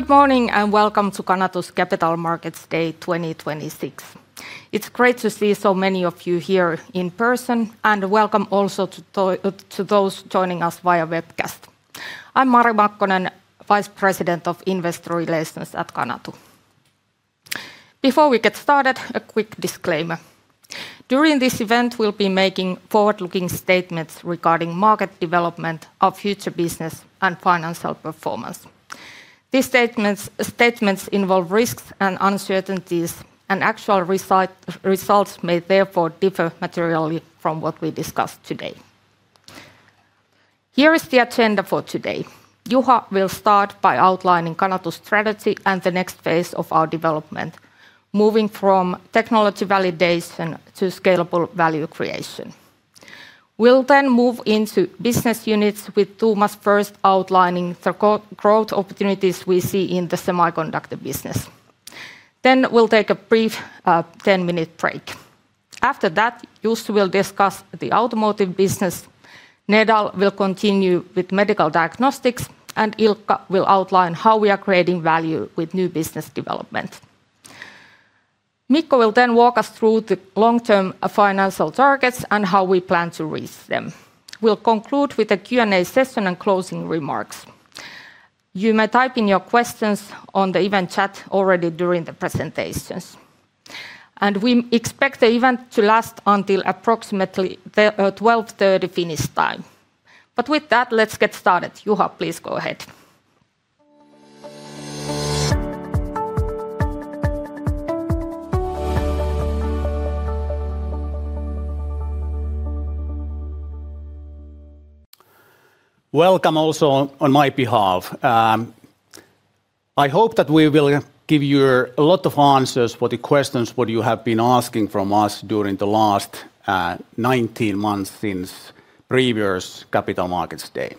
Good morning and welcome to Canatu's Capital Markets Day 2026. It's great to see so many of you here in person, and welcome also to those joining us via webcast. I'm Mari Makkonen, Vice President of Investor Relations at Canatu. Before we get started, a quick disclaimer. During this event, we'll be making forward-looking statements regarding market development, our future business, and financial performance. These statements involve risks and uncertainties, and actual results may therefore differ materially from what we discuss today. Here is the agenda for today. Juha will start by outlining Canatu's strategy and the next phase of our development, moving from technology validation to scalable value creation. We'll then move into business units with Thomas first outlining the growth opportunities we see in the semiconductor business. We'll take a brief, 10-minute break. After that, Jussi will discuss the automotive business, Nedal will continue with medical diagnostics, and Ilkka will outline how we are creating value with new business development. Mikko will then walk us through the long-term financial targets and how we plan to reach them. We'll conclude with a Q&A session and closing remarks. You may type in your questions on the event chat already during the presentations. We expect the event to last until approximately 12:30 P.M. Finnish time. With that, let's get started. Juha, please go ahead. Welcome also on my behalf. I hope that we will give you a lot of answers for the questions what you have been asking from us during the last 19 months since previous Capital Markets Day.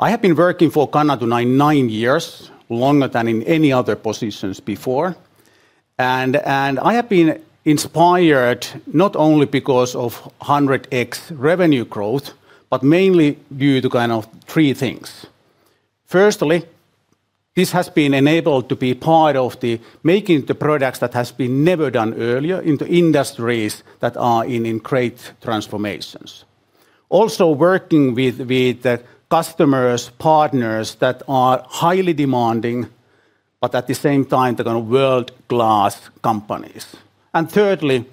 I have been working for Canatu now nine years, longer than in any other positions before. I have been inspired not only because of 100x revenue growth, but mainly due to kind of three things. Firstly, this has been enabled to be part of the making the products that has been never done earlier in the industries that are in great transformations. Also working with the customers, partners that are highly demanding, but at the same time they're kind of world-class companies. Thirdly,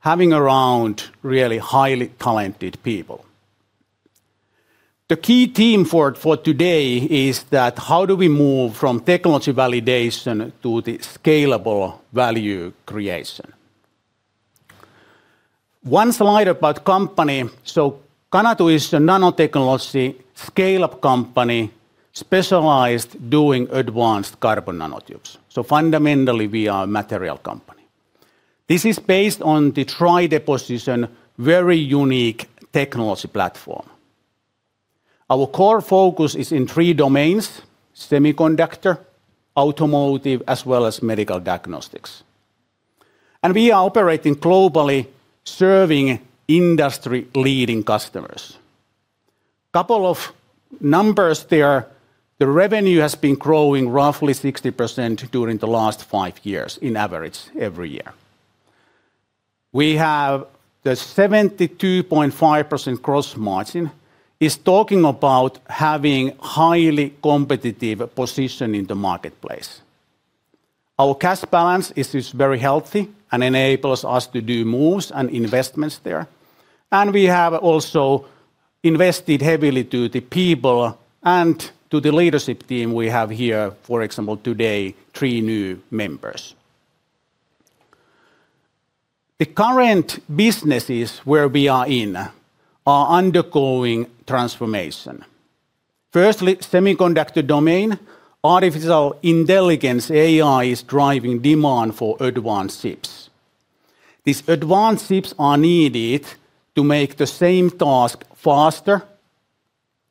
having around really highly talented people. The key theme for today is that how do we move from technology validation to the scalable value creation. One slide about company. Canatu is a nanotechnology scale-up company specialized doing advanced carbon nanotubes. Fundamentally, we are a material company. This is based on the Dry Deposition very unique technology platform. Our core focus is in three domains: semiconductor, automotive, as well as medical diagnostics. We are operating globally, serving industry-leading customers. Couple of numbers there. The revenue has been growing roughly 60% during the last five years on average every year. We have the 72.5% gross margin. It's talking about having highly competitive position in the marketplace. Our cash balance is just very healthy and enables us to do moves and investments there. We have also invested heavily to the people and to the leadership team we have here, for example, today, three new members. The current businesses where we are in are undergoing transformation. Firstly, semiconductor domain. Artificial intelligence, AI, is driving demand for advanced chips. These advanced chips are needed to make the same task faster,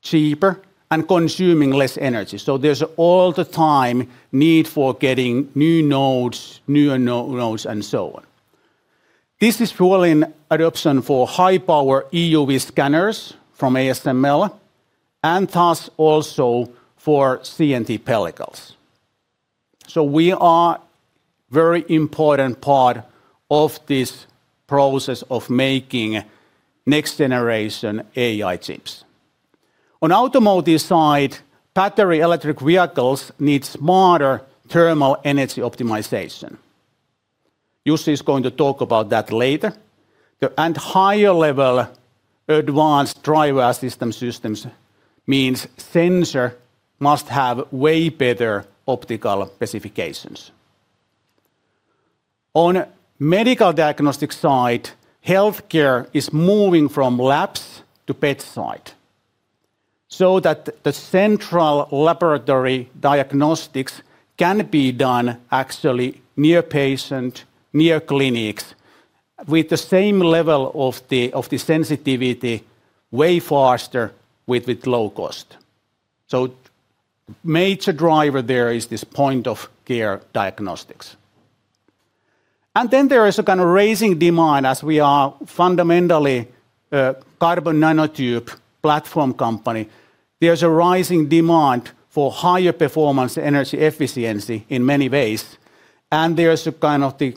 cheaper, and consuming less energy. There's all the time need for getting new nodes, newer nodes, and so on. This is fueling adoption for high-power EUV scanners from ASML, and thus also for CNT pellicles. We are very important part of this process of making next-generation AI chips. On automotive side, battery electric vehicles need smarter thermal energy optimization. Jussi is going to talk about that later. Higher level advanced driver assistant systems means sensor must have way better optical specifications. On medical diagnostics side, healthcare is moving from labs to bedside. So, that the central laboratory diagnostics can be done actually near patient, near clinics, with the same level of the sensitivity way faster with low cost. Major driver there is this point-of-care diagnostics. There is a kind of rising demand as we are fundamentally carbon nanotube platform company. There's a rising demand for higher performance energy efficiency in many ways, and there's a kind of the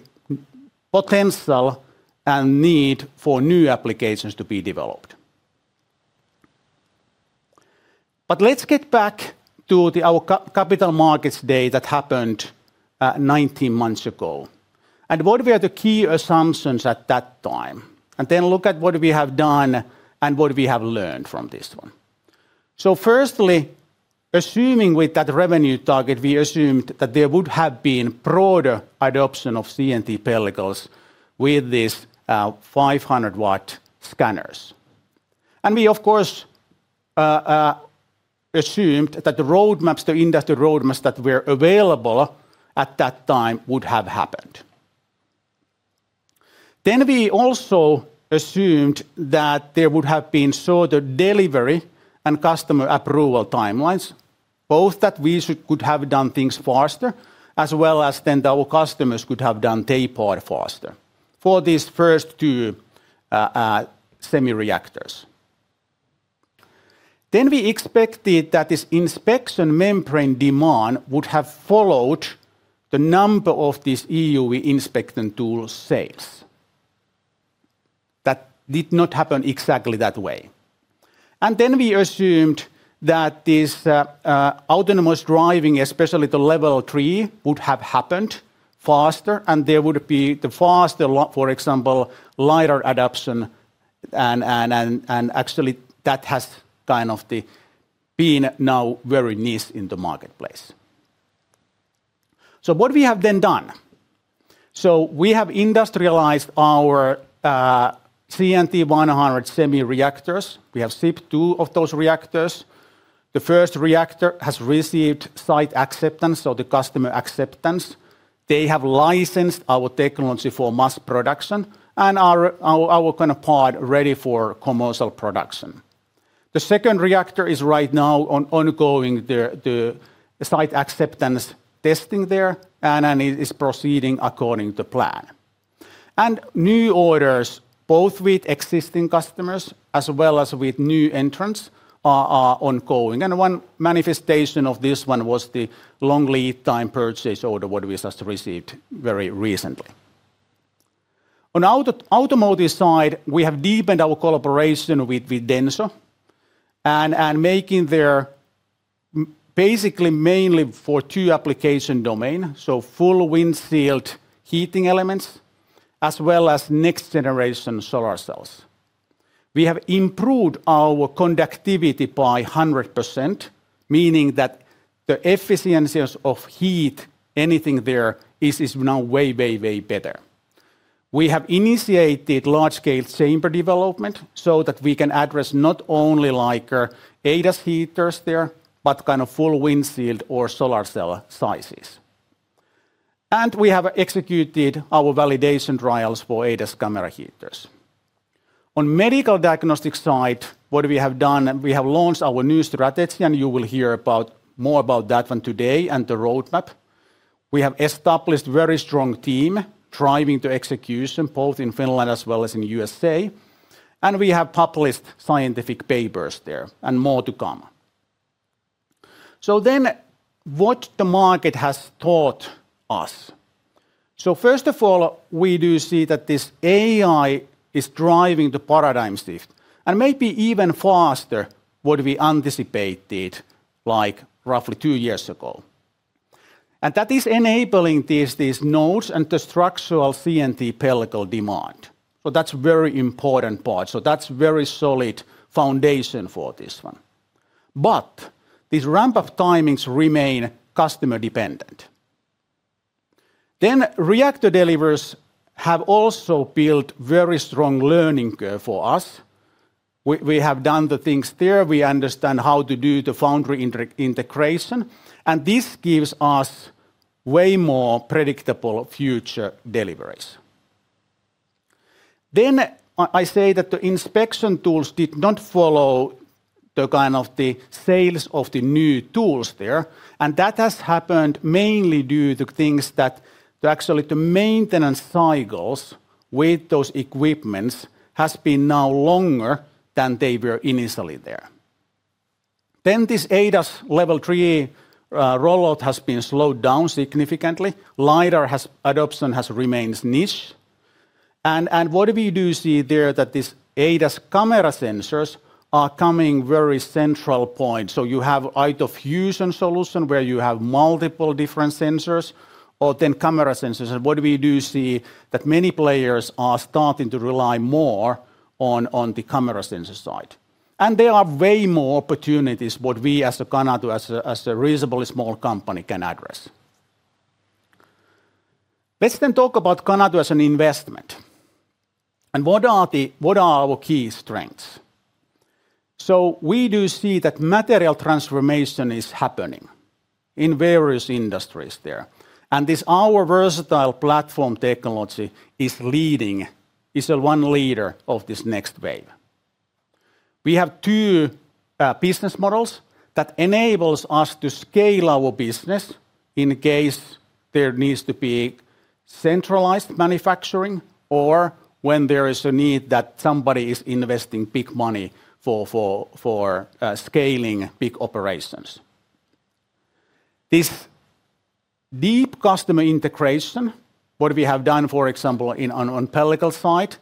potential and need for new applications to be developed. Let's get back to our capital markets day that happened 19 months ago, and what were the key assumptions at that time. Look at what we have done and what we have learned from this one. Firstly, assuming with that revenue target, we assumed that there would have been broader adoption of CNT pellicles with these 500-watt scanners. We of course assumed that the roadmaps, the industry roadmaps that were available at that time would have happened. We also assumed that there would have been sort of delivery and customer approval timelines. Both that we could have done things faster, as well as our customers could have done their part faster, for these first two semi-reactors. We expected that this inspection membrane demand would have followed the number of these EUV inspection tool sales. That did not happen exactly that way. We assumed that this autonomous driving, especially to level three, would have happened faster and there would be the faster launch, for example, lighter adoption and actually that has kind of then been now very niche in the marketplace. What we have then done. We have industrialized our CNT100 SEMI reactors. We have shipped two of those reactors. The first reactor has received site acceptance or the customer acceptance. They have licensed our technology for mass production and our kind of partner ready for commercial production. The second reactor is right now undergoing the site acceptance testing there, and it is proceeding according to plan. New orders, both with existing customers as well as with new entrants, are ongoing. One manifestation of this one was the long lead time purchase order, what we just received very recently. On automotive side, we have deepened our collaboration with Denso and making their basically mainly for two application domain, so, full windshield heating elements as well as next generation solar cells. We have improved our conductivity by 100%, meaning that the efficiencies of heat anything there is no way, way better. We have initiated large-scale chamber development so that we can address not only like ADAS heaters there, but kind of full windshield or solar cell sizes. We have executed our validation trials for ADAS camera heaters. On medical diagnostics side, what we have done, we have launched our new strategy, and you will hear more about that one today and the roadmap. We have established very strong team driving to execution, both in Finland as well as in USA. We have published scientific papers there and more to come. What the market has taught us. First of all, we do see that this AI is driving the paradigm shift and maybe even faster what we anticipated like roughly two years ago. That is enabling these nodes and the structural CNT pellicle demand. That's very important part. That's very solid foundation for this one. These ramp-up timings remain customer dependent. Reactor delivers have also built very strong learning curve for us. We have done the things there. We understand how to do the foundry inter-integration, and this gives us way more predictable future deliveries. I say that the inspection tools did not follow the kind of the sales of the new tools there, and that has happened mainly due to things that actually the maintenance cycles with those equipments has been now longer than they were initially there. This ADAS level three rollout has been slowed down significantly. Lidar adoption has remained niche. What we do see there that this ADAS camera sensors are coming very central point. You have either fusion solution, where you have multiple different sensors, or then camera sensors. What we do see that many players are starting to rely more on the camera sensor side. There are way more opportunities what we as a Canatu, as a reasonably small company can address. Let's talk about Canatu as an investment and what are our key strengths. We do see that material transformation is happening in various industries there. This our versatile platform technology is leading, is the one leader of this next wave. We have 2 business models that enables us to scale our business in case there needs to be centralized manufacturing or when there is a need that somebody is investing big money for scaling big operations. This deep customer integration, what we have done, for example, in on pellicle side,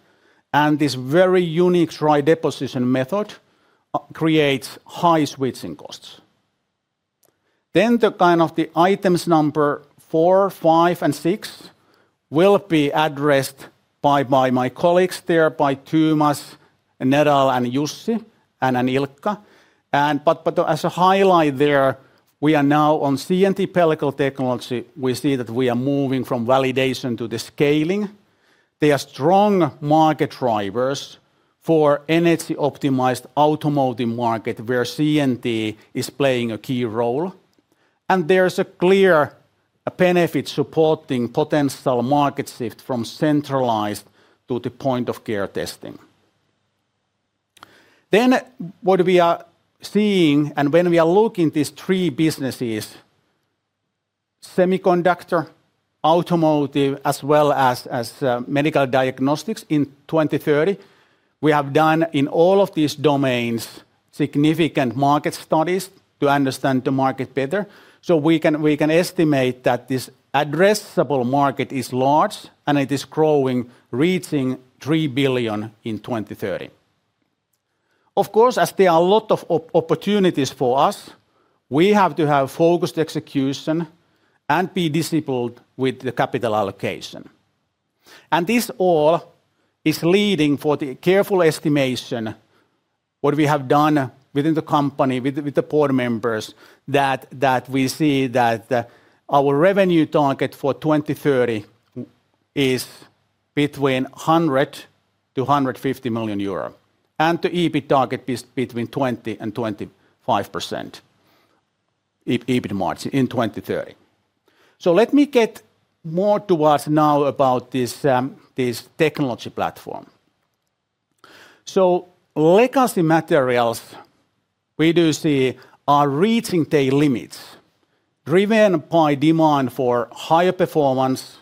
and this very unique dry deposition method creates high switching costs. The kind of the items number 4, 5, and 6 will be addressed by my colleagues there, by Thomas, Nedal, and Jussi and Ilkka. As a highlight there, we are now on CNT pellicle technology. We see that we are moving from validation to the scaling. There are strong market drivers for energy-optimized automotive market, where CNT is playing a key role, and there is a clear benefit supporting potential market shift from centralized to the point of care testing. What we are seeing, when we are looking at these three businesses, semiconductor, automotive, as well as medical diagnostics in 2030, we have done in all of these domains significant market studies to understand the market better. We can estimate that this addressable market is large, and it is growing, reaching 3 billion in 2030. Of course, as there are a lot of opportunities for us, we have to have focused execution and be disciplined with the capital allocation. This all is leading for the careful estimation what we have done within the company, with the board members, that we see that our revenue target for 2030 is between 100 million and 150 million euro, and the EBIT target is between 20% and 25% EBIT margin in 2030. Let me get more towards now about this technology platform. Legacy materials, we do see, are reaching their limits, driven by demand for higher performance,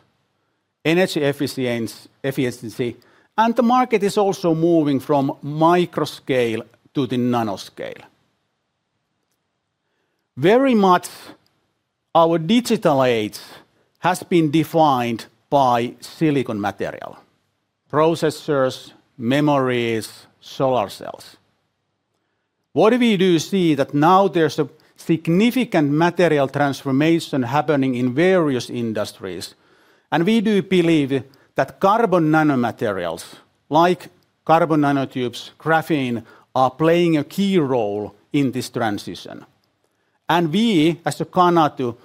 energy efficiency, and the market is also moving from micro scale to the nano scale. Very much our digital age has been defined by silicon material, processors, memories, solar cells. What we do see that now there's a significant material transformation happening in various industries, and we do believe that carbon nanomaterials, like carbon nanotubes, graphene, are playing a key role in this transition. We, as a Canatu,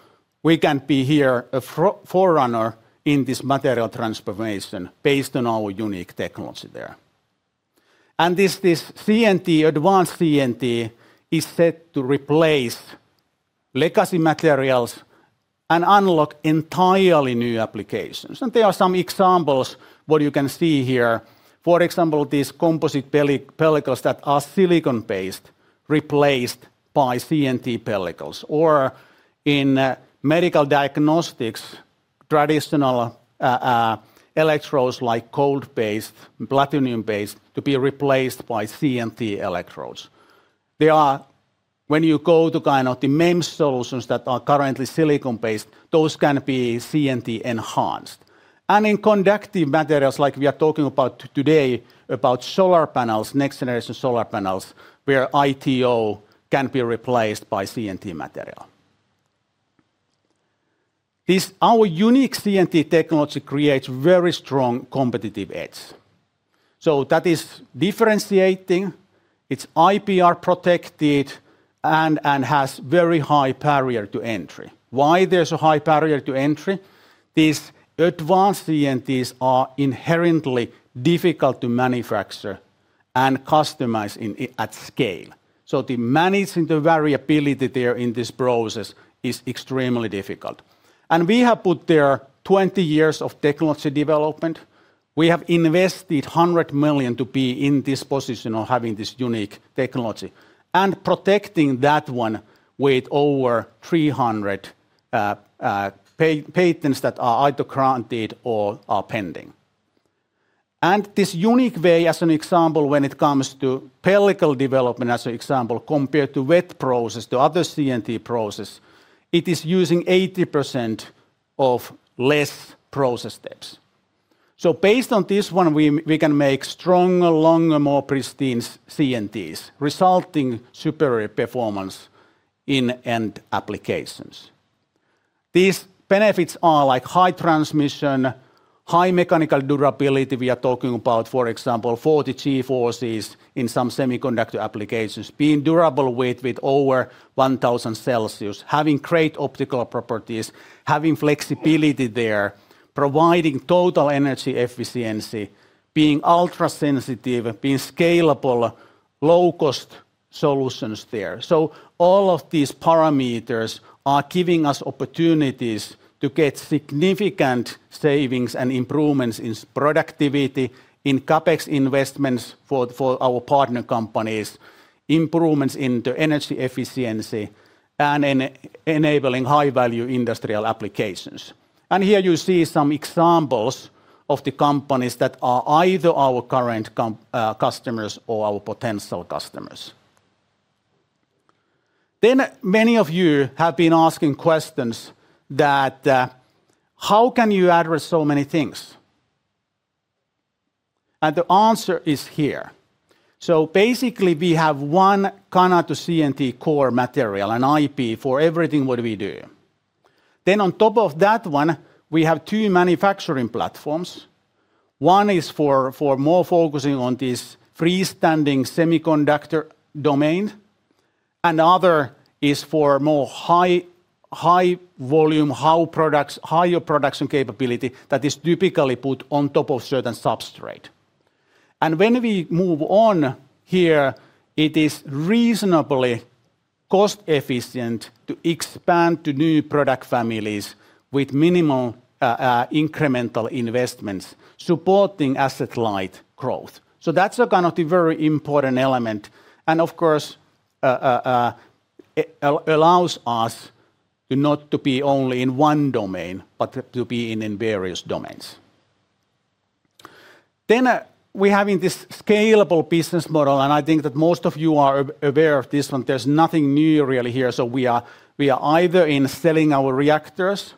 we can be here a forerunner in this material transformation based on our unique technology there. This CNT, advanced CNT is set to replace legacy materials and unlock entirely new applications. There are some examples what you can see here. For example, these composite pellicles that are silicon-based replaced by CNT pellicles. Or in medical diagnostics, traditional electrodes like gold-based, platinum-based to be replaced by CNT electrodes. When you go to kind of the main solutions that are currently silicon-based, those can be CNT enhanced. In conductive materials, like we are talking about today, about solar panels, next generation solar panels, where ITO can be replaced by CNT material. Our unique CNT technology creates very strong competitive edge. That is differentiating, it's IPR protected, and has very high barrier to entry. Why there's a high barrier to entry? These advanced CNTs are inherently difficult to manufacture and customize at scale. Managing the variability there in this process is extremely difficult. We have put 20 years of technology development. We have invested 100 million to be in this position of having this unique technology and protecting that one with over 300 patents that are either granted or are pending. This unique way, as an example, when it comes to pellicle development, as an example, compared to wet process, to other CNT process, it is using 80% less process steps. Based on this one, we can make stronger, longer, more pristine CNTs, resulting superior performance in end applications. These benefits are like high transmission, high mechanical durability. We are talking about, for example, 40 G-forces in some semiconductor applications, being durable with over 1000 degrees Celsius, having great optical properties, having flexibility there, providing total energy efficiency, being ultra-sensitive, being scalable, low-cost solutions there. All of these parameters are giving us opportunities to get significant savings and improvements in productivity, in CapEx investments for our partner companies, improvements in the energy efficiency, and enabling high-value industrial applications. Here you see some examples of the companies that are either our current customers or our potential customers. Many of you have been asking questions that, how can you address so many things? The answer is here. Basically, we have one Canatu CNT core material and IP for everything what we do. On top of that one, we have two manufacturing platforms. One is for more focusing on this freestanding semiconductor domain, and other is for more high volume, high throughput products, higher production capability that is typically put on top of certain substrate. When we move on here, it is reasonably cost-efficient to expand to new product families with minimal incremental investments supporting asset-light growth. That's a kind of the very important element, and of course, it allows us to not to be only in one domain, but to be in various domains. We're having this scalable business model, and I think that most of you are aware of this one. There's nothing new really here. We are either in selling our reactors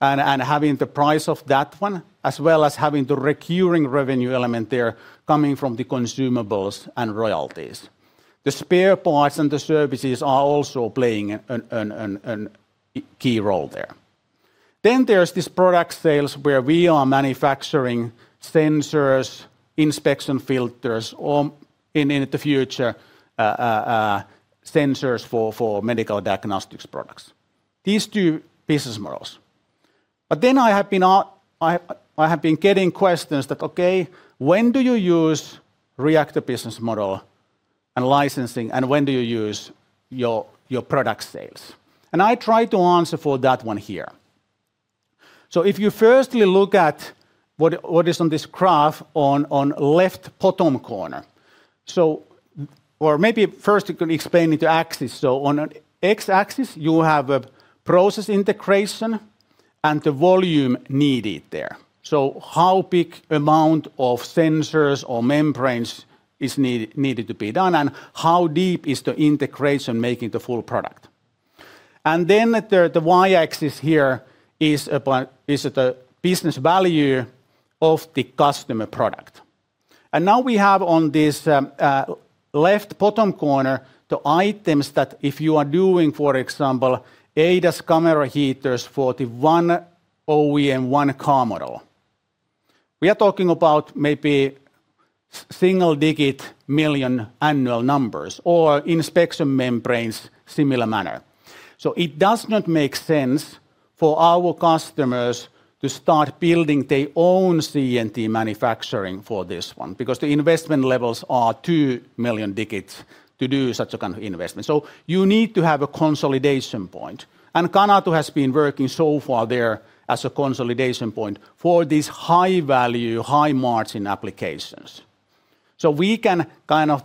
and having the price of that one, as well as having the recurring revenue element there coming from the consumables and royalties. The spare parts and the services are also playing a key role there. There's this product sales where we are manufacturing sensors, inspection membranes or in the future, sensors for medical diagnostics products. These two business models. I have been getting questions that, "Okay, when do you use reactor business model and licensing, and when do you use your product sales?" I try to answer for that one here. If you firstly look at what is on this graph on left bottom corner. Maybe first I can explain the axis. On x-axis, you have a process integration and the volume needed there. How big amount of sensors or membranes is needed to be done, and how deep is the integration making the full product. The y-axis here is the business value of the customer product. Now we have on this left bottom corner the items that if you are doing, for example, ADAS camera heaters for the one OEM one car model, we are talking about maybe single digit million annual numbers or inspection membranes similar manner. It does not make sense for our customers to start building their own CNT manufacturing for this one because the investment levels are too high in the millions to do such a kind of investment. You need to have a consolidation point, and Canatu has been working so far there as a consolidation point for these high-value, high-margin applications. We can kind of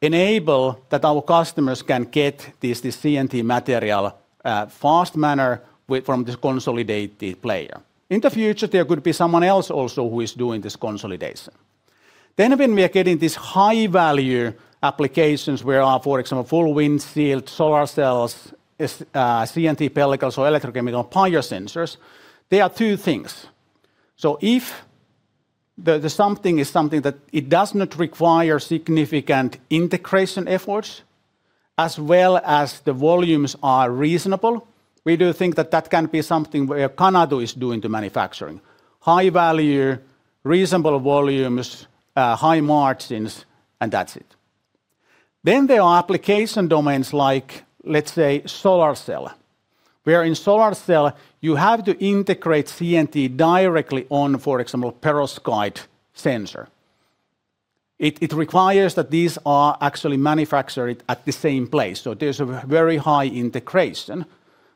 enable that our customers can get this CNT material in a fast manner from this consolidated player. In the future, there could be someone else also who is doing this consolidation. When we are getting these high-value applications where, for example, full windshield, solar cells, CNT pellicles or electrochemical biosensors, there are two things. If the something is something that it does not require significant integration efforts, as well as the volumes are reasonable, we do think that can be something where Canatu is doing the manufacturing. High value, reasonable volumes, high margins, and that's it. There are application domains like, let's say, solar cell, where in solar cell you have to integrate CNT directly on, for example, perovskite sensor. It requires that these are actually manufactured at the same place, so there's a very high integration.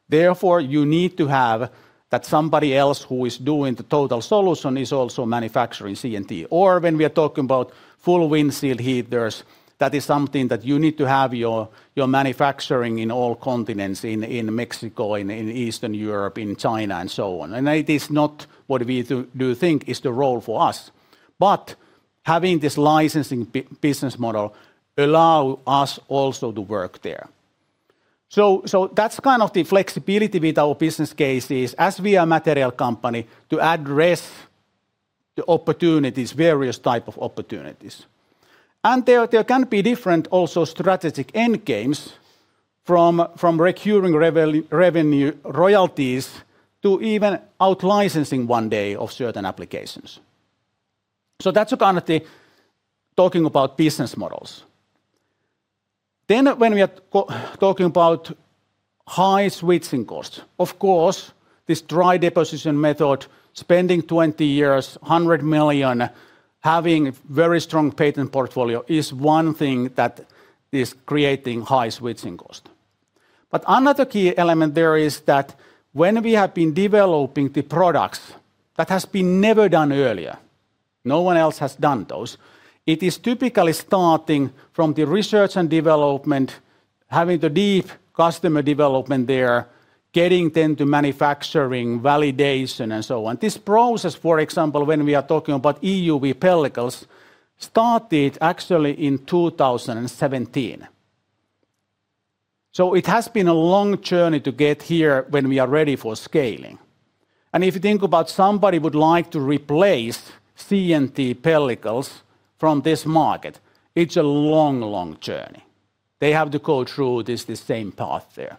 Therefore, you need to have that somebody else who is doing the total solution is also manufacturing CNT. When we are talking about full windshield heaters, that is something that you need to have your manufacturing in all continents, in Mexico, in Eastern Europe, in China, and so on. It is not what we don't think is the role for us. Having this licensing business model allow us also to work there. That's kind of the flexibility with our business case is as we are material company to address the opportunities, various type of opportunities. There can be different also strategic end games from recurring revenue royalties to even out-licensing one day of certain applications. That's kind of the talking about business models. When we are talking about high switching costs. Of course, this dry deposition method, spending 20 years, 100 million, having very strong patent portfolio is one thing that is creating high switching cost. But another key element there is that when we have been developing the products, that has been never done earlier. No one else has done those. It is typically starting from the research and development, having the deep customer development there, getting them to manufacturing, validation, and so on. This process, for example, when we are talking about EUV pellicles, started actually in 2017. It has been a long journey to get here when we are ready for scaling. If you think about somebody would like to replace CNT pellicles from this market, it's a long, long journey. They have to go through this same path there.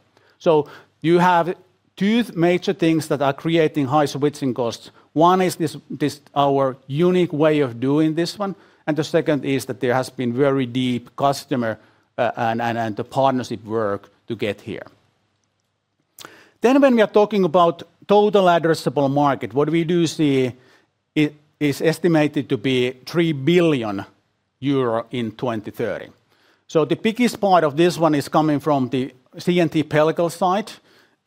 You have two major things that are creating high switching costs. One is our unique way of doing this one, and the second is that there has been very deep customer and partnership work to get here. When we are talking about total addressable market, what we do see it is estimated to be 3 billion euro in 2030. The biggest part of this one is coming from the CNT pellicle side,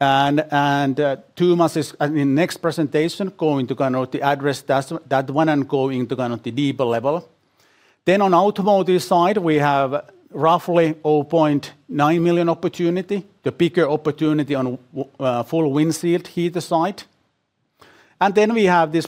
and Thomas is in next presentation, going to kind of address that one and going to kind of the deeper level. On automotive side, we have roughly 0.9 million opportunity. The bigger opportunity on full windshield heater side. We have this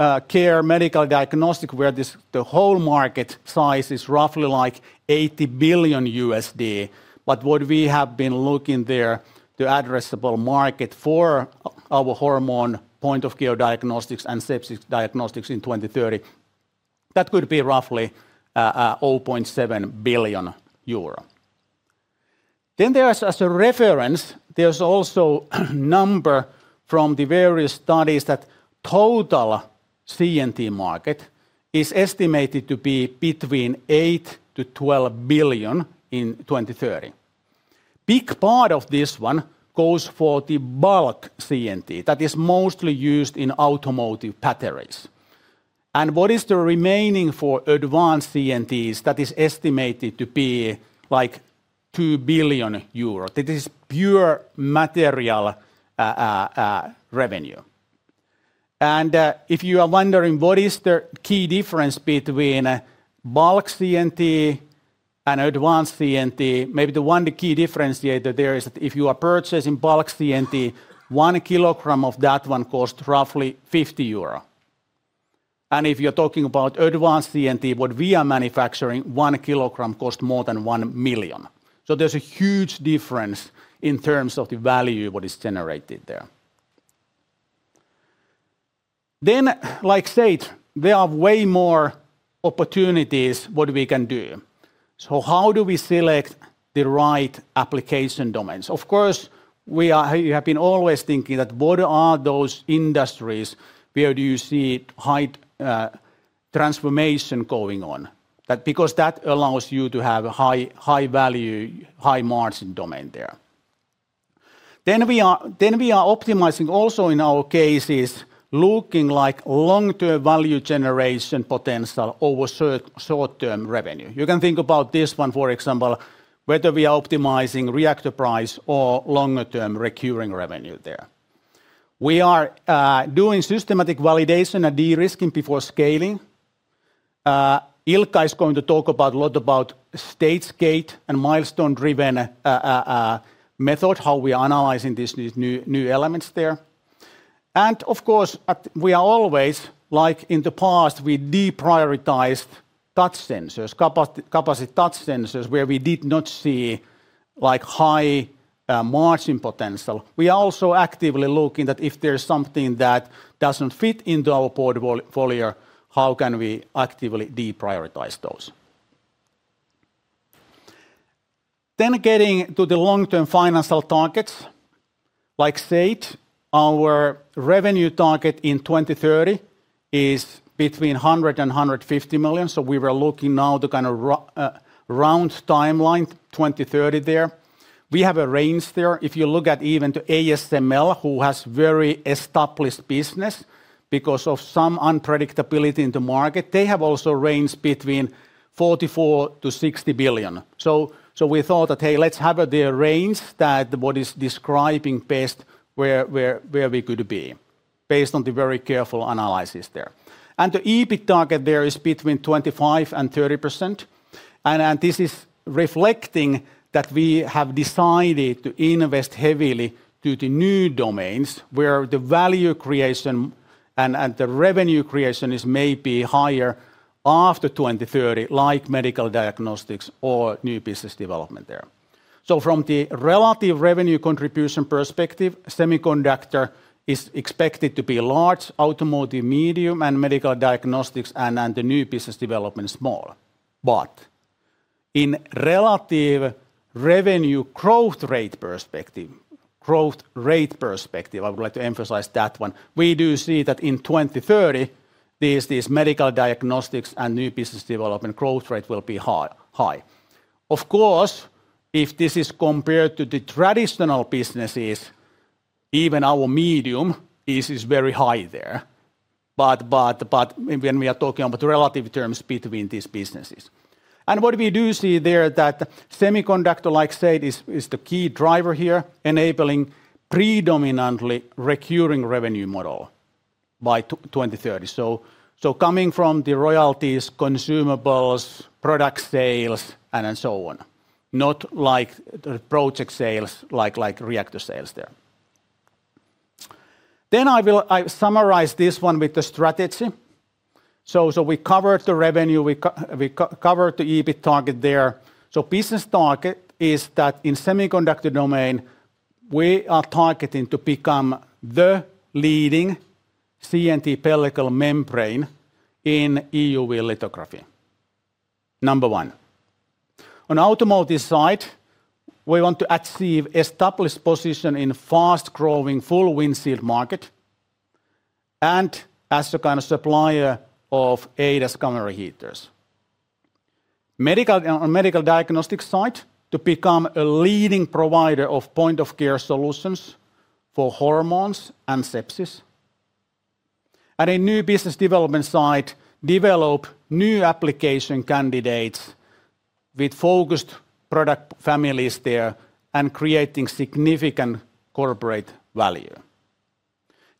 point-of-care medical diagnostic, where the whole market size is roughly like $80 billion. What we have been looking there, the addressable market for our hormone point-of-care diagnostics and sepsis diagnostics in 2030, that could be roughly 0.7 billion euro. There is as a reference, there's also number from the various studies that total CNT market is estimated to be between 8-12 billion in 2030. Big part of this one goes for the bulk CNT that is mostly used in automotive batteries. What is the remaining for advanced CNTs that is estimated to be, like, 2 billion euros. That is pure material revenue. If you are wondering what is the key difference between bulk CNT and advanced CNT, maybe the one key differentiator there is if you are purchasing bulk CNT, 1 kilogram of that one costs roughly 50 euro. If you're talking about advanced CNT, what we are manufacturing, 1-kilogram costs more than 1 million. So, there's a huge difference in terms of the value what is generated there. Then, like, so there are way more opportunities what we can do. So, how do we select the right application domains? Of course, we have been always thinking that what are those industries, where do you see high transformation going on? Because that allows you to have high, high value, high margin domain there. Then we are optimizing also in our cases, looking like long-term value generation potential over short-term revenue. You can think about this one, for example, whether we are optimizing reactor price or longer-term recurring revenue there. We are doing systematic validation and de-risking before scaling. Ilkka is going to talk about a lot about stage gate and milestone-driven method, how we are analyzing these new elements there. Of course, we are always, like in the past, we deprioritized touch sensors, capacitive touch sensors, where we did not see, like, high margin potential. We are also actively looking at that if there's something that doesn't fit into our portfolio, how can we actively deprioritize those? Getting to the long-term financial targets. As stated, our revenue target in 2030 is between 100 million and 150 million, so we were looking now to kind of round timeline 2030 there. We have a range there. If you look at even at ASML, who has very established business, because of some unpredictability in the market, they have also ranged between $44 billion and $60 billion. We thought that, hey, let's have the range that best describes where we could be based on the very careful analysis there. The EBIT target there is between 25%-30%, and this is reflecting that we have decided to invest heavily to the new domains, where the value creation and the revenue creation is maybe higher after 2030, like medical diagnostics or new business development there. From the relative revenue contribution perspective, semiconductor is expected to be large, automotive medium, and medical diagnostics and the new business development small. In relative revenue growth rate perspective, growth rate perspective, I would like to emphasize that one. We do see that in 2030, these medical diagnostics and new business development growth rate will be high. Of course, if this is compared to the traditional businesses, even our medium is very high there. When we are talking about relative terms between these businesses. What we do see there that semiconductor, like said, is the key driver here enabling predominantly recurring revenue model by 2030. Coming from the royalties, consumables, product sales, and so on, not like the project sales like reactor sales there. I will summarize this one with the strategy. We covered the revenue; we covered the EBIT target there. Business target is that in semiconductor domain, we are targeting to become the leading CNT pellicle membrane in EUV lithography. Number one. On automotive side, we want to achieve established position in fast-growing full windshield market and as a kind of supplier of ADAS camera heaters. Medical diagnostics side, to become a leading provider of point-of-care solutions for hormones and sepsis. In new business development side, develop new application candidates with focused product families there and creating significant corporate value.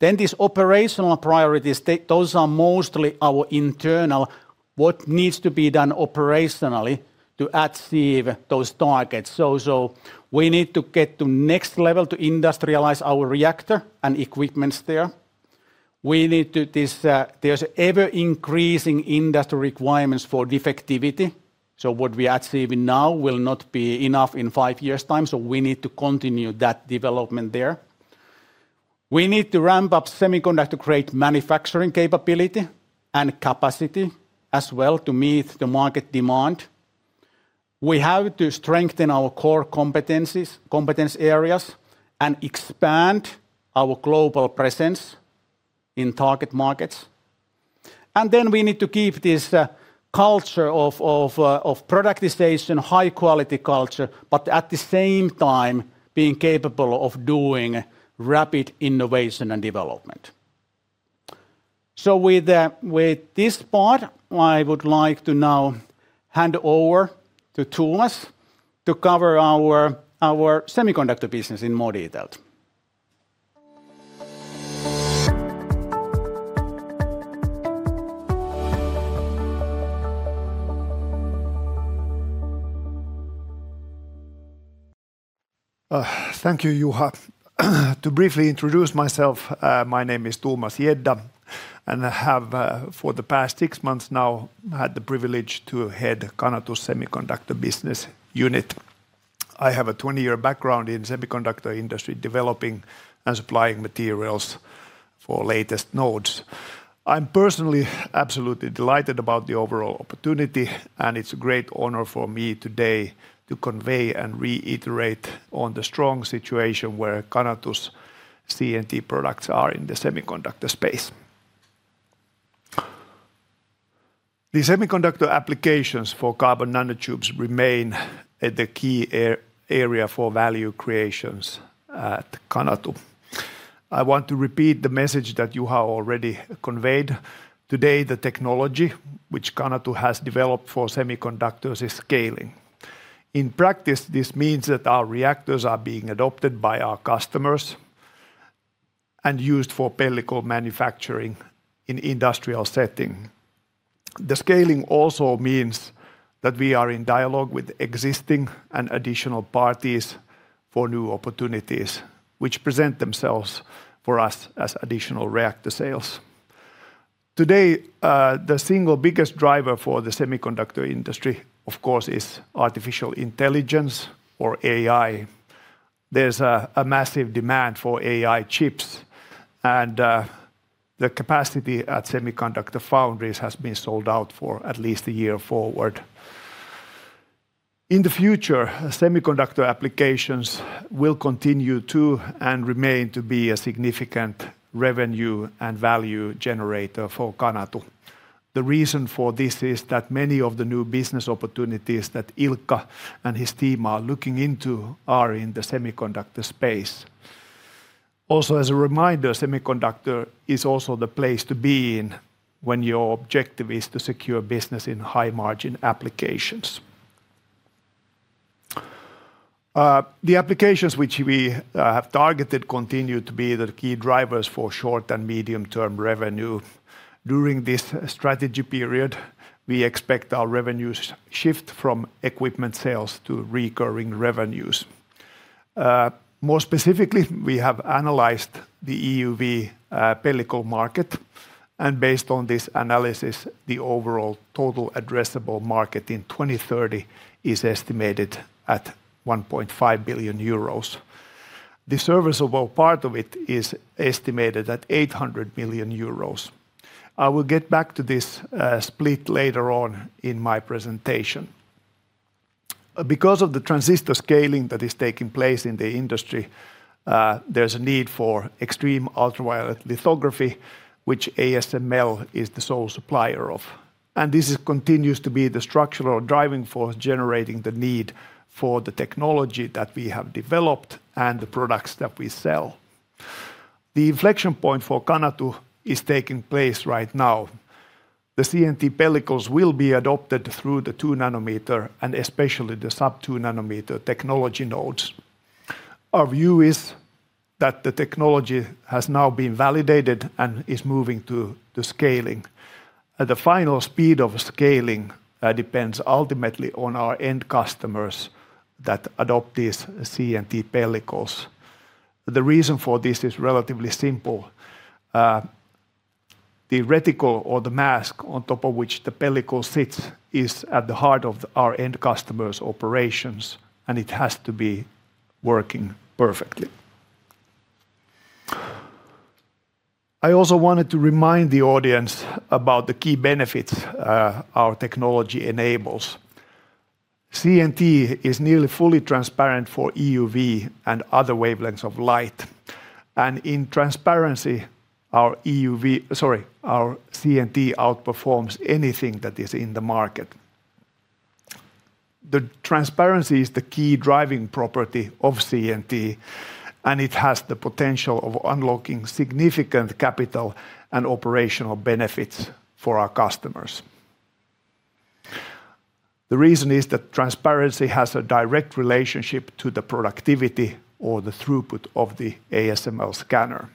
These operational priorities, those are mostly our internal what needs to be done operationally to achieve those targets. We need to get to next level to industrialize our reactor and equipment's there. There's ever-increasing industry requirements for defectivity. What we achieve now will not be enough in five years' time, so we need to continue that development there. We need to ramp up semiconductor-grade manufacturing capability and capacity as well to meet the market demand. We have to strengthen our core competencies, competence areas and expand our global presence in target markets. We need to keep this culture of productization, high quality culture, but at the same time being capable of doing rapid innovation and development. With this part, I would like to now hand over to Thomas to cover our semiconductor business in more details. Thank you, Juha. To briefly introduce myself, my name is Thomas Gädda, and I have, for the past six months now, had the privilege to head Canatu Semiconductor Business Unit. I have a 20-year background in semiconductor industry, developing and supplying materials for latest nodes. I'm personally absolutely delighted about the overall opportunity, and it's a great honor for me today to convey and reiterate on the strong situation where Canatu's CNT products are in the semiconductor space. The semiconductor applications for carbon nanotubes remain, the key area for value creations at Canatu. I want to repeat the message that Juha already conveyed. Today, the technology which Canatu has developed for semiconductors is scaling. In practice, this means that our reactors are being adopted by our customers and used for pellicle manufacturing in industrial setting. The scaling also means that we are in dialogue with existing and additional parties for new opportunities which present themselves for us as additional reactor sales. Today, the single biggest driver for the semiconductor industry, of course, is artificial intelligence or AI. There's a massive demand for AI chips, and the capacity at semiconductor foundries has been sold out for at least a year forward. In the future, semiconductor applications will continue to and remain to be a significant revenue and value generator for Canatu. The reason for this is that many of the new business opportunities that Ilkka and his team are looking into are in the semiconductor space. Also, as a reminder, semiconductor is also the place to be in when your objective is to secure business in high-margin applications. The applications which we have targeted continue to be the key drivers for short- and medium-term revenue. During this strategy period, we expect our revenues shift from equipment sales to recurring revenues. More specifically, we have analyzed the EUV pellicle market, and based on this analysis, the overall total addressable market in 2030 is estimated at 1.5 billion euros. The serviceable part of it is estimated at 800 million euros. I will get back to this split later on in my presentation. Because of the transistor scaling that is taking place in the industry, there's a need for extreme ultraviolet lithography, which ASML is the sole supplier of. This continues to be the structural driving force generating the need for the technology that we have developed and the products that we sell. The inflection point for Canatu is taking place right now. The CNT pellicles will be adopted through the 2 nanometer and especially the sub-2 nanometer technology nodes. Our view is that the technology has now been validated and is moving to the scaling. The final speed of scaling depends ultimately on our end customers that adopt these CNT pellicles. The reason for this is relatively simple. The reticle or the mask on top of which the pellicle sits is at the heart of our end customers' operations, and it has to be working perfectly. I also wanted to remind the audience about the key benefits our technology enables. CNT is nearly fully transparent for EUV and other wavelengths of light. In transparency, our CNT outperforms anything that is in the market. The transparency is the key driving property of CNT, and it has the potential of unlocking significant capital and operational benefits for our customers. The reason is that transparency has a direct relationship to the productivity or the throughput of the ASML scanner.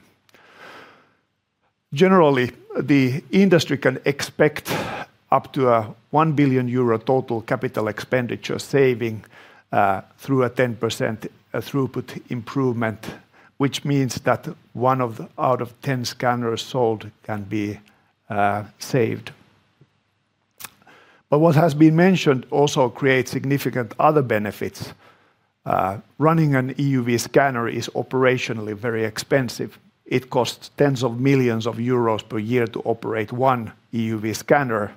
Generally, the industry can expect up to 1 billion euro total capital expenditure saving through a 10% throughput improvement, which means that out of ten scanners sold can be saved. What has been mentioned also creates significant other benefits. Running an EUV scanner is operationally very expensive. It costs tens of millions of EUR per year to operate one EUV scanner,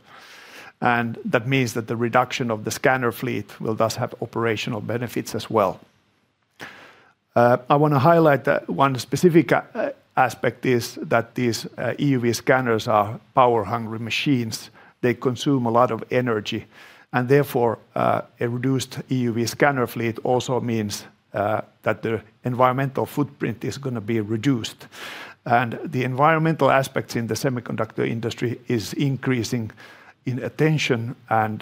and that means that the reduction of the scanner fleet will thus have operational benefits as well. I wanna highlight that one specific aspect is that these EUV scanners are power-hungry machines. They consume a lot of energy and therefore, a reduced EUV scanner fleet also means, that the environmental footprint is gonna be reduced. The environmental aspects in the semiconductor industry is increasing in attention and,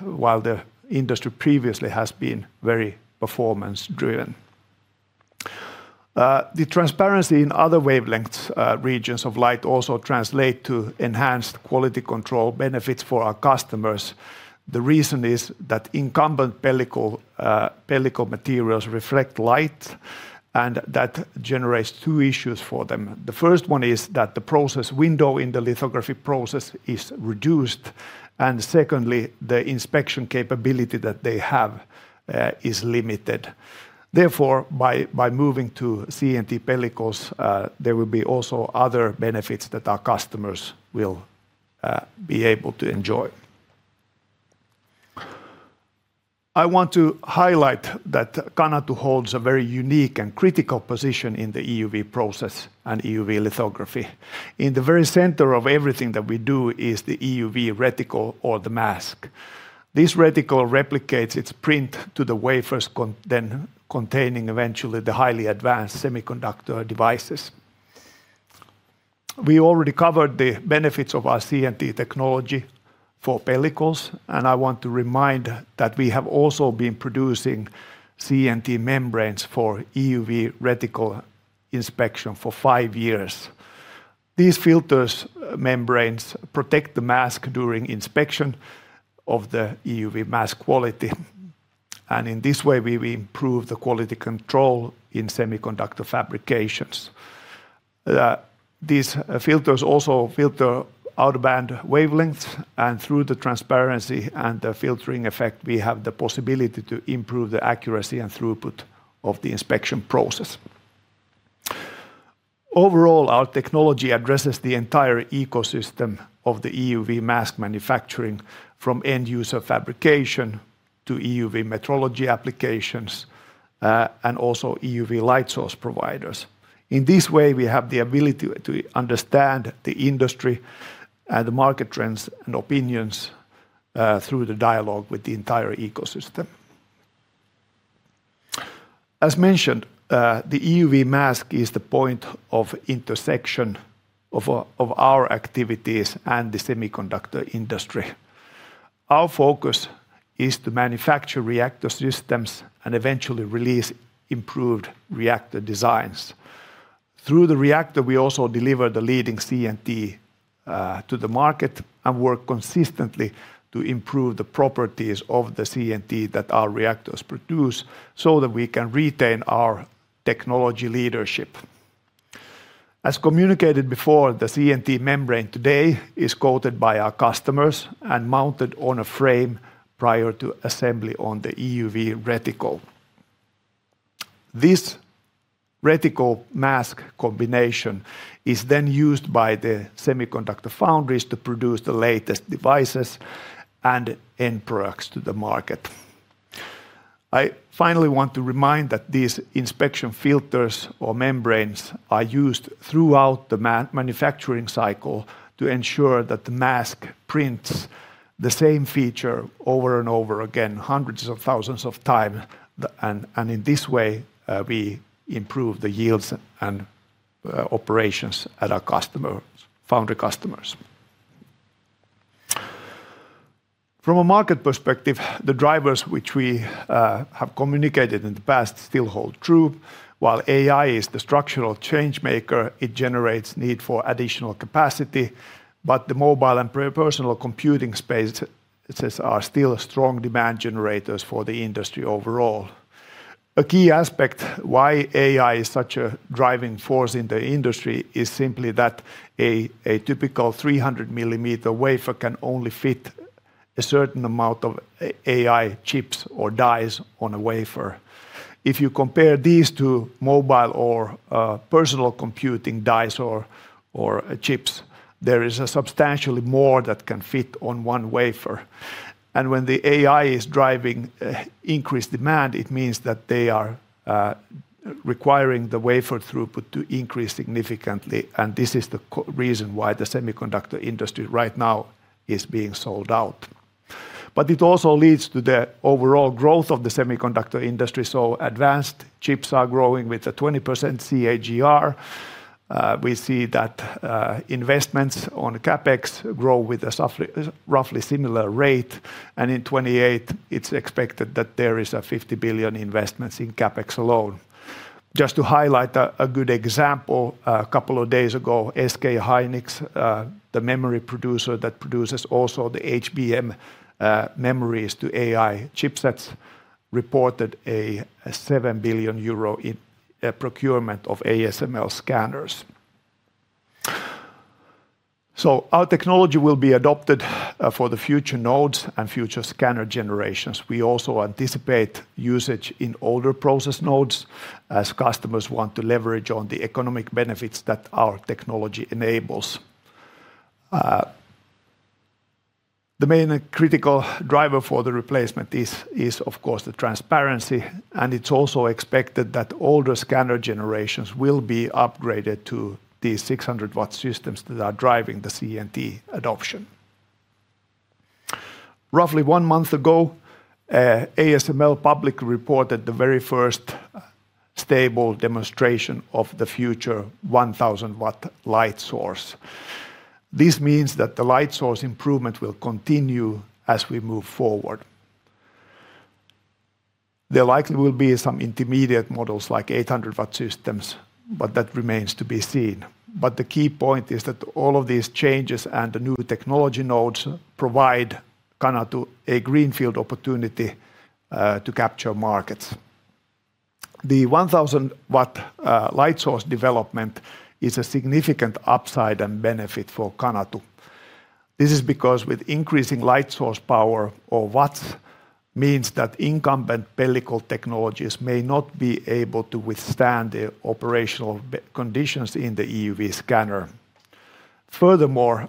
while the industry previously has been very performance driven. The transparency in other wavelengths, regions of light also translate to enhanced quality control benefits for our customers. The reason is that incumbent pellicle materials reflect light, and that generates two issues for them. The first one is that the process window in the lithography process is reduced, and secondly, the inspection capability that they have, is limited. Therefore, by moving to CNT pellicles, there will be also other benefits that our customers will, be able to enjoy. I want to highlight that Canatu holds a very unique and critical position in the EUV process and EUV lithography. In the very center of everything that we do is the EUV reticle or the mask. This reticle replicates its print to the wafers containing eventually the highly advanced semiconductor devices. We already covered the benefits of our CNT technology for pellicles, and I want to remind that we have also been producing CNT membranes for EUV reticle inspection for five years. These filter membranes protect the mask during inspection of the EUV mask quality. In this way, we improve the quality control in semiconductor fabrication. These filter membranes also filter out-of-band wavelengths, and through the transparency and the filtering effect, we have the possibility to improve the accuracy and throughput of the inspection process. Overall, our technology addresses the entire ecosystem of the EUV mask manufacturing from end-user fabrication to EUV metrology applications, and also EUV light source providers. In this way, we have the ability to understand the industry and the market trends and opinions, through the dialogue with the entire ecosystem. As mentioned, the EUV mask is the point of intersection of our activities and the semiconductor industry. Our focus is to manufacture reactor systems and eventually release improved reactor designs. Through the reactor, we also deliver the leading CNT to the market and work consistently to improve the properties of the CNT that our reactors produce so that we can retain our technology leadership. As communicated before, the CNT membrane today is coated by our customers and mounted on a frame prior to assembly on the EUV reticle. This reticle mask combination is then used by the semiconductor foundries to produce the latest devices and end products to the market. I finally want to remind that these inspection filters or membranes are used throughout the manufacturing cycle to ensure that the mask prints the same feature over and over again, hundreds of thousands of times. In this way, we improve the yields and operations at our customers' foundry customers. From a market perspective, the drivers which we have communicated in the past still hold true. While AI is the structural change maker, it generates need for additional capacity. The mobile and personal computing space, it seems, are still strong demand generators for the industry overall. A key aspect why AI is such a driving force in the industry is simply that a typical 300-millimeter wafer can only fit a certain amount of AI chips or dies on a wafer. If you compare these to mobile or personal computing dies or chips, there is substantially more that can fit on one wafer. When the AI is driving increased demand, it means that they are requiring the wafer throughput to increase significantly, and this is the reason why the semiconductor industry right now is being sold out. It also leads to the overall growth of the semiconductor industry, so advanced chips are growing with a 20% CAGR. We see that investments on CapEx grow with a roughly similar rate, and in 2028, it's expected that there is 50 billion investments in CapEx alone. Just to highlight a good example, a couple of days ago, SK hynix, the memory producer that produces also the HBM memories to AI chipsets, reported 7 billion euro in procurement of ASML scanners. Our technology will be adopted for the future nodes and future scanner generations. We also anticipate usage in older process nodes as customers want to leverage on the economic benefits that our technology enables. The main critical driver for the replacement is of course the transparency, and it's also expected that older scanner generations will be upgraded to these 600-watt systems that are driving the CNT adoption. Roughly one month ago, ASML publicly reported the very first stable demonstration of the future 1000-watt light source. This means that the light source improvement will continue as we move forward. There likely will be some intermediate models like 800-watt systems, but that remains to be seen. The key point is that all of these changes and the new technology nodes provide Canatu a greenfield opportunity to capture markets. The 1000-watt light source development is a significant upside and benefit for Canatu. This is because with increasing light source power or watts means that incumbent pellicle technologies may not be able to withstand the operational conditions in the EUV scanner. Furthermore,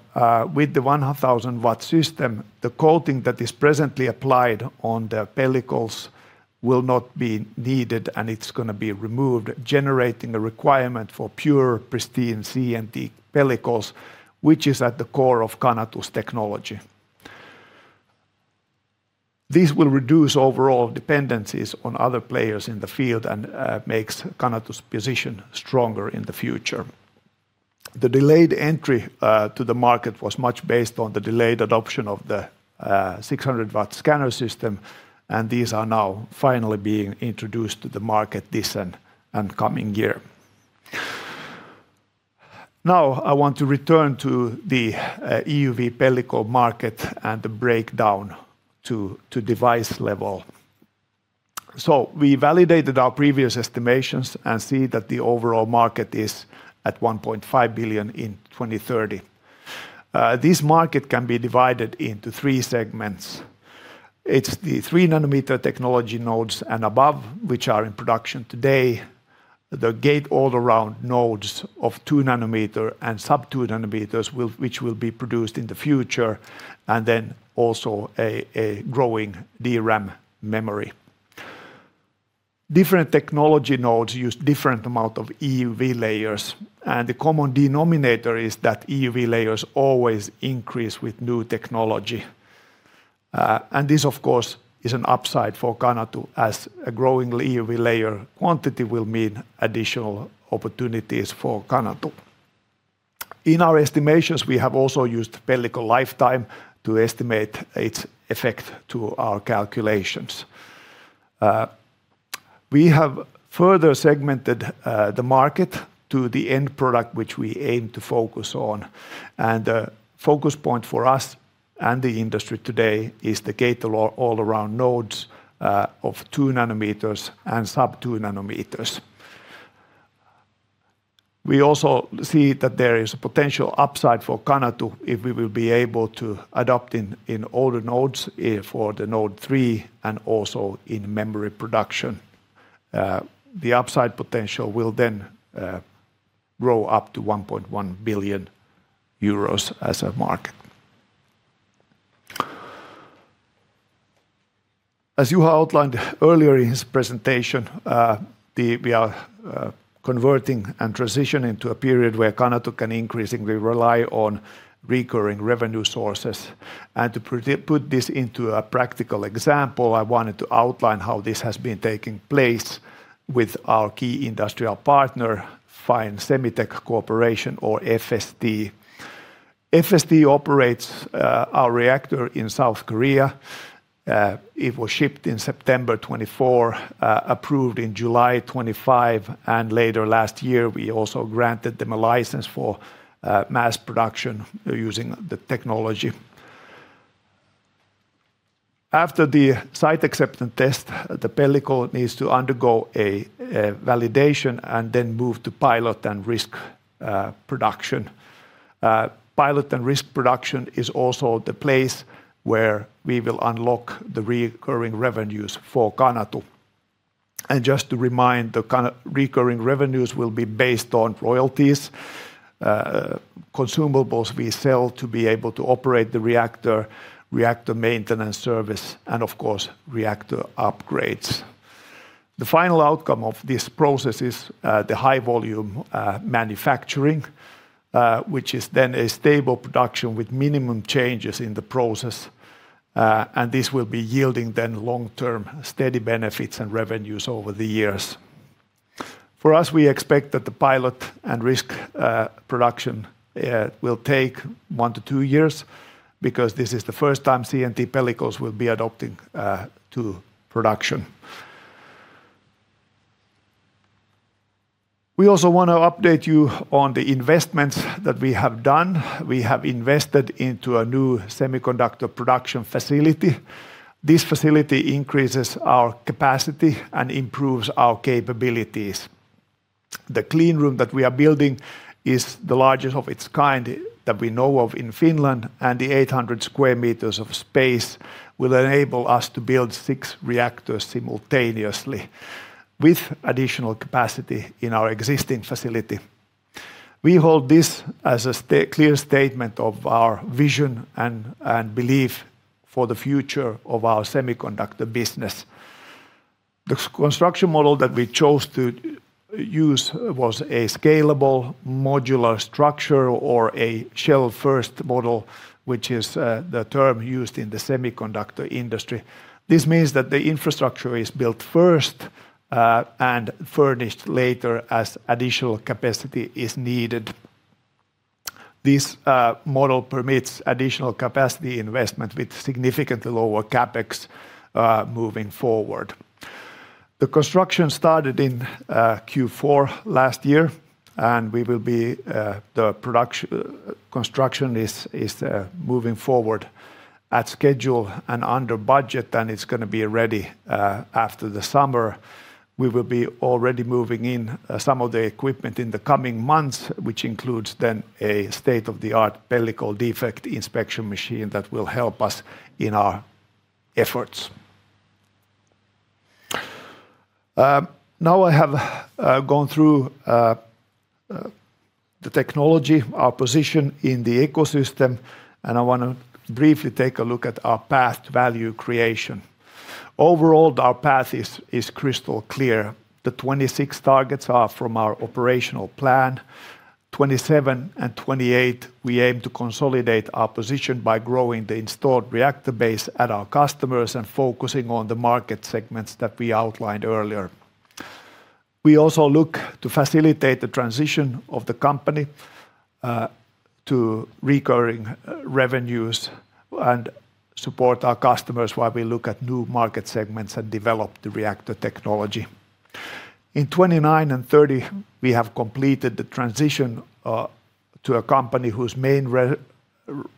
with the 100,000-watt system, the coating that is presently applied on the pellicles will not be needed, and it's gonna be removed, generating a requirement for pure pristine CNT pellicles, which is at the core of Canatu's technology. This will reduce overall dependencies on other players in the field and makes Canatu's position stronger in the future. The delayed entry to the market was much based on the delayed adoption of the 600-watt scanner system, and these are now finally being introduced to the market this and coming year. Now I want to return to the EUV pellicle market and the breakdown to device level. We validated our previous estimations and see that the overall market is at $1.5 billion in 2030. This market can be divided into three segments. It's the 3 nanometer technology nodes and above, which are in production today, the gate-all-around nodes of 2 nanometer and sub-2 nanometers which will be produced in the future, and then also a growing DRAM memory. Different technology nodes use different amount of EUV layers, and the common denominator is that EUV layers always increase with new technology. This of course is an upside for Canatu as a growing EUV layer quantity will mean additional opportunities for Canatu. In our estimations, we have also used pellicle lifetime to estimate its effect to our calculations. We have further segmented the market to the end product, which we aim to focus on. The focus point for us and the industry today is the gate-all-around nodes of 2 nanometers and sub-2 nanometers. We also see that there is a potential upside for Canatu if we will be able to adopt in older nodes for the node 3 and also in memory production. The upside potential will then grow up to 1.1 billion euros as a market. As Juha outlined earlier in his presentation, we are converting and transitioning to a period where Canatu can increasingly rely on recurring revenue sources. To put this into a practical example, I wanted to outline how this has been taking place with our key industrial partner, Fine Semitech Corporation, or FST. FST operates our reactor in South Korea. It was shipped in September 2024, approved in July 2025, and later last year, we also granted them a license for mass production using the technology. After the site acceptance test, the pellicle needs to undergo a validation and then move to pilot and risk production. Pilot and risk production is also the place where we will unlock the recurring revenues for Canatu. Just to remind, the recurring revenues will be based on royalties, consumables we sell to be able to operate the reactor maintenance service, and of course, reactor upgrades. The final outcome of this process is the high volume manufacturing, which is then a stable production with minimum changes in the process, and this will be yielding then long-term steady benefits and revenues over the years. For us, we expect that the pilot and risk production will take one to two years because this is the first time CNT pellicles will be adapted to production. We also wanna update you on the investments that we have done. We have invested into a new semiconductor production facility. This facility increases our capacity and improves our capabilities. The clean room that we are building is the largest of its kind that we know of in Finland, and the 800 sq m of space will enable us to build 6 reactors simultaneously with additional capacity in our existing facility. We hold this as a clear statement of our vision and belief for the future of our semiconductor business. The construction model that we chose to use was a scalable modular structure or a Shell-First model, which is the term used in the semiconductor industry. This means that the infrastructure is built first and furnished later as additional capacity is needed. This model permits additional capacity investment with significantly lower CapEx moving forward. The construction started in Q4 last year, and construction is moving forward at schedule and under budget, and it's gonna be ready after the summer. We will be already moving in some of the equipment in the coming months, which includes then a state-of-the-art pellicle defect inspection machine that will help us in our efforts. Now I have gone through the technology, our position in the ecosystem, and I wanna briefly take a look at our path to value creation. Overall, our path is crystal clear. The 2026 targets are from our operational plan. In 2027 and 2028, we aim to consolidate our position by growing the installed reactor base at our customers and focusing on the market segments that we outlined earlier. We also look to facilitate the transition of the company to recurring revenues and support our customers while we look at new market segments and develop the reactor technology. In 2029 and 2030, we have completed the transition to a company whose main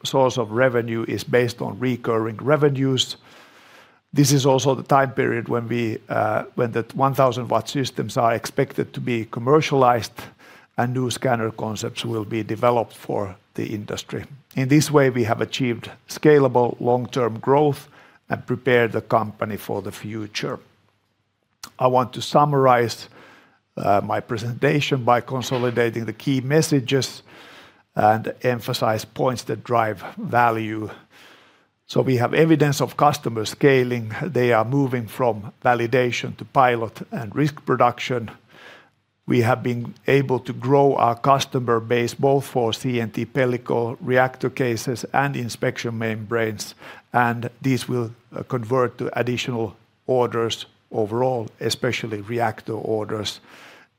source of revenue is based on recurring revenues. This is also the time period when the 1,000-watt systems are expected to be commercialized and new scanner concepts will be developed for the industry. In this way, we have achieved scalable long-term growth and prepared the company for the future. I want to summarize my presentation by consolidating the key messages and emphasize points that drive value. We have evidence of customer scaling. They are moving from validation to pilot and risk production. We have been able to grow our customer base both for CNT pellicle reactor cases and inspection membranes, and these will convert to additional orders overall, especially reactor orders.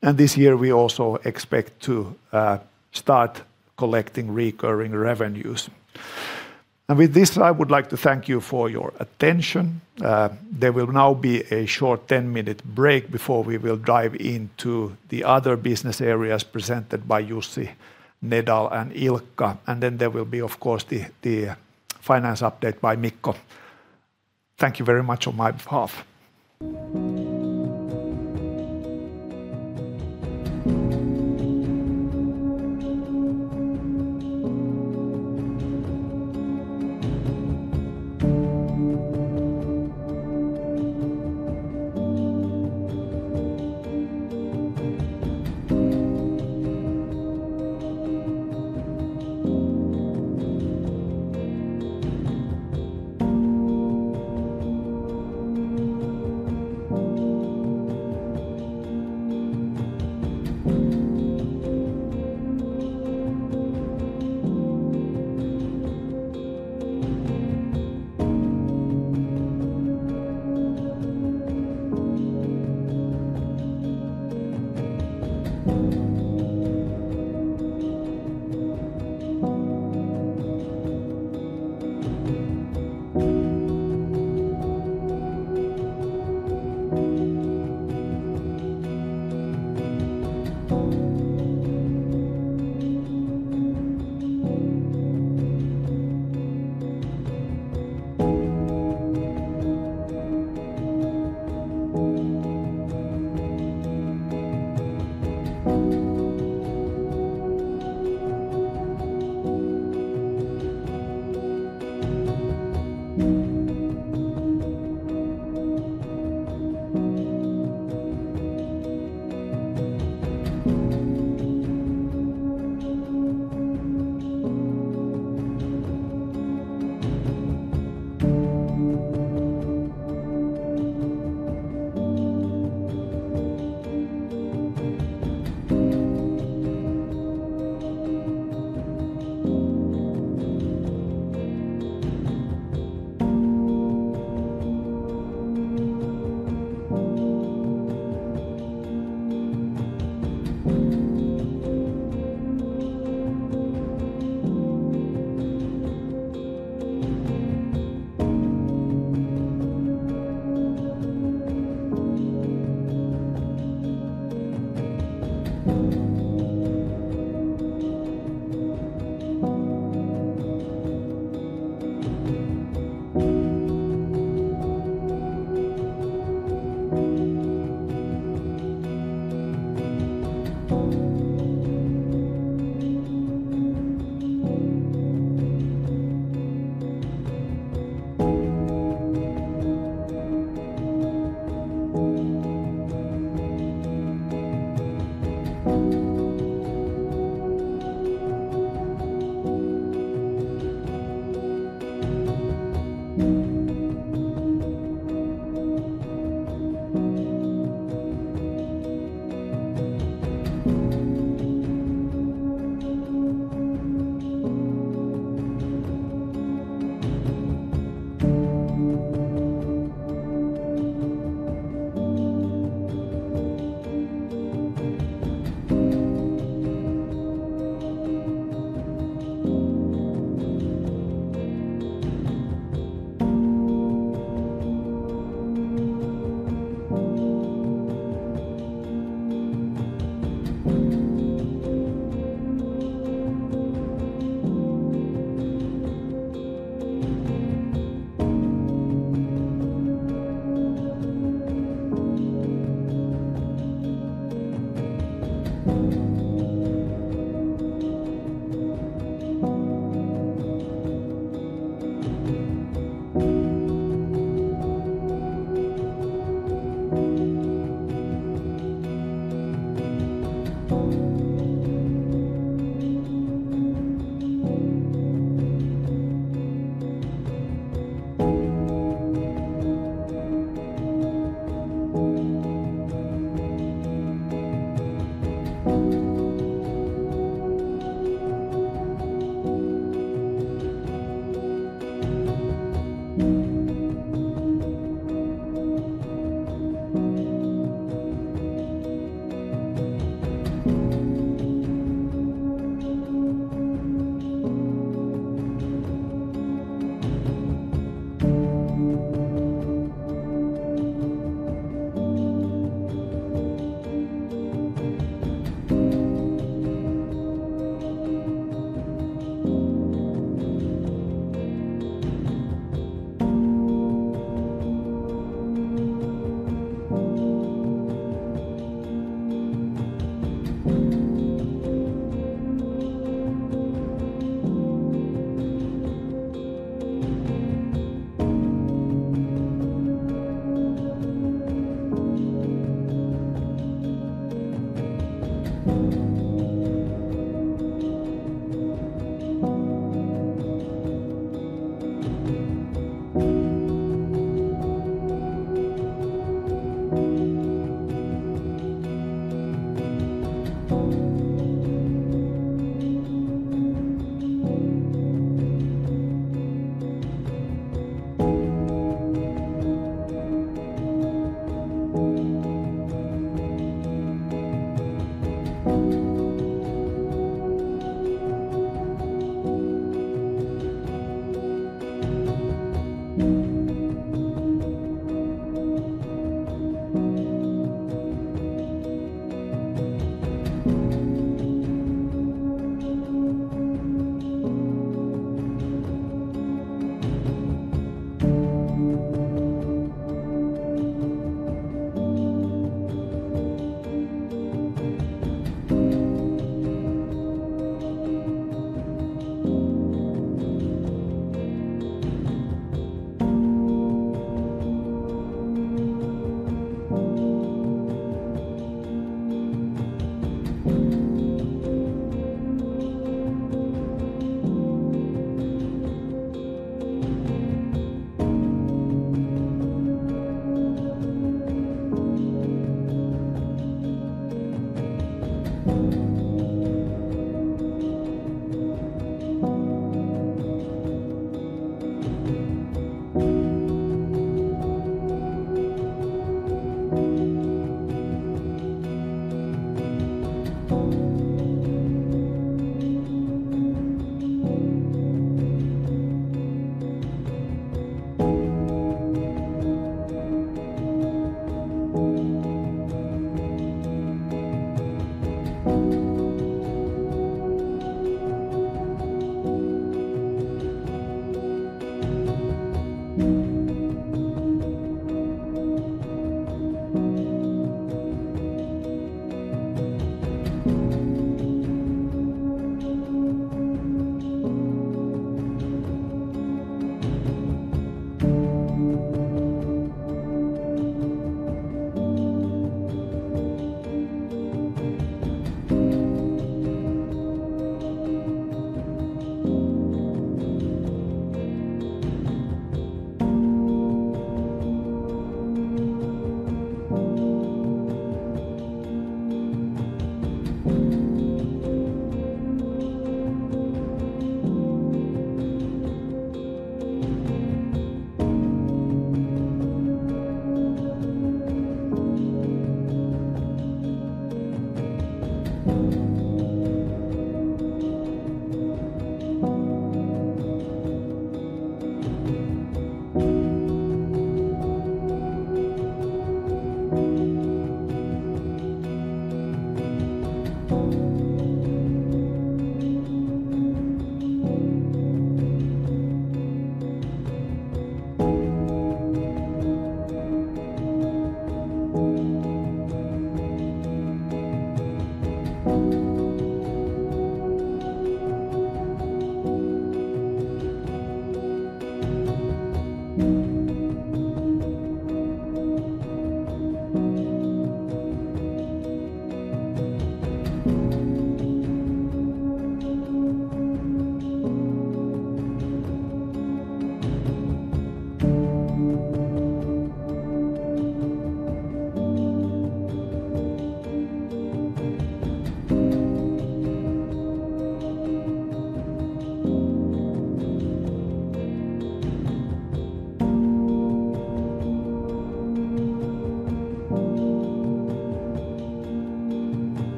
This year, we also expect to start collecting recurring revenues. With this, I would like to thank you for your attention. There will now be a short 10-minute break before we will dive into the other business areas presented by Jussi, Nedal, and Ilkka. Then there will be, of course, the finance update by Mikko. Thank you very much on my behalf.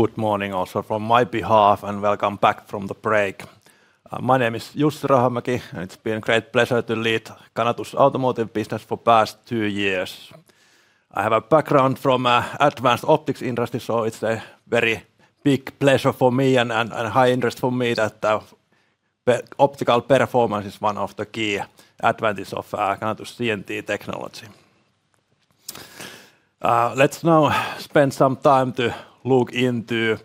Good morning also from my behalf, and welcome back from the break. My name is Jussi Rahomäki, and it's been a great pleasure to lead Canatu's automotive business for past two years. I have a background from advanced optics industry, so it's a very big pleasure for me and high interest for me that the optical performance is one of the key advantages of Canatu's CNT technology. Let's now spend some time to look into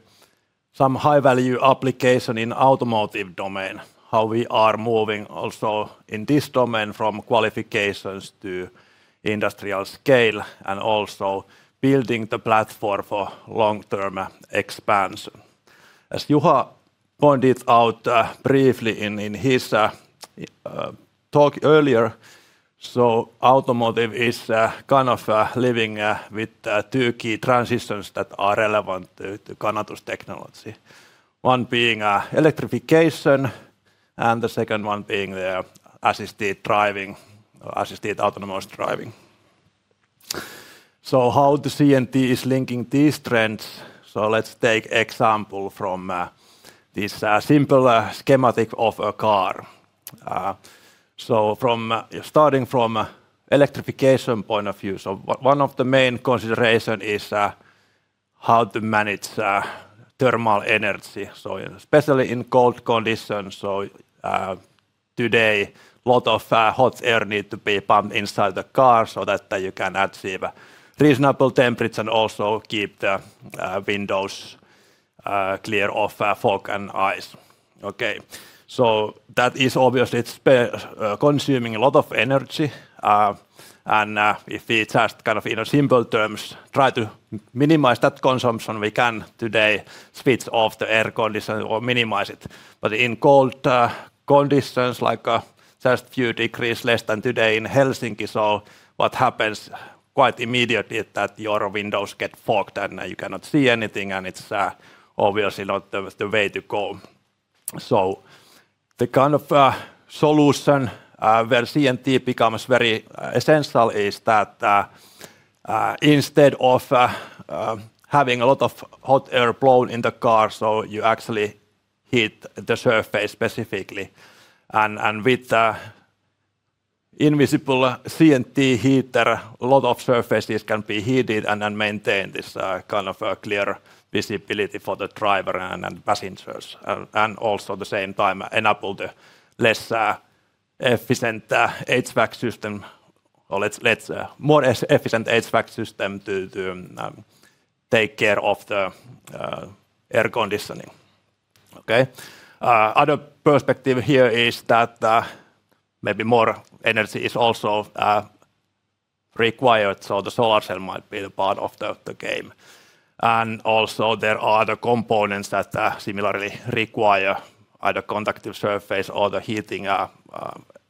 some high-value application in automotive domain, how we are moving also in this domain from qualifications to industrial scale, and also building the platform for long-term expansion. As Juha pointed out, briefly in his talk earlier, so automotive is kind of living with two key transitions that are relevant to Canatu's technology. One being electrification and the second one being assisted autonomous driving. How the CNT is linking these trends, let's take example from this simple schematic of a car. Starting from electrification point of view. One of the main considerations is how to manage thermal energy, especially in cold conditions. Today, lot of hot air need to be pumped inside the car so that you can achieve a reasonable temperature and also keep the windows clear of fog and ice. Okay. That is obviously it's consuming a lot of energy. If we just kind of in simple terms try to minimize that consumption, we can today switch off the air conditioner or minimize it. In cold conditions, like just few degrees less than today in Helsinki, what happens quite immediately is that your windows get fogged, and you cannot see anything, and it's obviously not the way to go. The kind of solution where CNT becomes very essential is that, instead of having a lot of hot air blown in the car, you actually heat the surface specifically. With the invisible CNT heater, a lot of surfaces can be heated and maintain this kind of a clear visibility for the driver and passengers, and also at the same time enable the less efficient HVAC system or more efficient HVAC system to take care of the air conditioning. Okay? Other perspective here is that maybe more energy is also required, so the solar cell might be the part of the game. Also there are other components that similarly require either conductive surface or the heating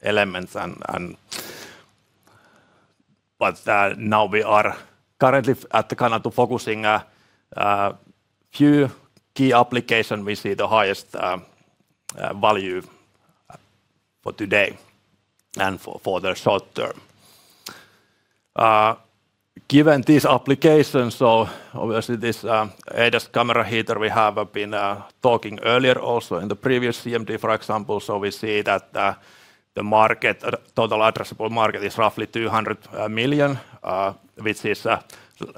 elements. Now we are currently at Canatu focusing on a few key applications we see the highest value for today and for the short term. Given these applications, obviously this ADAS camera heater we have been talking earlier also in the previous CMD, for example. We see that the market total addressable market is roughly 200 million, which is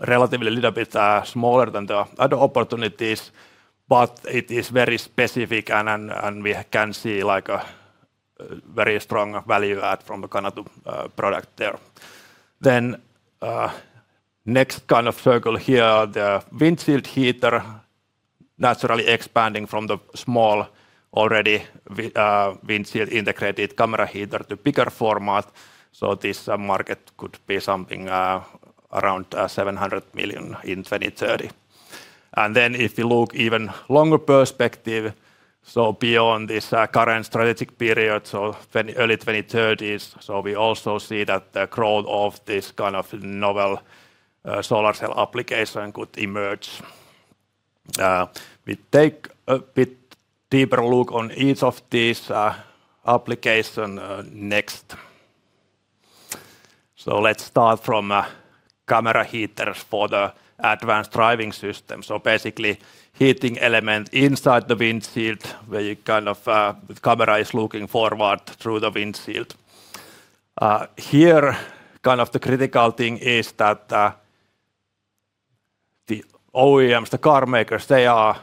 relatively little bit smaller than the other opportunities, but it is very specific, and we can see like a very strong value add from the Canatu product there. Next kind of circle here, the windshield heater, naturally expanding from the small already windshield integrated camera heater to bigger format. This market could be something around 700 million in 2030. If you look even longer perspective, so beyond this current strategic period, so early 2030s, we also see that the growth of this kind of novel solar cell application could emerge. We take a bit deeper look on each of these applications next. Let's start from camera heaters for the advanced driving system. Basically, heating element inside the windshield where the camera is looking forward through the windshield. Here the critical thing is that the OEMs, the car makers, they are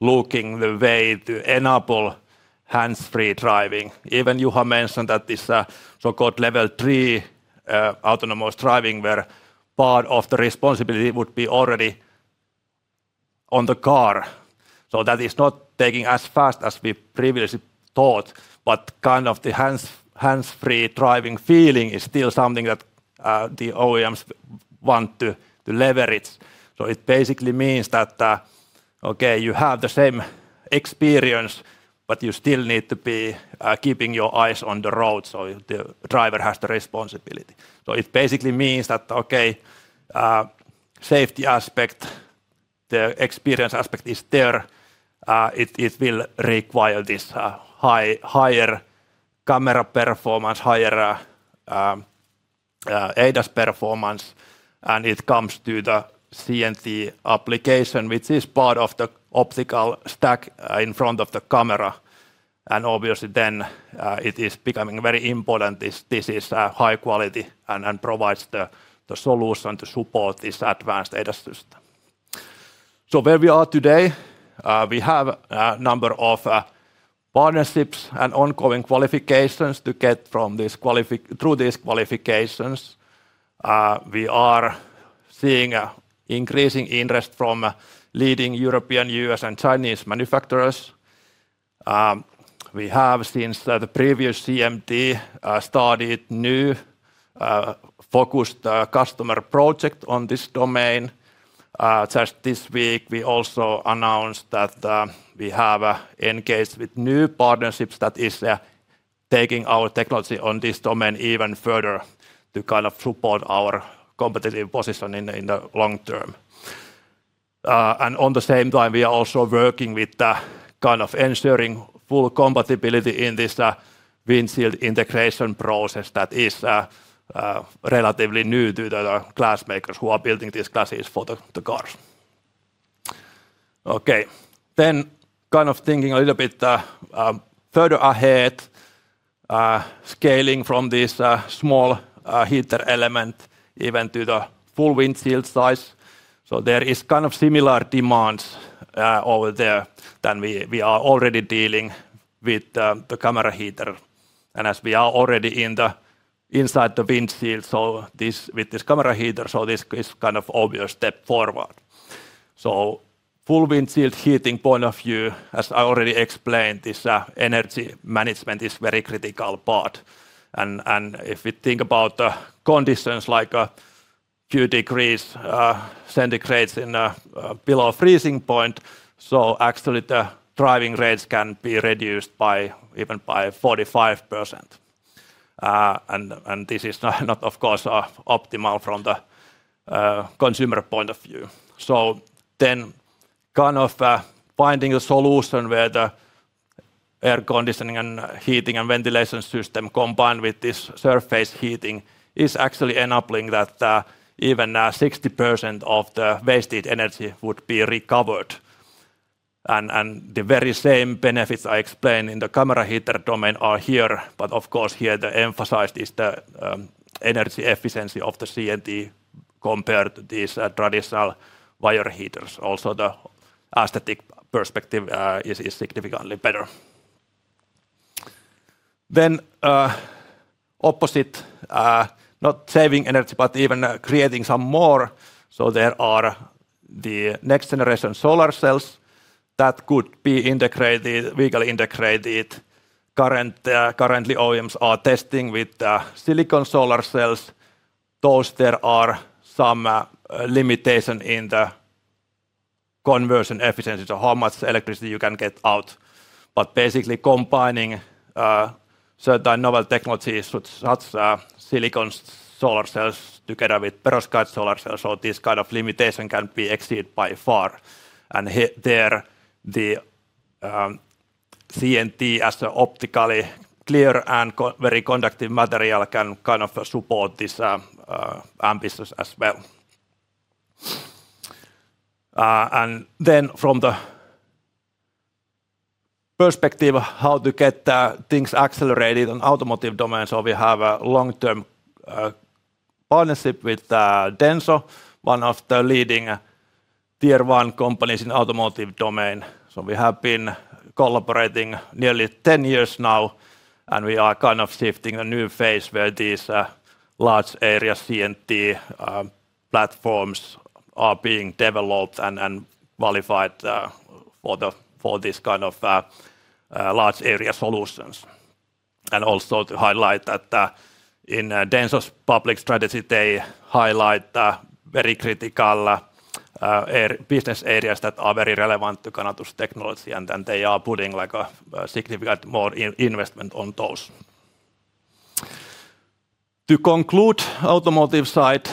looking the way to enable hands-free driving. Even Juha mentioned that this so-called Level 3 autonomous driving where part of the responsibility would be already on the car. That is not taking as fast as we previously thought, but the hands-free driving feeling is still something that the OEMs want to leverage. It basically means that you have the same experience, but you still need to be keeping your eyes on the road, so the driver has the responsibility. It basically means that, okay, safety aspect, the experience aspect is there. It will require this higher camera performance, higher ADAS performance, and when it comes to the CNT application, which is part of the optical stack in front of the camera. Obviously then, it is becoming very important this is high quality and provides the solution to support this advanced ADAS system. Where we are today, we have a number of partnerships and ongoing qualifications to get through these qualifications. We are seeing increasing interest from leading European, U.S., and Chinese manufacturers. We have since the previous CMD started new focused customer project on this domain. Just this week, we also announced that we have engaged with new partnerships that is taking our technology on this domain even further to kind of support our competitive position in the long term. At the same time, we are also working with kind of ensuring full compatibility in this windshield integration process that is relatively new to the glass makers who are building these glasses for the cars. Okay. Kind of thinking a little bit further ahead, scaling from this small heater element even to the full windshield size. There is kind of similar demands over there that we are already dealing with the camera heater. As we are already inside the windshield, with this camera heater, this is kind of obvious step forward. Full windshield heating point of view, as I already explained, this energy management is very critical part. If we think about the conditions like a few degrees Celsius and below freezing point, actually the driving range can be reduced by even 45%. This is not, of course, optimal from the consumer point of view. Finding a solution where the air conditioning and heating and ventilation system combined with this surface heating is actually enabling that even 60% of the wasted energy would be recovered. The very same benefits I explained in the camera heater domain are here, but of course, here the emphasis is the energy efficiency of the CNT compared to these traditional wire heaters. Also, the aesthetic perspective is significantly better. Then, opposite, not saving energy, but even creating some more. There are the next generation solar cells that could be integrated, vehicle integrated. Currently, OEMs are testing with silicon solar cells. There are some limitations in the conversion efficiency, so how much electricity you can get out. Basically, combining certain novel technologies with such silicon solar cells together with perovskite solar cells, so this kind of limitation can be exceeded by far. The CNT as an optically clear and very conductive material can kind of support this ambitious as well. From the perspective of how to get things accelerated in automotive domain, we have a long-term partnership with Denso, one of the leading Tier 1 companies in automotive domain. We have been collaborating nearly 10 years now, and we are kind of shifting a new phase where these large area CNT platforms are being developed and qualified for this kind of large area solutions. To highlight that, in Denso's public strategy, they highlight very critical business areas that are very relevant to Canatu's technology, and then they are putting like a significant more investment on those. To conclude automotive side,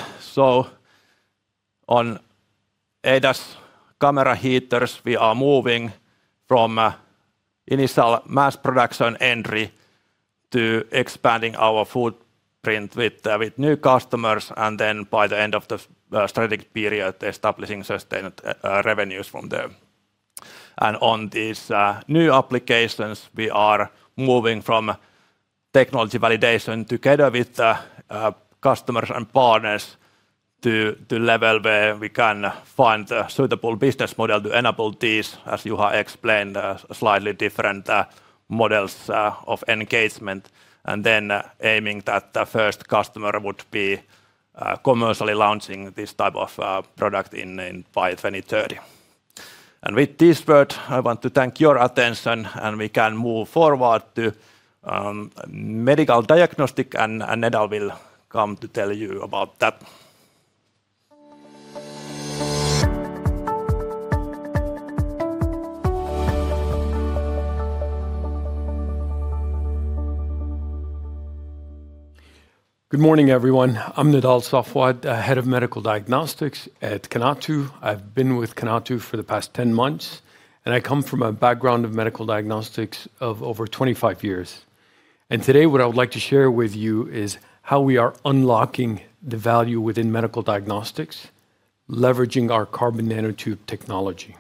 on ADAS camera heaters, we are moving from initial mass production entry to expanding our footprint with new customers, and then by the end of the strategic period, establishing sustained revenues from them. On these new applications, we are moving from technology validation together with customers and partners to level where we can find a suitable business model to enable these, as Juha explained, slightly different models of engagement, and then aiming that the first customer would be commercially launching this type of product in by 2030. With this word, I want to thank you for your attention, and we can move forward to medical diagnostic, and Nedal will come to tell you about that. Good morning, everyone. I'm Nedal Safwat, Head of Medical Diagnostics at Canatu. I've been with Canatu for the past 10 months, and I come from a background of medical diagnostics of over 25 years. Today, what I would like to share with you is how we are unlocking the value within medical diagnostics, leveraging our carbon nanotube technology.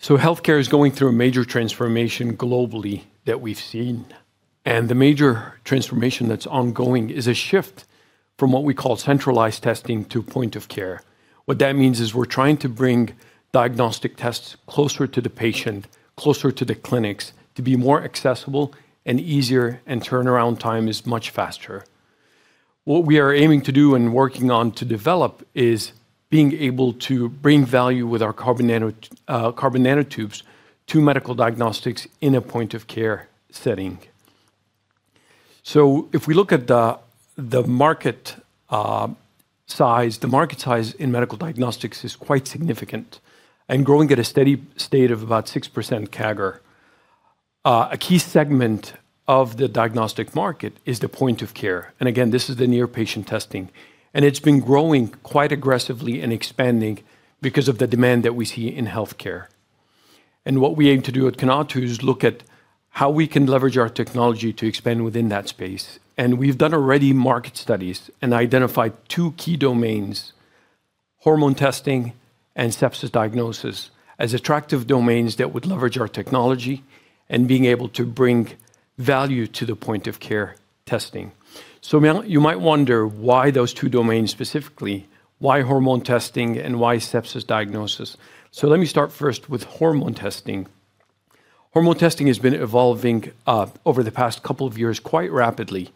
Healthcare is going through a major transformation globally that we've seen, and the major transformation that's ongoing is a shift from what we call centralized testing to point-of-care. What that means is we're trying to bring diagnostic tests closer to the patient, closer to the clinics to be more accessible and easier, and turnaround time is much faster. What we are aiming to do and working on to develop is being able to bring value with our carbon nanotubes to medical diagnostics in a point of care setting. If we look at the market size in medical diagnostics is quite significant and growing at a steady state of about 6% CAGR. A key segment of the diagnostic market is the point of care, and again, this is the near patient testing, and it's been growing quite aggressively and expanding because of the demand that we see in healthcare. What we aim to do at Canatu is look at how we can leverage our technology to expand within that space. We've done already market studies and identified two key domains, hormone testing and sepsis diagnosis, as attractive domains that would leverage our technology and being able to bring value to the point-of-care testing. Now you might wonder why those two domains specifically. Why hormone testing and why sepsis diagnosis? Let me start first with hormone testing. Hormone testing has been evolving over the past couple of years quite rapidly,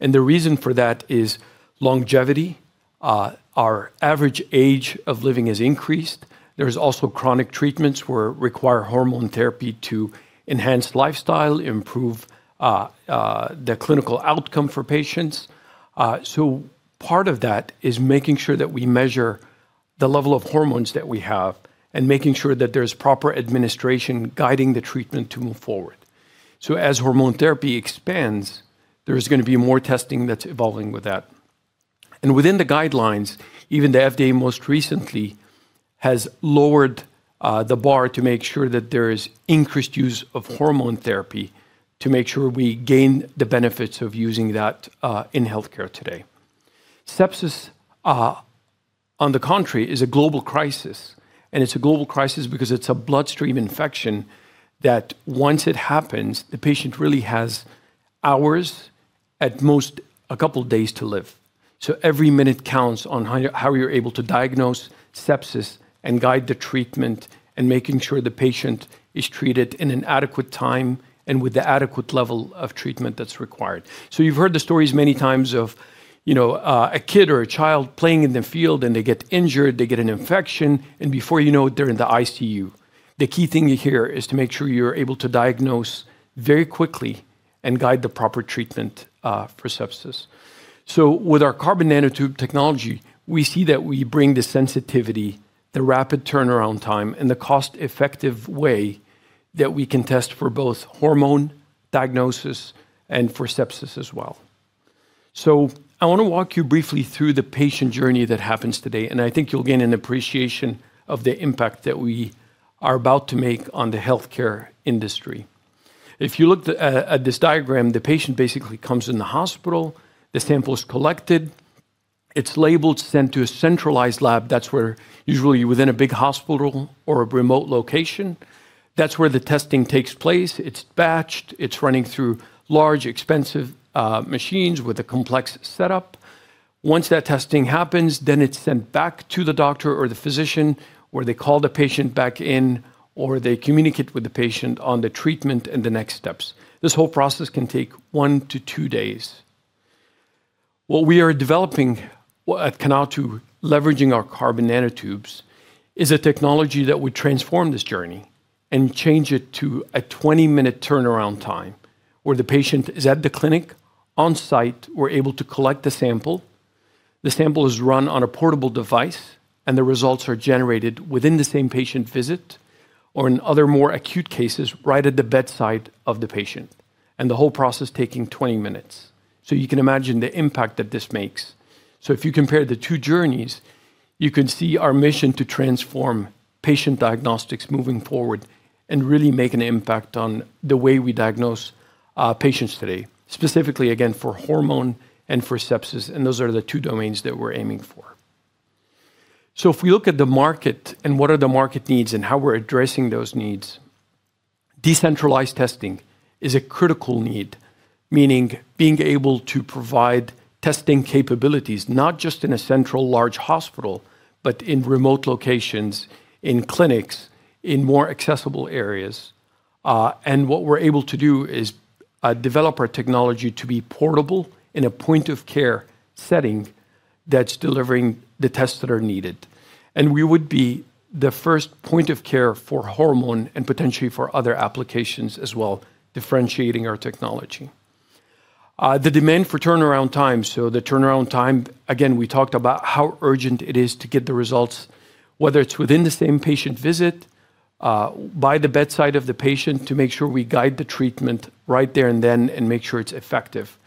and the reason for that is longevity. Our average age of living has increased. There's also chronic treatments where require hormone therapy to enhance lifestyle, improve the clinical outcome for patients. So part of that is making sure that we measure the level of hormones that we have and making sure that there's proper administration guiding the treatment to move forward. As hormone therapy expands, there is gonna be more testing that's evolving with that. Within the guidelines, even the FDA most recently has lowered the bar to make sure that there is increased use of hormone therapy to make sure we gain the benefits of using that in healthcare today. Sepsis on the contrary is a global crisis, and it's a global crisis because it's a bloodstream infection that once it happens, the patient really has hours, at most, a couple days to live. Every minute counts on how you're able to diagnose sepsis and guide the treatment and making sure the patient is treated in an adequate time and with the adequate level of treatment that's required. You've heard the stories many times of, you know, a kid or a child playing in the field, and they get injured, they get an infection, and before you know it, they're in the ICU. The key thing here is to make sure you're able to diagnose very quickly and guide the proper treatment for sepsis. With our carbon nanotube technology, we see that we bring the sensitivity, the rapid turnaround time, and the cost-effective way that we can test for both hormone diagnosis and for sepsis as well. I wanna walk you briefly through the patient journey that happens today, and I think you'll gain an appreciation of the impact that we are about to make on the healthcare industry. If you look at this diagram, the patient basically comes in the hospital, the sample is collected, it's labeled, sent to a centralized lab. That's where usually within a big hospital or a remote location, that's where the testing takes place. It's batched, it's running through large, expensive machines with a complex setup. Once that testing happens, then it's sent back to the doctor or the physician, where they call the patient back in, or they communicate with the patient on the treatment and the next steps. This whole process can take 1-2 days. What we are developing at Canatu, leveraging our carbon nanotubes, is a technology that would transform this journey and change it to a 20-minute turnaround time, where the patient is at the clinic on-site, we're able to collect the sample. The sample is run on a portable device, and the results are generated within the same patient visit, or in other more acute cases, right at the bedside of the patient, and the whole process taking 20 minutes. You can imagine the impact that this makes. If you compare the two journeys, you can see our mission to transform patient diagnostics moving forward and really make an impact on the way we diagnose patients today, specifically again, for hormone and for sepsis, and those are the two domains that we're aiming for. If we look at the market and what are the market needs and how we're addressing those needs, decentralized testing is a critical need, meaning being able to provide testing capabilities, not just in a central large hospital, but in remote locations, in clinics, in more accessible areas. What we're able to do is develop our technology to be portable in a point-of-care setting that's delivering the tests that are needed. We would be the first point-of-care for hormone and potentially for other applications as well, differentiating our technology. The demand for turnaround time, again, we talked about how urgent it is to get the results, whether it's within the same patient visit, by the bedside of the patient to make sure we guide the treatment right there and then and make sure it's effective.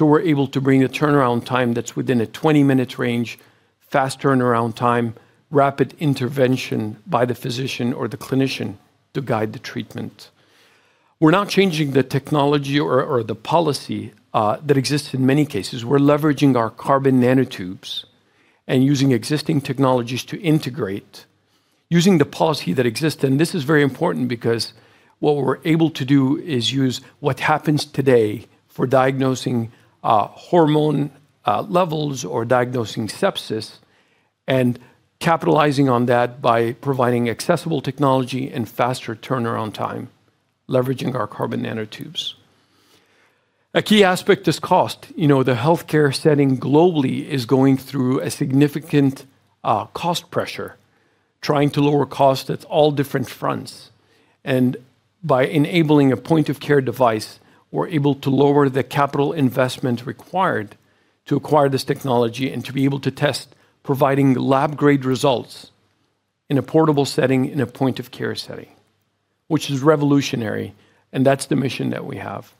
We're able to bring a turnaround time that's within a 20 minutes range, fast turnaround time, rapid intervention by the physician or the clinician to guide the treatment. We're not changing the technology or the policy that exists in many cases. We're leveraging our carbon nanotubes and using existing technologies to integrate using the policy that exists. This is very important because what we're able to do is use what happens today for diagnosing hormone levels or diagnosing sepsis and capitalizing on that by providing accessible technology and faster turnaround time, leveraging our carbon nanotubes. A key aspect is cost. You know, the healthcare setting globally is going through a significant cost pressure, trying to lower cost at all different fronts. By enabling a point-of-care device, we're able to lower the capital investment required to acquire this technology and to be able to test providing lab-grade results in a portable setting, in a point-of-care setting, which is revolutionary, and that's the mission that we have.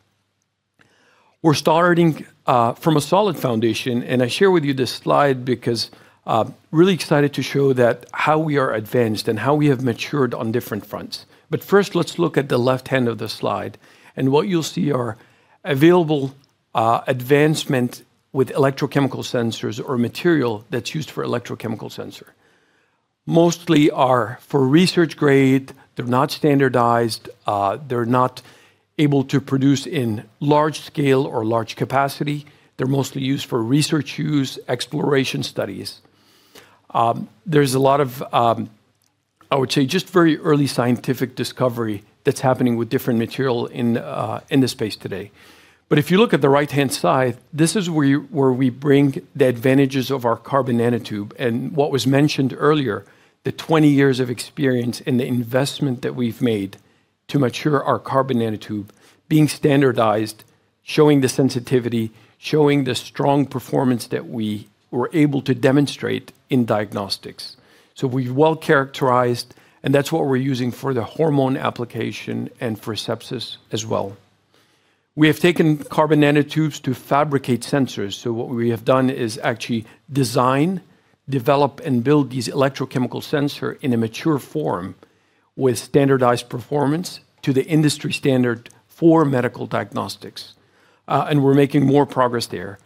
We're starting from a solid foundation, and I share with you this slide because I'm really excited to show that how we are advanced and how we have matured on different fronts. First, let's look at the left hand of the slide. What you'll see are available advancement with electrochemical sensors or material that's used for electrochemical sensor. Mostly are for research grade. They're not standardized. They're not able to produce in large scale or large capacity. They're mostly used for research use, exploration studies. There's a lot of, I would say, just very early scientific discovery that's happening with different material in this space today. If you look at the right-hand side, this is where we bring the advantages of our carbon nanotube and what was mentioned earlier, the 20 years of experience and the investment that we've made to mature our carbon nanotube, being standardized, showing the sensitivity, showing the strong performance that we were able to demonstrate in diagnostics. We've well characterized, and that's what we're using for the hormone application and for sepsis as well. We have taken carbon nanotubes to fabricate sensors. What we have done is actually design, develop, and build these electrochemical sensor in a mature form with standardized performance to the industry standard for medical diagnostics. We're making more progress there.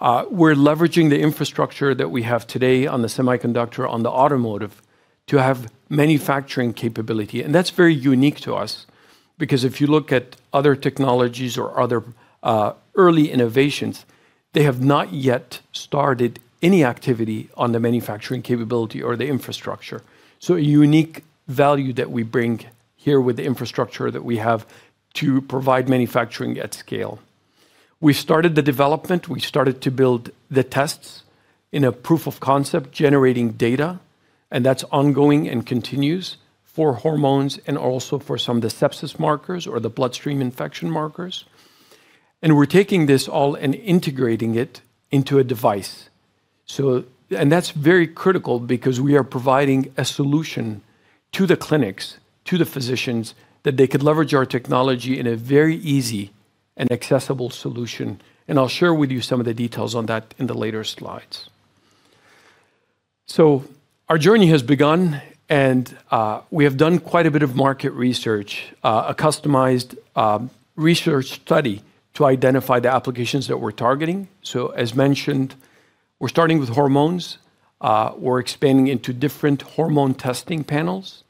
We're leveraging the infrastructure that we have today on the semiconductor, on the automotive to have manufacturing capability. That's very unique to us because if you look at other technologies or other early innovations, they have not yet started any activity on the manufacturing capability or the infrastructure. A unique value that we bring here with the infrastructure that we have to provide manufacturing at scale. We started the development to build the tests in a proof of concept generating data, and that's ongoing and continues for hormones and also for some of the sepsis markers or the bloodstream infection markers. We're taking this all and integrating it into a device. That's very critical because we are providing a solution to the clinics, to the physicians, that they could leverage our technology in a very easy and accessible solution. I'll share with you some of the details on that in the later slides. Our journey has begun, and we have done quite a bit of market research, a customized research study to identify the applications that we're targeting. As mentioned, we're starting with hormones, we're expanding into different hormone testing panels,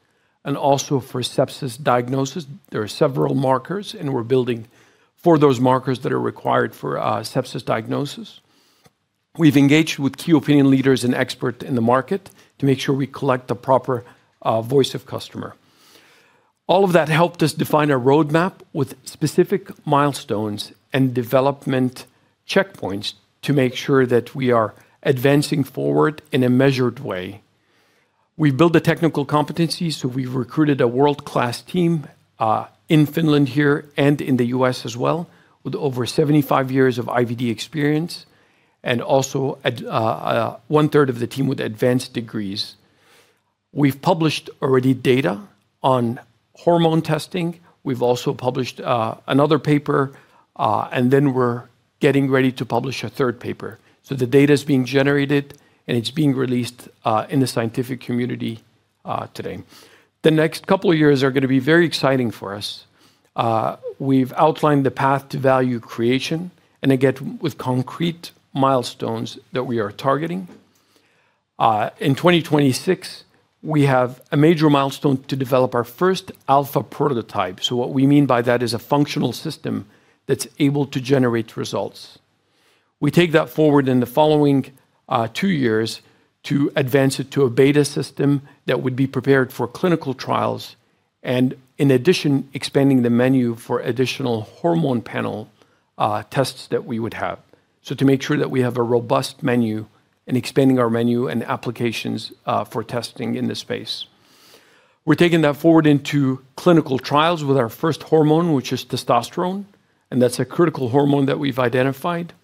and also for sepsis diagnosis. There are several markers, and we're building for those markers that are required for sepsis diagnosis. We've engaged with key opinion leaders and experts in the market to make sure we collect the proper voice of customer. All of that helped us define a roadmap with specific milestones and development checkpoints to make sure that we are advancing forward in a measured way. We've built the technical competency, so we've recruited a world-class team in Finland here and in the US as well, with over 75 years of IVD experience, and also one-third of the team with advanced degrees. We've published already data on hormone testing. We've also published another paper, and then we're getting ready to publish a third paper. The data is being generated, and it's being released in the scientific community today. The next couple of years are gonna be very exciting for us. We've outlined the path to value creation, and again, with concrete milestones that we are targeting. In 2026, we have a major milestone to develop our first alpha prototype. What we mean by that is a functional system that's able to generate results. We take that forward in the following two years to advance it to a beta system that would be prepared for clinical trials and in addition, expanding the menu for additional hormone panel tests that we would have. To make sure that we have a robust menu and expanding our menu and applications for testing in this space. We're taking that forward into clinical trials with our first hormone, which is testosterone, and that's a critical hormone that we've identified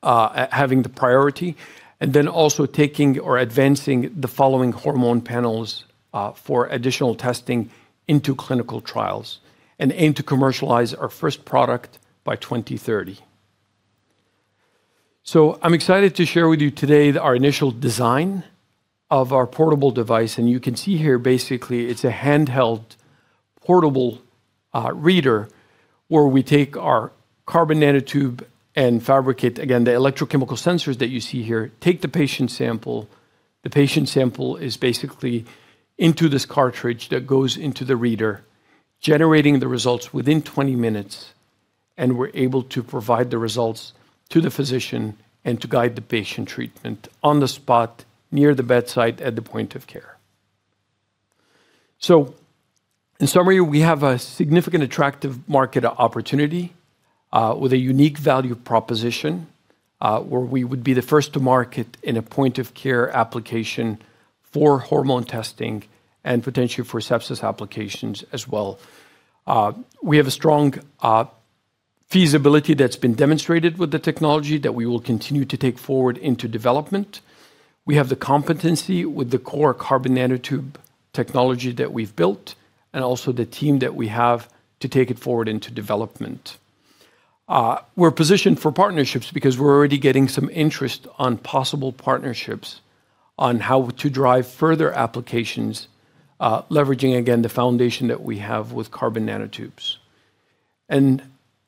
as having the priority, and then also taking or advancing the following hormone panels for additional testing into clinical trials, and aim to commercialize our first product by 2030. I'm excited to share with you today our initial design of our portable device, and you can see here basically, it's a handheld portable reader where we take our carbon nanotube and fabricate, again, the electrochemical sensors that you see here, take the patient sample. The patient sample is basically into this cartridge that goes into the reader, generating the results within 20 minutes, and we're able to provide the results to the physician and to guide the patient treatment on the spot near the bedside at the point-of-care. In summary, we have a significant attractive market opportunity with a unique value proposition where we would be the first to market in a point-of-care application for hormone testing and potentially for sepsis applications as well. We have a strong feasibility that's been demonstrated with the technology that we will continue to take forward into development. We have the competency with the core carbon nanotube technology that we've built, and also the team that we have to take it forward into development. We're positioned for partnerships because we're already getting some interest on possible partnerships on how to drive further applications, leveraging again the foundation that we have with carbon nanotubes.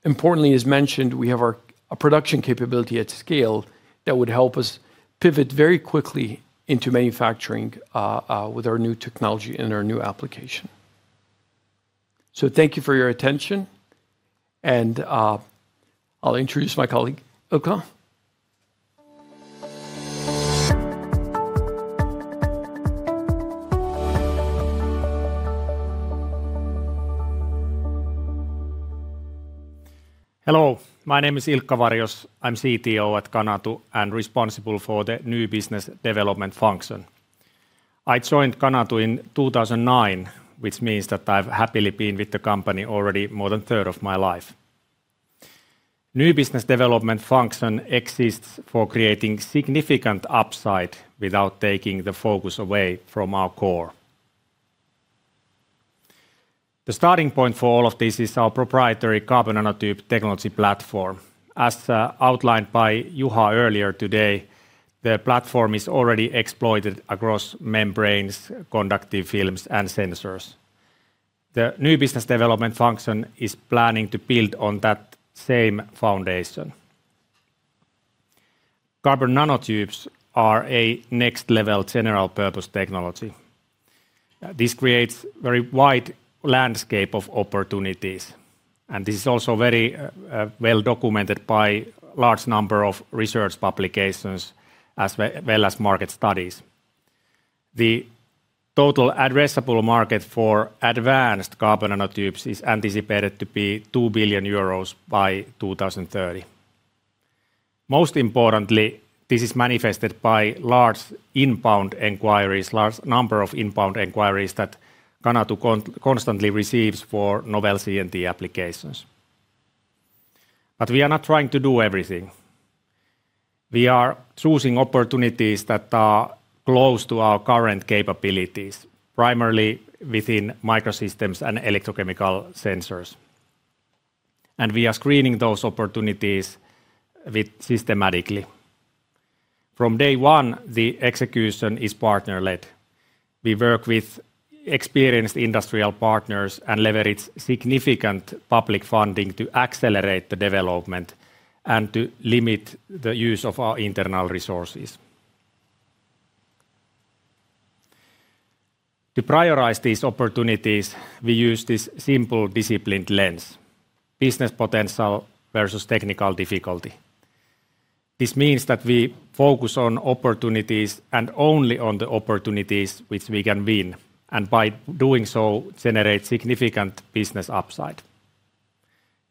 Importantly, as mentioned, we have a production capability at scale that would help us pivot very quickly into manufacturing with our new technology and our new application. Thank you for your attention, and I'll introduce my colleague, Ilkka. Hello, my name is Ilkka Varjos. I'm CTO at Canatu and responsible for the new business development function. I joined Canatu in 2009, which means that I've happily been with the company already more than a third of my life. New business development function exists for creating significant upside without taking the focus away from our core. The starting point for all of this is our proprietary carbon nanotube technology platform. As outlined by Juha earlier today, the platform is already exploited across membranes, conductive films, and sensors. The new business development function is planning to build on that same foundation. Carbon nanotubes are a next-level general purpose technology. This creates very wide landscape of opportunities, and this is also very well documented by large number of research publications as well as market studies. The total addressable market for advanced carbon nanotubes is anticipated to be 2 billion euros by 2030. Most importantly, this is manifested by large number of inbound inquiries that Canatu constantly receives for novel CNT applications. We are not trying to do everything. We are choosing opportunities that are close to our current capabilities, primarily within microsystems and electrochemical sensors. We are screening those opportunities systematically. From day one, the execution is partner-led. We work with experienced industrial partners and leverage significant public funding to accelerate the development and to limit the use of our internal resources. To prioritize these opportunities, we use this simple disciplined lens, business potential versus technical difficulty. This means that we focus on opportunities and only on the opportunities which we can win, and by doing so, generate significant business upside.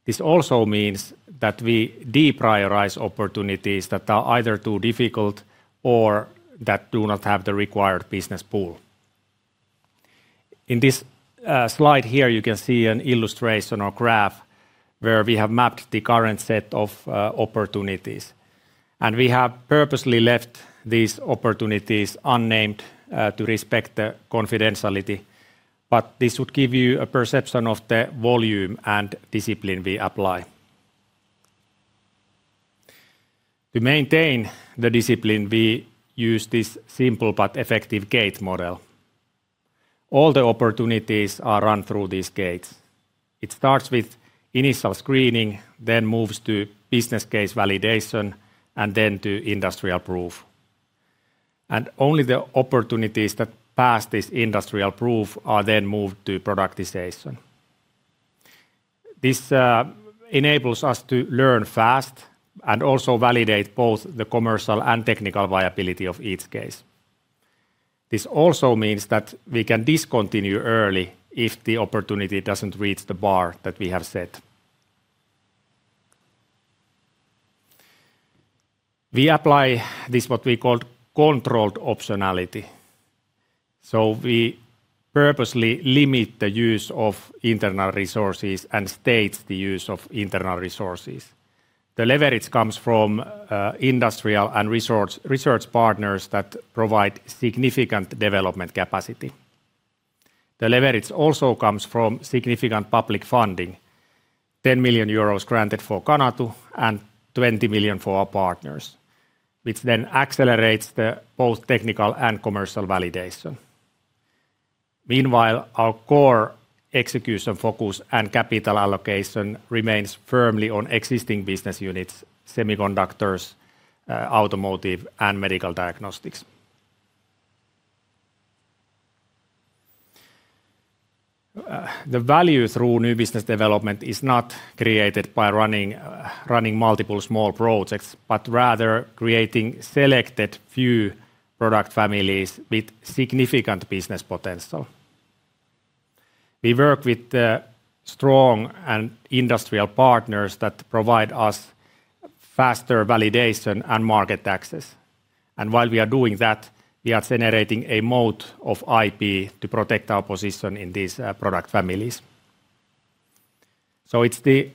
This also means that we deprioritize opportunities that are either too difficult or that do not have the required business pull. In this slide here, you can see an illustration or graph where we have mapped the current set of opportunities, and we have purposely left these opportunities unnamed to respect the confidentiality. This would give you a perception of the volume and discipline we apply. To maintain the discipline, we use this simple but effective gate model. All the opportunities are run through these gates. It starts with initial screening, then moves to business case validation, and then to industrial proof. Only the opportunities that pass this industrial proof are then moved to productization. This enables us to learn fast and also validate both the commercial and technical viability of each case. This also means that we can discontinue early if the opportunity doesn't reach the bar that we have set. We apply this what we call controlled optionality. We purposely limit the use of internal resources and stage the use of internal resources. The leverage comes from industrial and research partners that provide significant development capacity. The leverage also comes from significant public funding, 10 million euros granted for Canatu and 20 million for our partners, which then accelerates both the technical and commercial validation. Meanwhile, our core execution focus and capital allocation remains firmly on existing business units, semiconductors, automotive, and medical diagnostics. The value through new business development is not created by running multiple small projects but rather creating selected few product families with significant business potential. We work with strong and industrial partners that provide us faster validation and market access. While we are doing that, we are generating a moat of IP to protect our position in these product families. It's the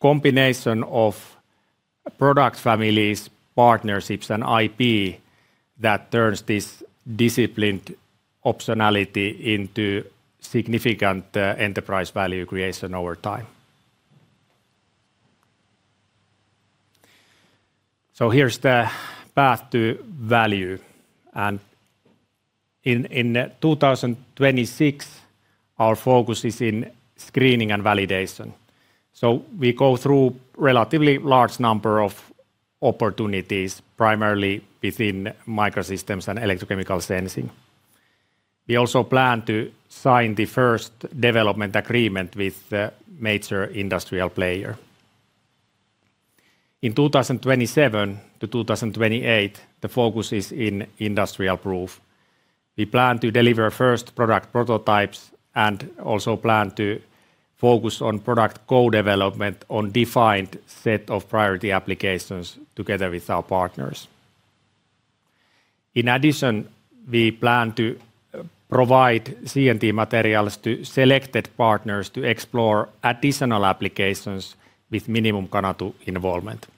combination of product families, partnerships, and IP that turns this disciplined optionality into significant enterprise value creation over time. Here's the path to value. In 2026, our focus is in screening and validation. We go through relatively large number of opportunities, primarily within microsystems and electrochemical sensing. We also plan to sign the first development agreement with a major industrial player. In 2027-2028, the focus is in industrial proof. We plan to deliver first product prototypes and also plan to focus on product co-development on defined set of priority applications together with our partners. In addition, we plan to provide CNT materials to selected partners to explore additional applications with minimum Canatu involvement.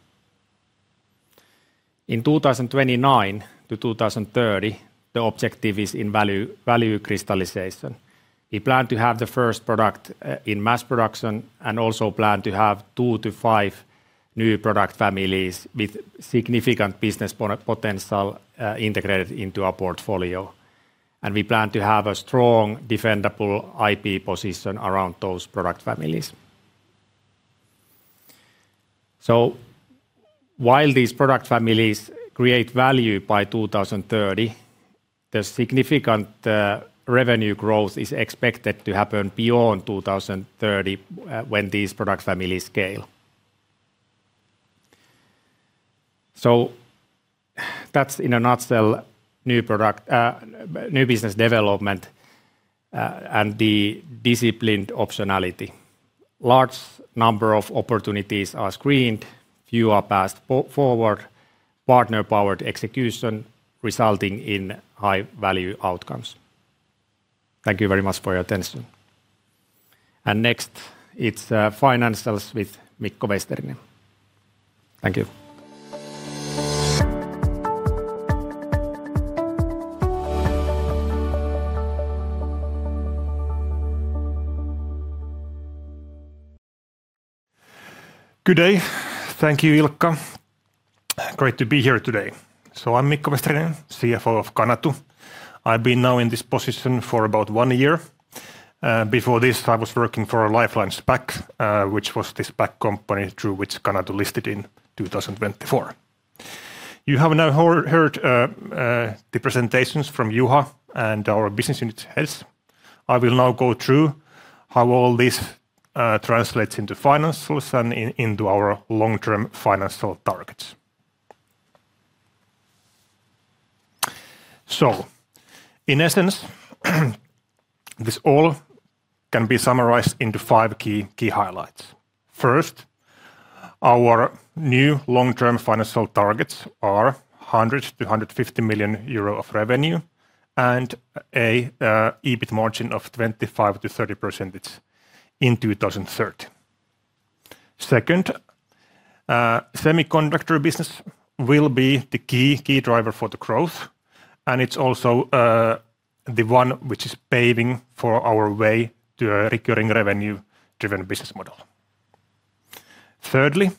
In 2029-2030, the objective is value crystallization. We plan to have the first product in mass production and also plan to have two to five new product families with significant business potential integrated into our portfolio. We plan to have a strong defendable IP position around those product families. While these product families create value by 2030, the significant revenue growth is expected to happen beyond 2030 when these product families scale. That's in a nutshell, new product new business development and the disciplined optionality. Large number of opportunities are screened, few are passed forward, partner-powered execution resulting in high value outcomes. Thank you very much for your attention. Next, it's financials with Mikko Vesterinen. Thank you. Good day. Thank you, Ilkka. Great to be here today. I'm Mikko Vesterinen, CFO of Canatu. I've been now in this position for about one year. Before this, I was working for a Lifeline SPAC I, which was the SPAC company through which Canatu listed in 2024. You have now heard the presentations from Juha and our business unit heads. I will now go through how all this translates into financials and into our long-term financial targets. In essence, this all can be summarized into five key highlights. First, our new long-term financial targets are 100-150 million euro of revenue and an EBIT margin of 25%-30% in 2030. Second, semiconductor business will be the key driver for the growth, and it's also the one which is paving for our way to a recurring revenue-driven business model. Thirdly,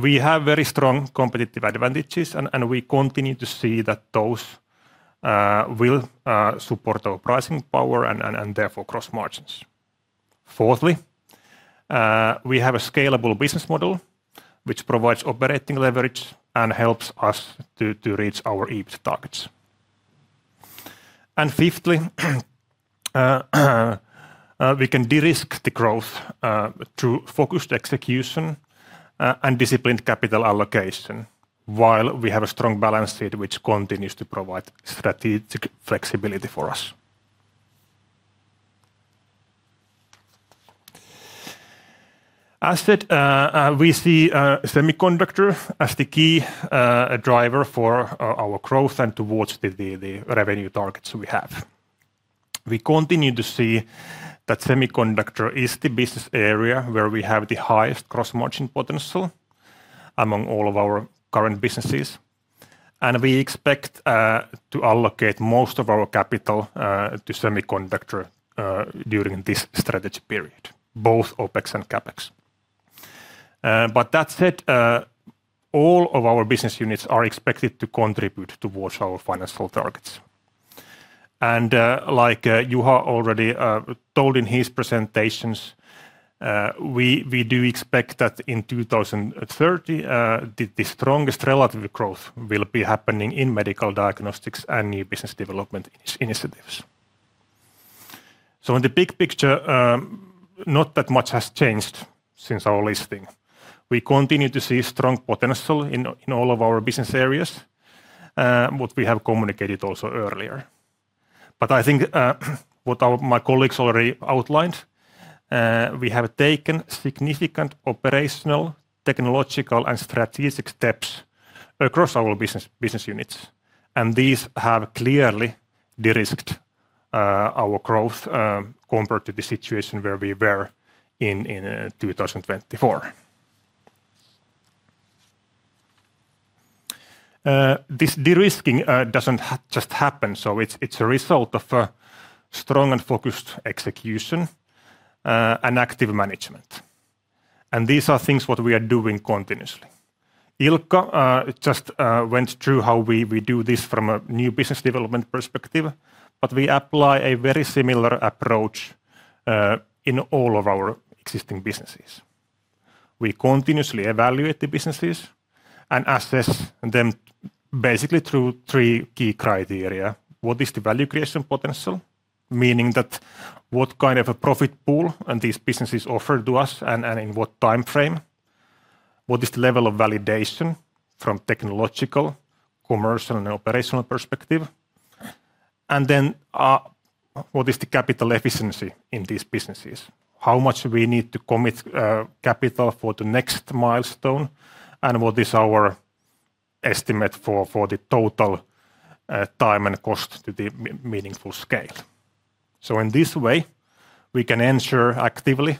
we have very strong competitive advantages, and we continue to see that those will support our pricing power and therefore gross margins. Fourthly, we have a scalable business model which provides operating leverage and helps us to reach our EBIT targets. Fifthly, we can de-risk the growth through focused execution and disciplined capital allocation while we have a strong balance sheet which continues to provide strategic flexibility for us. As said, we see semiconductor as the key driver for our growth and towards the revenue targets we have. We continue to see that semiconductor is the business area where we have the highest gross margin potential among all of our current businesses. We expect to allocate most of our capital to semiconductor during this strategy period, both OpEx and CapEx. That said, all of our business units are expected to contribute towards our financial targets. Like, Juha already told in his presentations, we do expect that in 2030, the strongest relative growth will be happening in medical diagnostics and new business development initiatives. In the big picture, not that much has changed since our listing. We continue to see strong potential in all of our business areas, what we have communicated also earlier. I think what my colleagues already outlined, we have taken significant operational, technological, and strategic steps across our business units, and these have clearly de-risked our growth compared to the situation where we were in 2024. This de-risking doesn't just happen, so it's a result of a strong and focused execution and active management, and these are things what we are doing continuously. Ilkka just went through how we do this from a new business development perspective, but we apply a very similar approach in all of our existing businesses. We continuously evaluate the businesses and assess them basically through three key criteria. What is the value creation potential? Meaning that what kind of a profit pool and these businesses offer to us and in what time frame? What is the level of validation from technological, commercial, and operational perspective? What is the capital efficiency in these businesses? How much we need to commit capital for the next milestone, and what is our estimate for the total time and cost to meaningful scale? In this way, we can ensure actively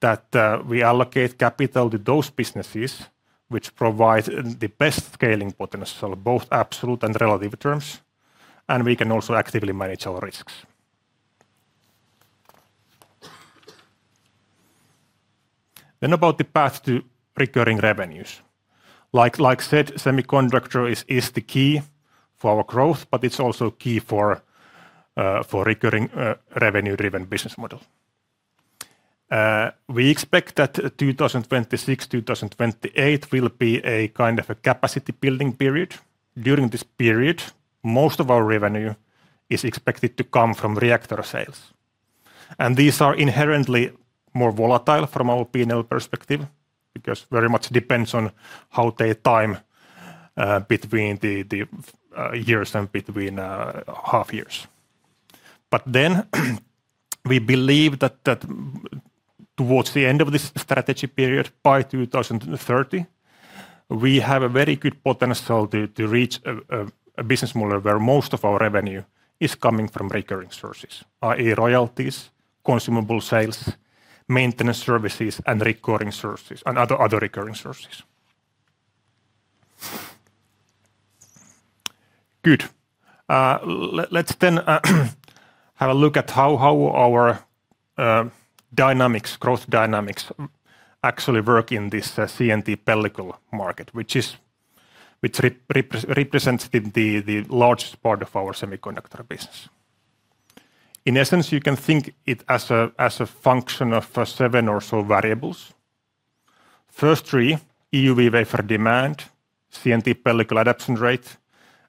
that we allocate capital to those businesses which provide the best scaling potential, both absolute and relative terms, and we can also actively manage our risks. About the path to recurring revenues. Like said, semiconductor is the key for our growth, but it's also key for recurring revenue-driven business model. We expect that 2026-2028 will be a kind of a capacity building period. During this period, most of our revenue is expected to come from reactor sales. These are inherently more volatile from our P&L perspective because very much depends on how they time between the years and between half years. We believe that towards the end of this strategy period, by 2030, we have a very good potential to reach a business model where most of our revenue is coming from recurring sources, i.e. royalties, consumable sales, maintenance services, and recurring sources and other recurring sources. Good. Let's then have a look at how our dynamics, growth dynamics actually work in this CNT pellicle market, which represents the largest part of our semiconductor business. In essence, you can think of it as a function of seven or so variables. First three, EUV wafer demand, CNT pellicle adoption rate,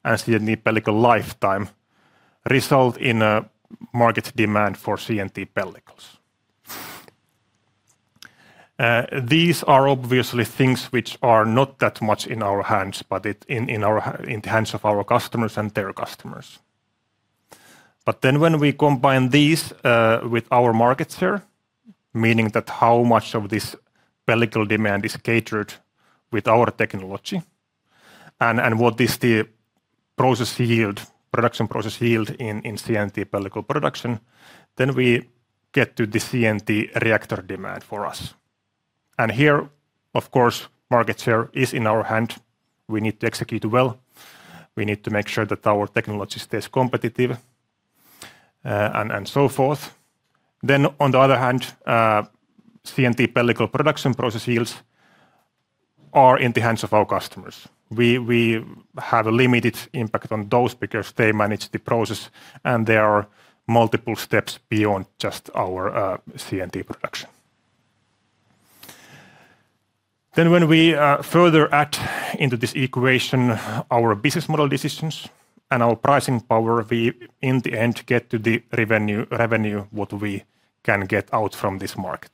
and CNT pellicle lifetime result in a market demand for CNT pellicles. These are obviously things which are not that much in our hands, but in the hands of our customers and their customers. When we combine these with our market share, meaning that how much of this pellicle demand is catered with our technology and what is the process yield, production process yield in CNT pellicle production, then we get to the CNT reactor demand for us. Here, of course, market share is in our hands. We need to execute well. We need to make sure that our technology stays competitive and so forth. On the other hand, CNT pellicle production process yields are in the hands of our customers. We have a limited impact on those because they manage the process, and there are multiple steps beyond just our CNT production. When we further add into this equation our business model decisions and our pricing power, we in the end get to the revenue what we can get out from this market.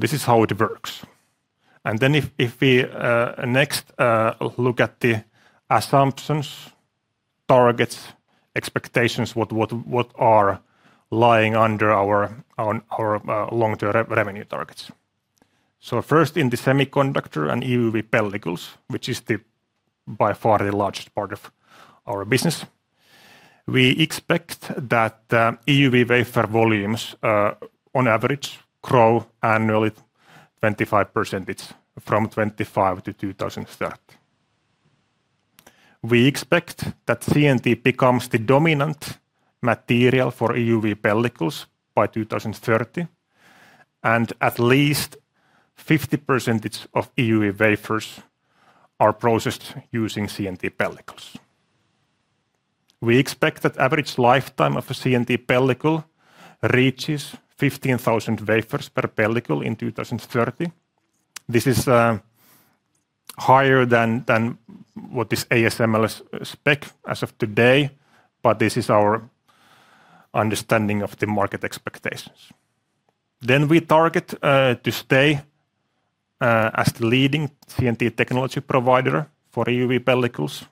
This is how it works. If we next look at the assumptions, targets, expectations, what are lying under our long-term revenue targets. First in the semiconductor and EUV pellicles, which is by far the largest part of our business, we expect that EUV wafer volumes on average grow annually 25% from 2025 to 2030. We expect that CNT becomes the dominant material for EUV pellicles by 2030, and at least 50% of EUV wafers are processed using CNT pellicles. We expect that average lifetime of a CNT pellicle reaches 15,000 wafers per pellicle in 2030. This is higher than what is ASML's spec as of today, but this is our understanding of the market expectations. We target to stay as the leading CNT technology provider for EUV pellicles.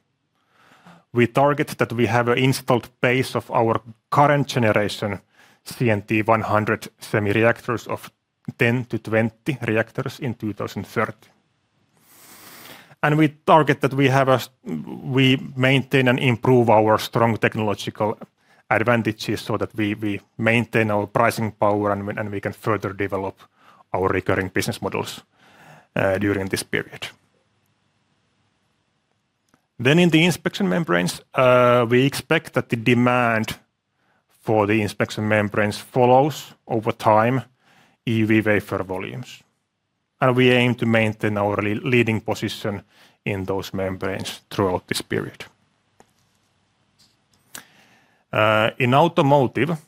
We target that we have an installed base of our current generation CNT100 SEMI reactors of 10-20 reactors in 2030. We target that we maintain and improve our strong technological advantages so that we maintain our pricing power and we can further develop our recurring business models during this period. In inspection membranes, we expect that the demand for the inspection membranes follows over time EUV wafer volumes. We aim to maintain our leading position in those membranes throughout this period. In automotive,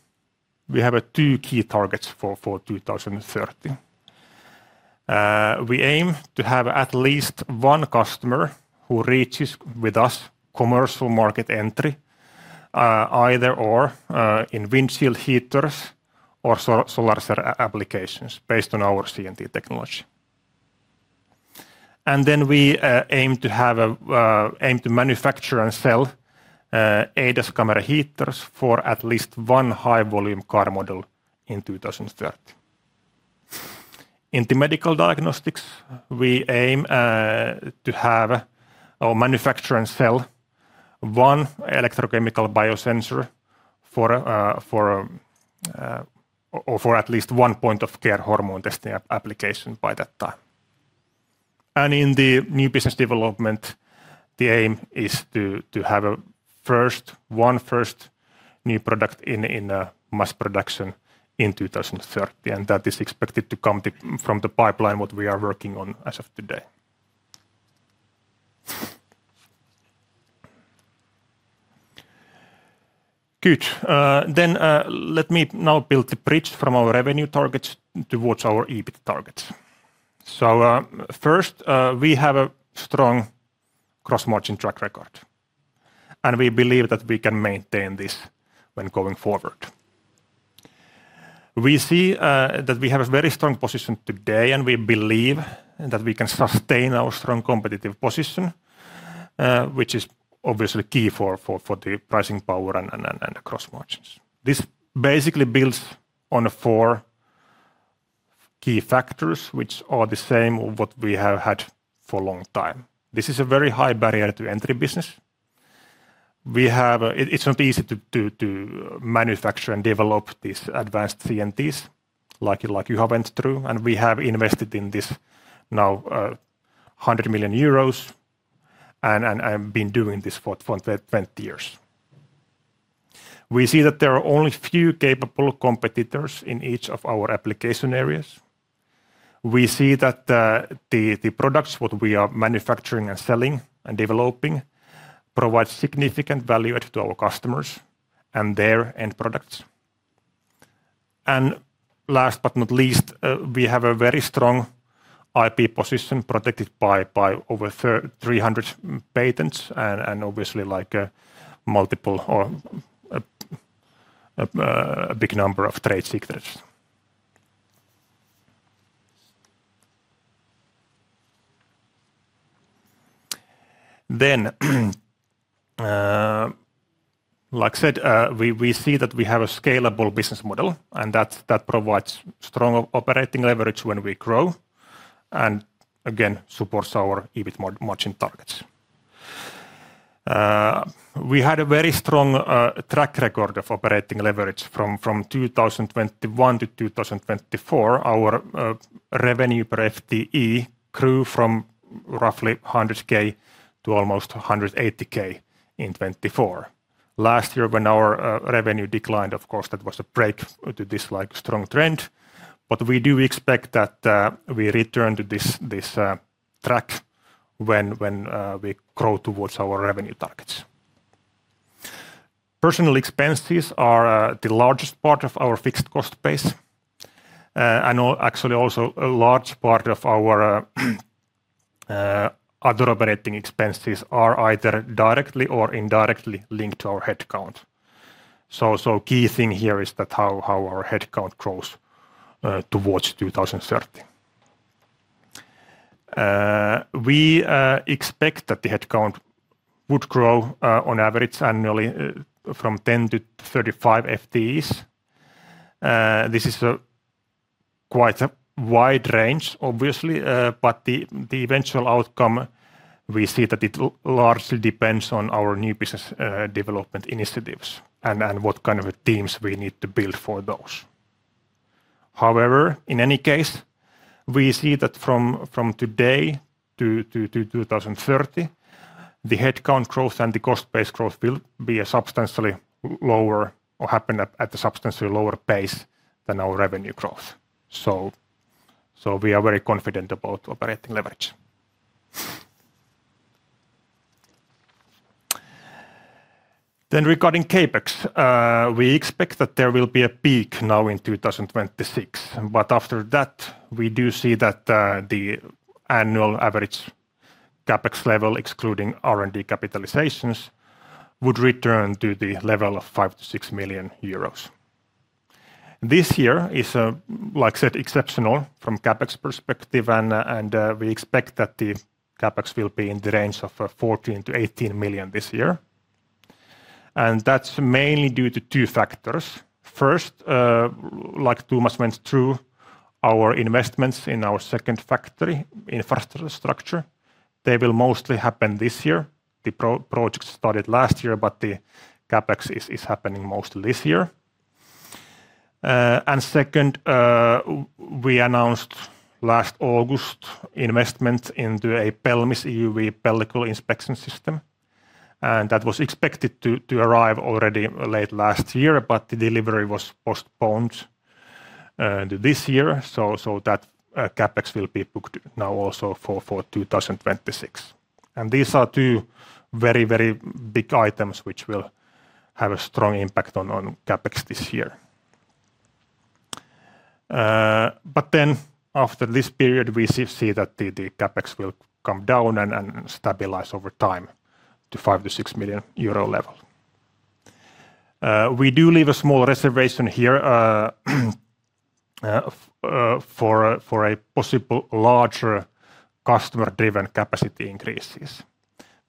we have two key targets for 2030. We aim to have at least one customer who reaches with us commercial market entry, either or, in windshield heaters or solar cell applications based on our CNT technology. We aim to manufacture and sell ADAS camera heaters for at least one high volume car model in 2030. In the medical diagnostics, we aim to have or manufacture and sell one electrochemical biosensor for at least one point-of-care hormone testing application by that time. In the new business development, the aim is to have one first new product in mass production in 2030, and that is expected to come from the pipeline, what we are working on as of today. Let me now build the bridge from our revenue targets towards our EBIT targets. First, we have a strong gross margin track record, and we believe that we can maintain this going forward. We see that we have a very strong position today, and we believe that we can sustain our strong competitive position, which is obviously key for the pricing power and the gross margins. This basically builds on four key factors, which are the same what we have had for a long time. This is a very high barrier to entry business. It is not easy to manufacture and develop these advanced CNTs like Juha went through, and we have invested in this now 100 million euros and been doing this for 20 years. We see that there are only few capable competitors in each of our application areas. We see that the products what we are manufacturing and selling and developing provide significant value add to our customers and their end products. Last but not least, we have a very strong IP position protected by over 300 patents and obviously like a big number of trade secrets. Like I said, we see that we have a scalable business model, and that provides strong operating leverage when we grow, and again, supports our EBIT margin targets. We had a very strong track record of operating leverage from 2021 to 2024. Our revenue per FTE grew from roughly 100K to almost 180K in 2024. Last year when our revenue declined, of course, that was a break in this, like, strong trend. We do expect that we return to this track when we grow towards our revenue targets. Personnel expenses are the largest part of our fixed cost base, and actually also a large part of our other operating expenses are either directly or indirectly linked to our headcount. The key thing here is how our headcount grows towards 2030. We expect that the headcount would grow on average annually from 10-35 FTEs. This is quite a wide range obviously, but the eventual outcome, we see that it largely depends on our new business development initiatives and what kind of teams we need to build for those. However, in any case, we see that from today to 2030, the headcount growth and the cost base growth will be a substantially lower or happen at a substantially lower pace than our revenue growth. We are very confident about operating leverage. Regarding CapEx, we expect that there will be a peak now in 2026, but after that, we do see that the annual average CapEx level, excluding R&D capitalizations, would return to the level of 5 million-6 million euros. This year is, like I said, exceptional from CapEx perspective and we expect that the CapEx will be in the range of 14-18 million this year. That's mainly due to two factors. First, like Thomas went through our investments in our second factory infrastructure, they will mostly happen this year. The project started last year, but the CapEx is happening mostly this year. Second, we announced last August investment into a PELMIS EUV pellicle inspection system, and that was expected to arrive already late last year, but the delivery was postponed. This year, CapEx will be booked now also for 2026. These are two very big items which will have a strong impact on CapEx this year. After this period, we see that the CapEx will come down and stabilize over time to 5 million-6 million euro level. We do leave a small reservation here for a possible larger customer-driven capacity increases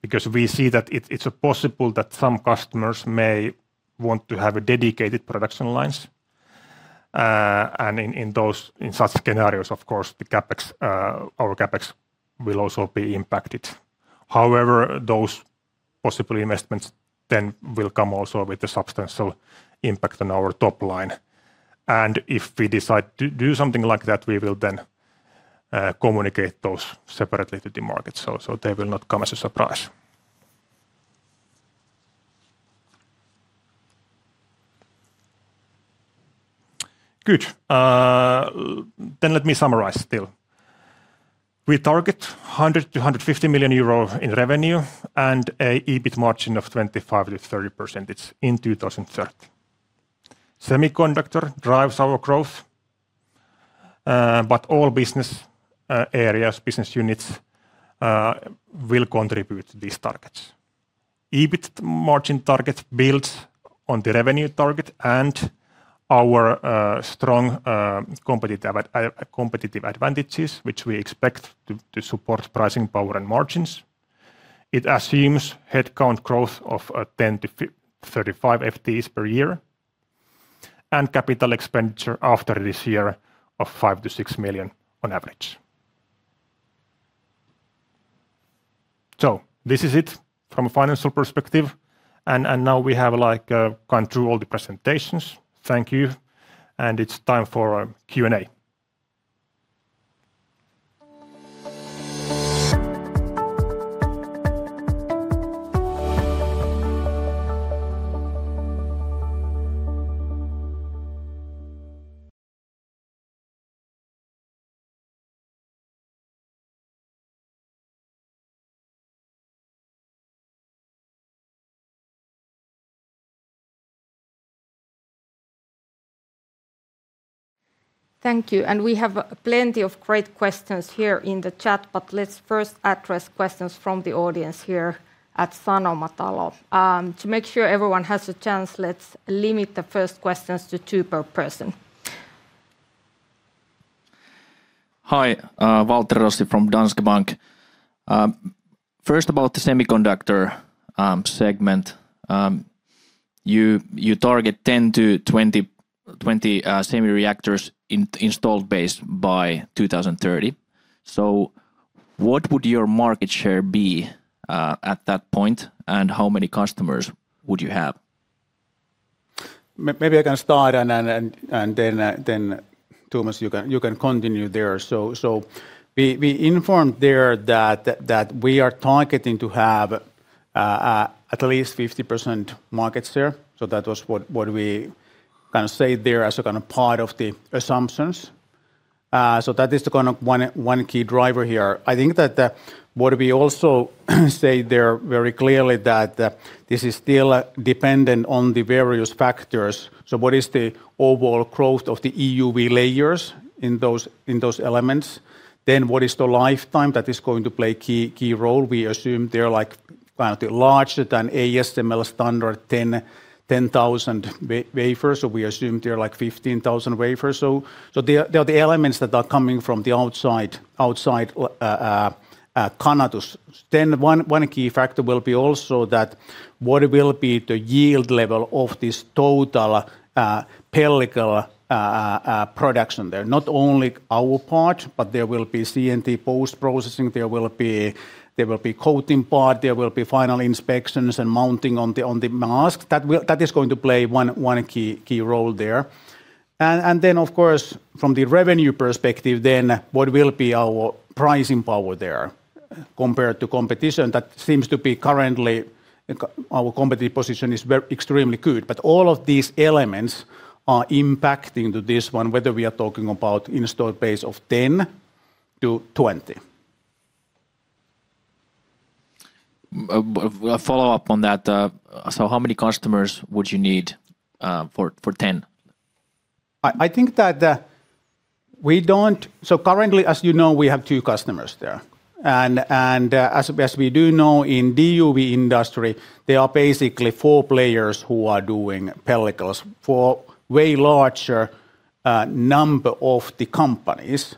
because we see that it's possible that some customers may want to have dedicated production lines. In such scenarios, of course, our CapEx will also be impacted. However, those possible investments then will come also with a substantial impact on our top line. If we decide to do something like that, we will then communicate those separately to the market, so they will not come as a surprise. Good. Then let me summarize still. We target 100-150 million euro in revenue and a 25%-30% EBIT margin in 2030. Semiconductor drives our growth, but all business areas, business units will contribute these targets. EBIT margin targets build on the revenue target and our strong competitive advantages, which we expect to support pricing power and margins. It assumes headcount growth of 10-35 FTEs per year and capital expenditure after this year of 5-6 million on average. This is it from a financial perspective, and now we have, like, gone through all the presentations. Thank you, and it's time for our Q&A. Thank you, we have plenty of great questions here in the chat, but let's first address questions from the audience here at Sanomatalo. To make sure everyone has a chance, let's limit the first questions to two per person. Hi, Waltteri Rossi from Danske Bank. First about the semiconductor segment. You target 10-20 semi reactors installed base by 2030. What would your market share be at that point, and how many customers would you have? Maybe I can start, then Thomas, you can continue there. We informed there that we are targeting to have at least 50% market share. That was what we kind of say there as a kind of part of the assumptions. That is the kind of one key driver here. I think that what we also say there very clearly that this is still dependent on the various factors. What is the overall growth of the EUV layers in those elements? Then what is the lifetime? That is going to play key role. We assume they're larger than ASML standard 10,000 wafers, so we assume they're like 15,000 wafers. They are the elements that are coming from the outside, Canatu's. One key factor will be also that what will be the yield level of this total pellicle production there? Not only our part, but there will be CNT post-processing. There will be coating part. There will be final inspections and mounting on the mask. That is going to play one key role there. Of course, from the revenue perspective, what will be our pricing power there compared to competition? That seems to be currently. Our competitive position is extremely good. All of these elements are impacting to this one, whether we are talking about installed base of 10-20. A follow-up on that. How many customers would you need for 10? I think that currently, as you know, we have two customers there, and as best we do know, in DUV industry, there are basically four players who are doing pellicles for way larger number of the companies.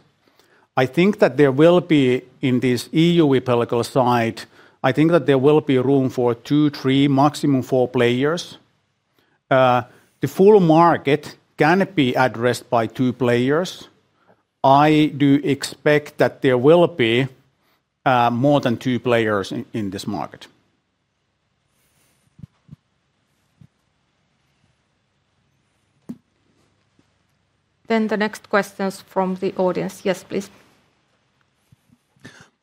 I think that there will be in this EUV pellicle side, I think that there will be room for two, three, maximum four players. The full market cannot be addressed by two players. I do expect that there will be more than two players in this market. The next questions from the audience. Yes, please.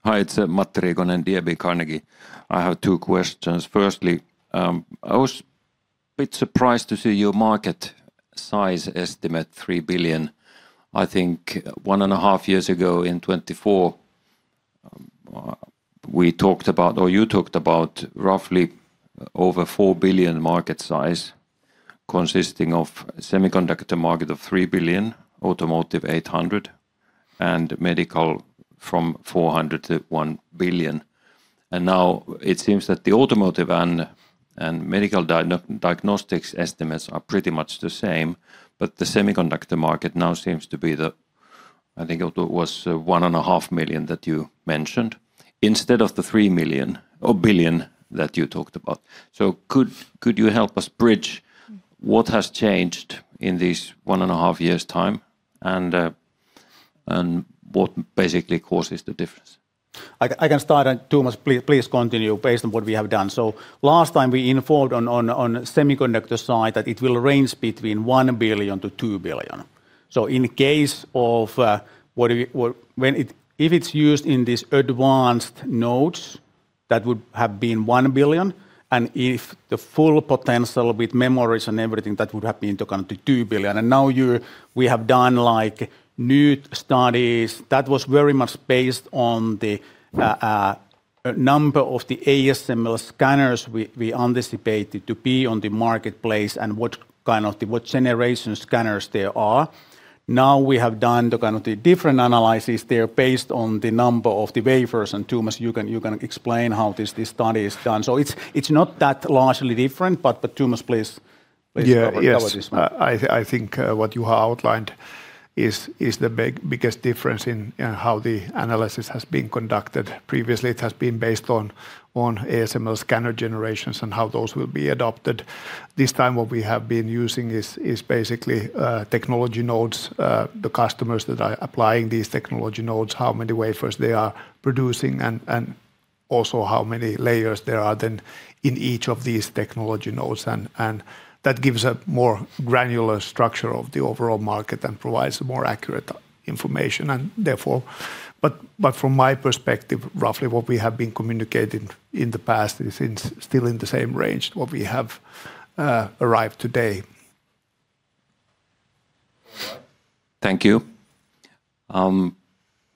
Hi, it's Matti Riikonen, Carnegie Investment Bank. I have two questions. Firstly, I was a bit surprised to see your market size estimate 3 billion. I think 1.5 years ago in 2024, we talked about or you talked about roughly over 4 billion market size consisting of semiconductor market of 3 billion, automotive 800 million, and medical from 400 million to 1 billion. Now it seems that the automotive and medical diagnostics estimates are pretty much the same, but the semiconductor market now seems to be the I think it was 1.5 million that you mentioned instead of the 3 million or billion that you talked about. Could you help us bridge what has changed in this 1.5 years' time and what basically causes the difference? I can start, Thomas, please continue based on what we have done. Last time we informed on semiconductor side that it will range between 1 billion-2 billion. In case of, if it's used in this advanced nodes, that would have been 1 billion. If the full potential with memories and everything, that would have been the kind of 2 billion. We have done, like, new studies that was very much based on the number of the ASML scanners we anticipated to be on the marketplace and what kind of generation scanners there are. Now we have done the kind of the different analysis there based on the number of the wafers. Thomas, you can explain how this study is done. It's not that largely different, but Thomas, please. Yeah provide the analysis. Yes. I think what Juha outlined is the biggest difference in how the analysis has been conducted. Previously, it has been based on ASML scanner generations and how those will be adopted. This time what we have been using is basically technology nodes, the customers that are applying these technology nodes, how many wafers they are producing, and also how many layers there are then in each of these technology nodes. That gives a more granular structure of the overall market and provides more accurate information and, therefore. From my perspective, roughly what we have been communicating in the past is still in the same range what we have arrived today. Thank you.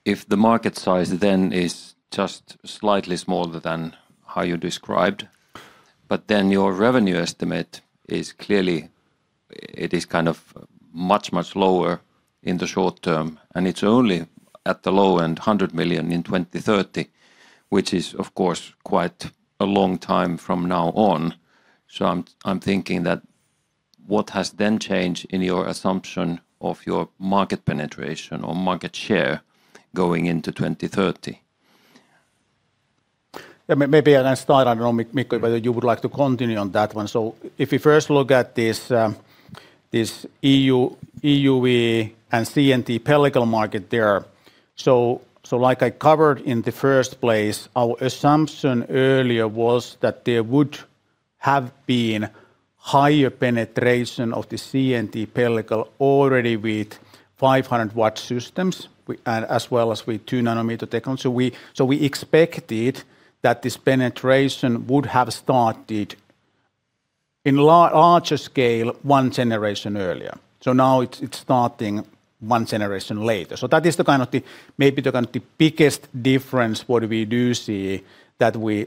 If the market size then is just slightly smaller than how you described, but then your revenue estimate is clearly. It is kind of much, much lower in the short term, and it's only at the low end, 100 million, in 2030, which is, of course, quite a long time from now on. I'm thinking that what has then changed in your assumption of your market penetration or market share going into 2030? Maybe I can start. I don't know, Mikko, whether you would like to continue on that one. If we first look at this EUV and CNT pellicle market, there. Like I covered in the first place, our assumption earlier was that there would have been higher penetration of the CNT pellicle already with 500-watt systems as well as with 2-nanometer tech. We expected that this penetration would have started in larger scale one generation earlier. Now it's starting one generation later. That is the kind of, maybe the kind of biggest difference what we see, that we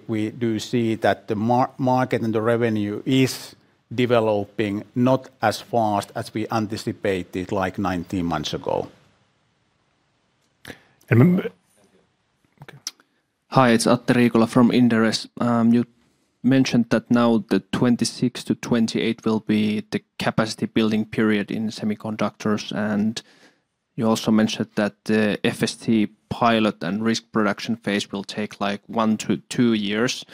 see that the market and the revenue is developing not as fast as we anticipated, like, 19 months ago. Okay. Hi. It's Atte Riikola from Inderes. You mentioned that now the 2026-2028 will be the capacity building period in semiconductors, and you also mentioned that the FST pilot and risk production phase will take, like, one to two years.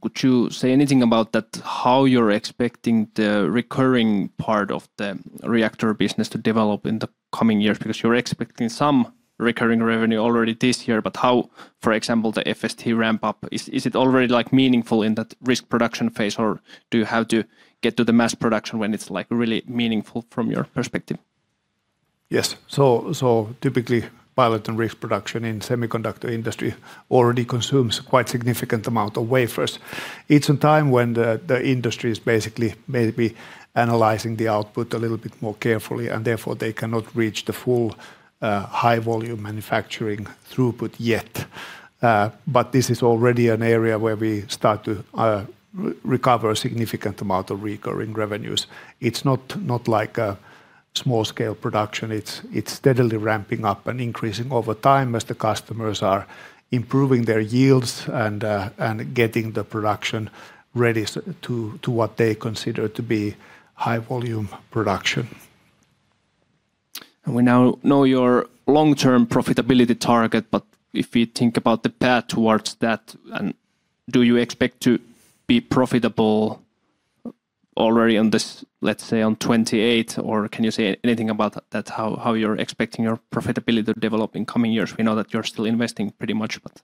Could you say anything about that, how you're expecting the recurring part of the reactor business to develop in the coming years? Because you're expecting some recurring revenue already this year, but how, for example, the FST ramp up? Is it already, like, meaningful in that risk production phase, or do you have to get to the mass production when it's, like, really meaningful from your perspective? Typically pilot and risk production in semiconductor industry already consumes quite significant amount of wafers. It's a time when the industry is basically maybe analyzing the output a little bit more carefully, and therefore they cannot reach the full high volume manufacturing throughput yet. This is already an area where we start to recover a significant amount of recurring revenues. It's not like a small-scale production. It's steadily ramping up and increasing over time as the customers are improving their yields and getting the production ready to what they consider to be high volume production. We now know your long-term profitability target, but if you think about the path towards that, and do you expect to be profitable already on this, let's say on 2028, or can you say anything about that, how you're expecting your profitability to develop in coming years? We know that you're still investing pretty much, but.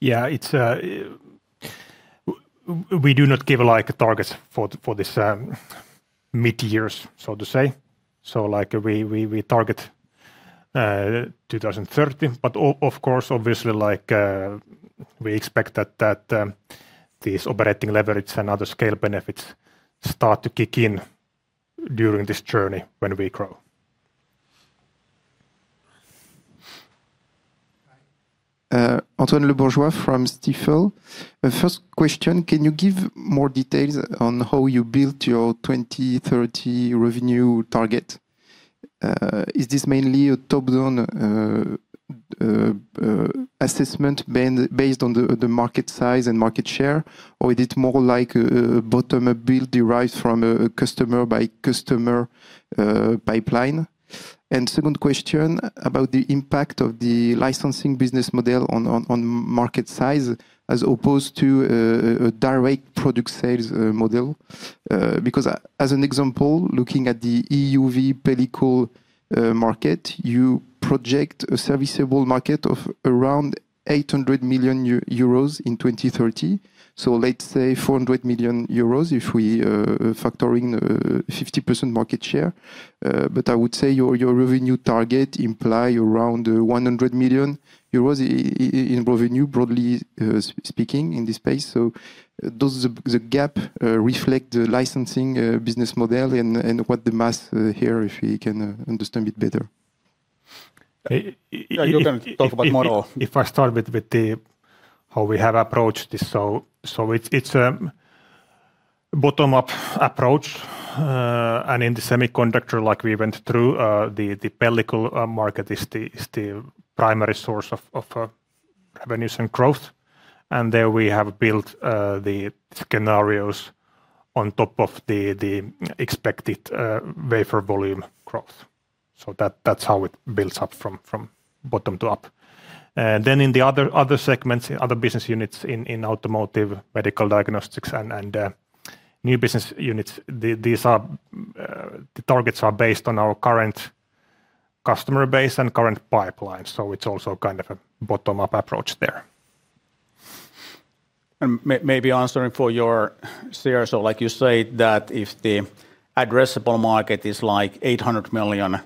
Yeah. It's We do not give, like, targets for this midyear, so to say. Like we target 2030, but of course, obviously, like, we expect that these operating leverage and other scale benefits start to kick in during this journey when we grow. Antoine Lebourgeois from Stifel. The first question, can you give more details on how you built your 2030 revenue target? Is this mainly a top-down assessment based on the market size and market share, or is it more like a bottom-up build derived from a customer-by-customer pipeline? Second question about the impact of the licensing business model on market size as opposed to a direct product sales model. Because as an example, looking at the EUV pellicle market, you project a serviceable market of around 800 million euros in 2030. So, let's say 400 million euros if we factor in 50% market share. But I would say your revenue target imply around 100 million euros in revenue, broadly speaking in this space. Does the gap reflect the licensing business model and what the math here, if we can understand it better? You can talk about model. If I start with the how we have approached this. It's bottom-up approach. In the semiconductor, like we went through, the pellicle market is the primary source of revenues and growth. There we have built the scenarios on top of the expected wafer volume growth. That's how it builds up from bottom to up. In the other segments, in other business units, in automotive, medical diagnostics and new business units, these are the targets based on our current customer base and current pipeline. It's also kind of a bottom-up approach there. Maybe answering for your share. Like you say that if the addressable market is like 800 million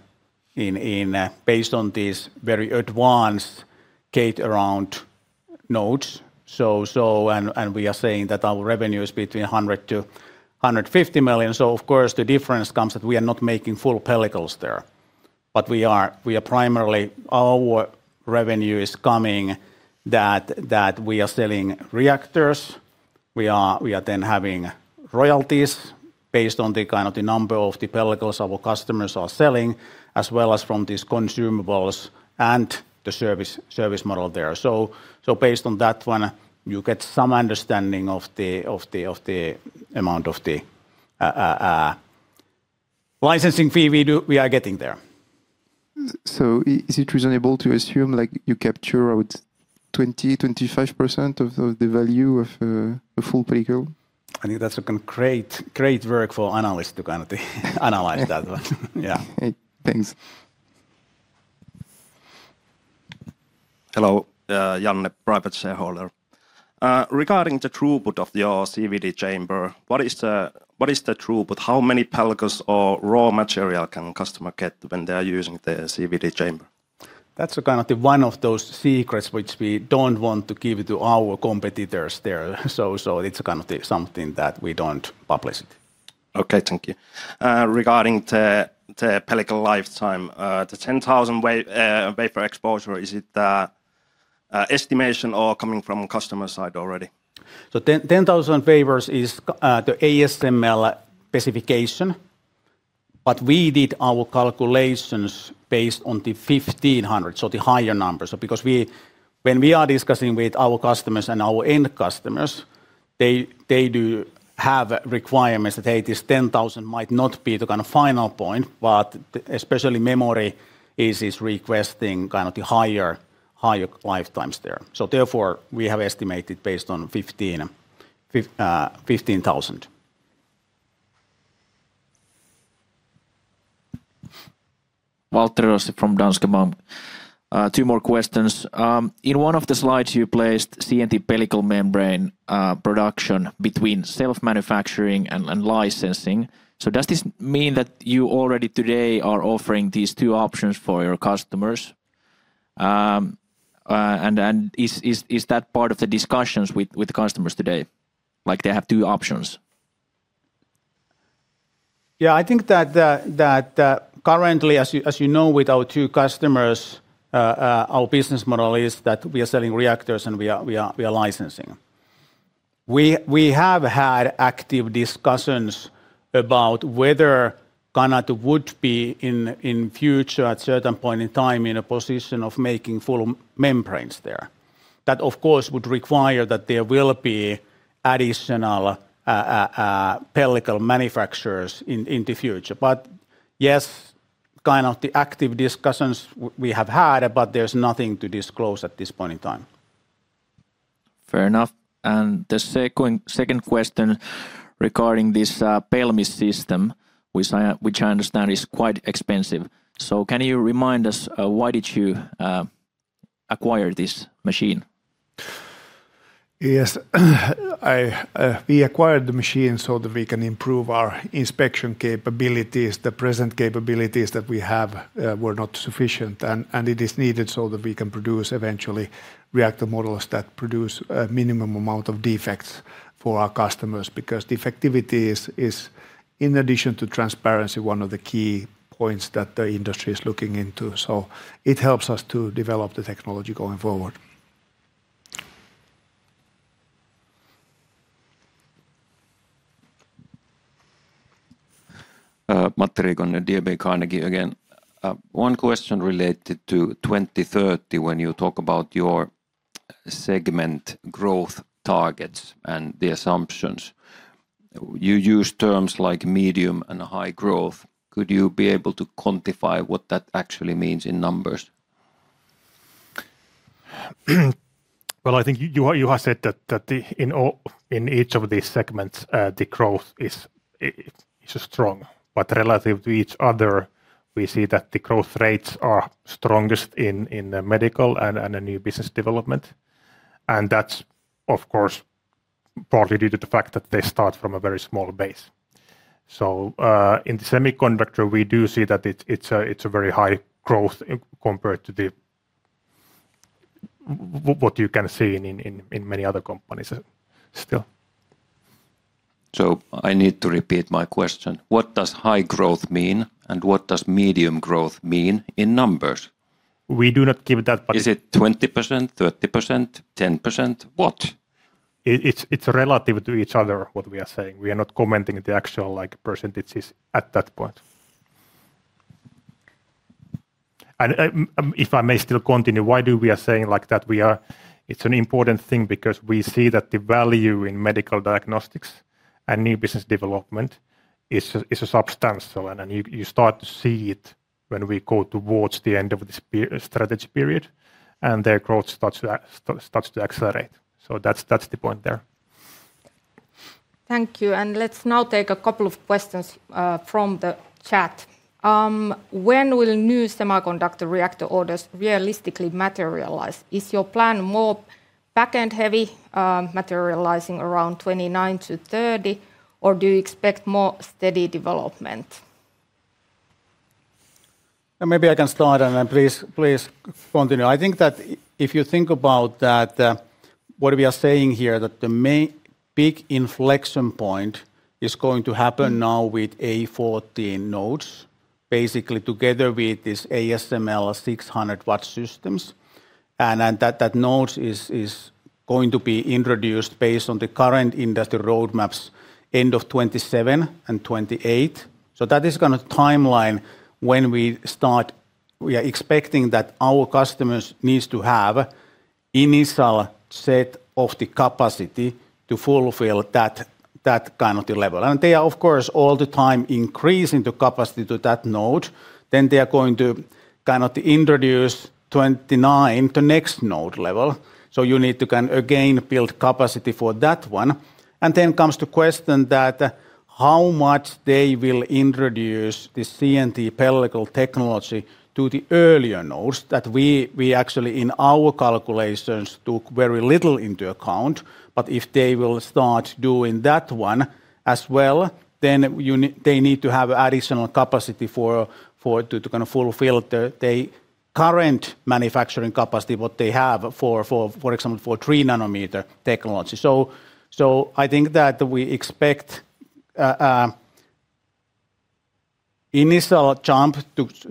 based on these very advanced gate-all-around nodes. We are saying that our revenue is between 100-150 million. Of course, the difference comes that we are not making full pellicles there. We are primarily. Our revenue is coming that we are selling reactors. We are then having royalties based on the kind of the number of the pellicles our customers are selling, as well as from these consumables and the service model there. Based on that one, you get some understanding of the amount of the licensing fee we are getting there. Is it reasonable to assume, like, you capture about 20-25% of the value of a full pellicle? I think that's a great work for analyst to kind of analyze that one. Yeah. Thanks. Hello, Janne, private shareholder. Regarding the throughput of your CVD chamber, what is the throughput? How many pellicles or raw material can customer get when they are using the CVD chamber? That's kind of the one of those secrets which we don't want to give to our competitors there. It's kind of the something that we don't publish. Okay, thank you. Regarding the pellicle lifetime, the 10,000 wafer exposure, is it estimation or coming from customer side already? 10,000 wafers is the ASML specification, but we did our calculations based on the 1,500, so the higher numbers. Because we—when we are discussing with our customers and our end customers, they do have requirements that, "Hey, this 10,000 might not be the kind of final point," but especially memory is requesting kind of the higher lifetimes there. Therefore, we have estimated based on 15,000. Waltteri Rossi from Danske Bank. Two more questions. In one of the slides, you placed CNT pellicle membrane production between self-manufacturing and licensing. Does this mean that you already today are offering these two options for your customers? Is that part of the discussions with customers today, like they have two options? Yeah, I think that currently, as you know, with our two customers, our business model is that we are selling reactors and we are licensing. We have had active discussions about whether Canatu would be in future at certain point in time in a position of making full membranes there. That of course would require that there will be additional pellicle manufacturers in the future. Yes, kind of the active discussions we have had, but there's nothing to disclose at this point in time. Fair enough. The second question regarding this PELMIS system, which I understand is quite expensive. Can you remind us why did you acquire this machine? Yes. We acquired the machine so that we can improve our inspection capabilities. The present capabilities that we have were not sufficient and it is needed so that we can produce eventually reactor models that produce a minimum amount of defects for our customers because defectivity is, in addition to transparency, one of the key points that the industry is looking into. It helps us to develop the technology going forward. Matti Riikonen, Carnegie Investment Bank again. One question related to 2030 when you talk about your segment growth targets and the assumptions. You use terms like medium and high growth. Could you be able to quantify what that actually means in numbers? Well, I think you have said that in each of these segments the growth is strong, but relative to each other we see that the growth rates are strongest in the medical and the new business development. That's of course partly due to the fact that they start from a very small base. In the semiconductor, we do see that it's a very high growth compared to what you can see in many other companies still. I need to repeat my question. What does high growth mean, and what does medium growth mean in numbers? We do not give that- Is it 20%, 30%, 10%? What? It's relative to each other, what we are saying. We are not commenting the actual, like, percentages at that point. If I may still continue, why do we are saying like that? It's an important thing because we see that the value in medical diagnostics and new business development is substantial, and you start to see it when we go towards the end of the strategy period, and their growth starts to accelerate. That's the point there. Thank you. Let's now take a couple of questions from the chat. When will new semiconductor reactor orders realistically materialize? Is your plan more back end heavy, materializing around 2029-2030, or do you expect more steady development? Maybe I can start, and then please continue. I think that if you think about that, what we are saying here, that the main big inflection point is going to happen now with A14 nodes, basically together with this ASML 600-watt systems, and then that node is going to be introduced based on the current industry roadmaps end of 2027 and 2028. That is gonna timeline when we are expecting that our customers' need to have initial set of the capacity to fulfill that kind of the level. They are, of course, all the time increasing the capacity to that node. They are going to kind again build capacity for that one. Then comes the question that how much they will introduce the CNT pellicle technology to the earlier nodes that we actually in our calculations took very little into account. If they will start doing that one as well, then they need to have additional capacity to kind of fulfill the current manufacturing capacity what they have for example, for 3 nanometer technology. I think that we expect a initial jump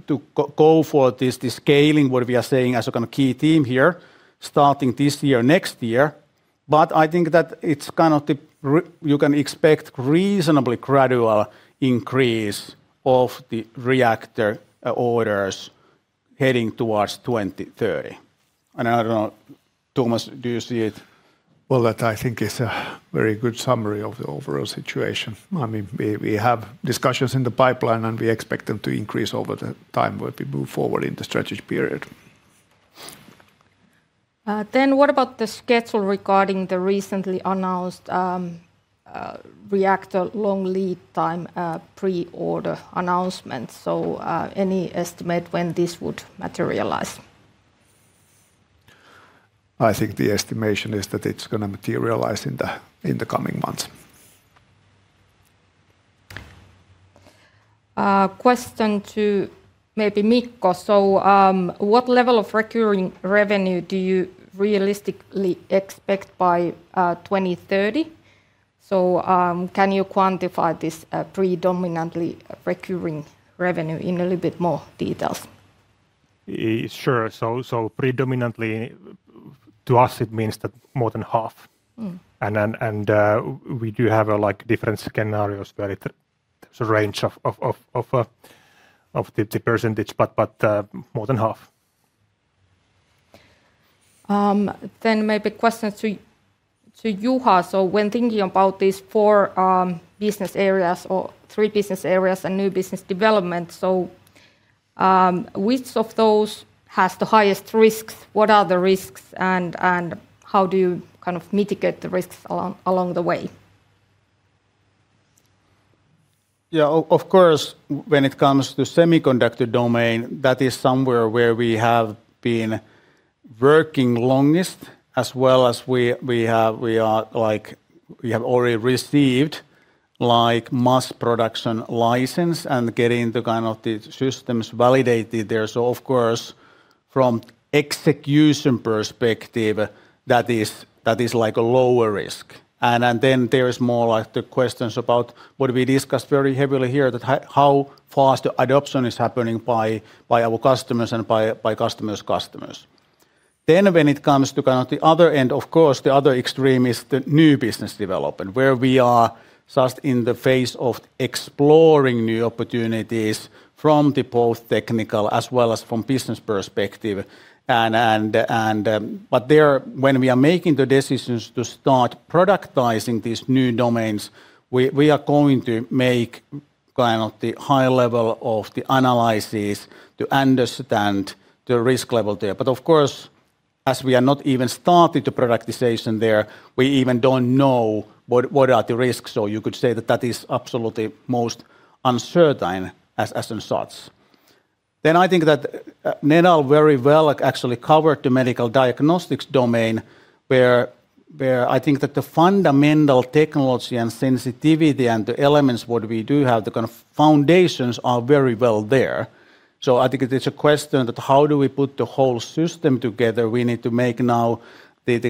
to go for this scaling, what we are saying as a kind of key theme here, starting this year, next year. I think that it's kind of you can expect reasonably gradual increase of the reactor orders heading towards 2030. I don't know, Thomas, do you see it? Well, that I think is a very good summary of the overall situation. I mean, we have discussions in the pipeline, and we expect them to increase over the time when we move forward in the strategy period. What about the schedule regarding the recently announced reactor long lead time pre-order announcements? Any estimate when this would materialize? I think the estimation is that it's gonna materialize in the coming months. Question to maybe Mikko. What level of recurring revenue do you realistically expect by 2030? Can you quantify this predominantly recurring revenue in a little bit more details? Sure. Predominantly to us, it means that more than half. Mm. We do have like different scenarios where there's a range of the percentage, but more than half. Maybe question to Juha. When thinking about these four business areas or three business areas and new business development, which of those has the highest risks? What are the risks, and how do you kind of mitigate the risks along the way? Yeah, of course, when it comes to semiconductor domain, that is somewhere where we have been working longest as well as we have already received, like, mass production license and getting the kind of the systems validated there. Of course, from execution perspective, that is like a lower risk. There is more, like, the questions about what we discussed very heavily here that how fast adoption is happening by our customers and by customers' customers. When it comes to kind of the other end, of course, the other extreme is the new business development, where we are just in the phase of exploring new opportunities from the both technical as well as from business perspective. There, when we are making the decisions to start productizing these new domains, we are going to make kind of the high level of the analysis to understand the risk level there. Of course, as we are not even started the productization there, we even don't know what are the risks. You could say that is absolutely most uncertain as in such. I think that Nedal very well actually covered the medical diagnostics domain where I think that the fundamental technology and sensitivity and the elements what we do have, the kind of foundations are very well there. I think it is a question that how do we put the whole system together? We need to make now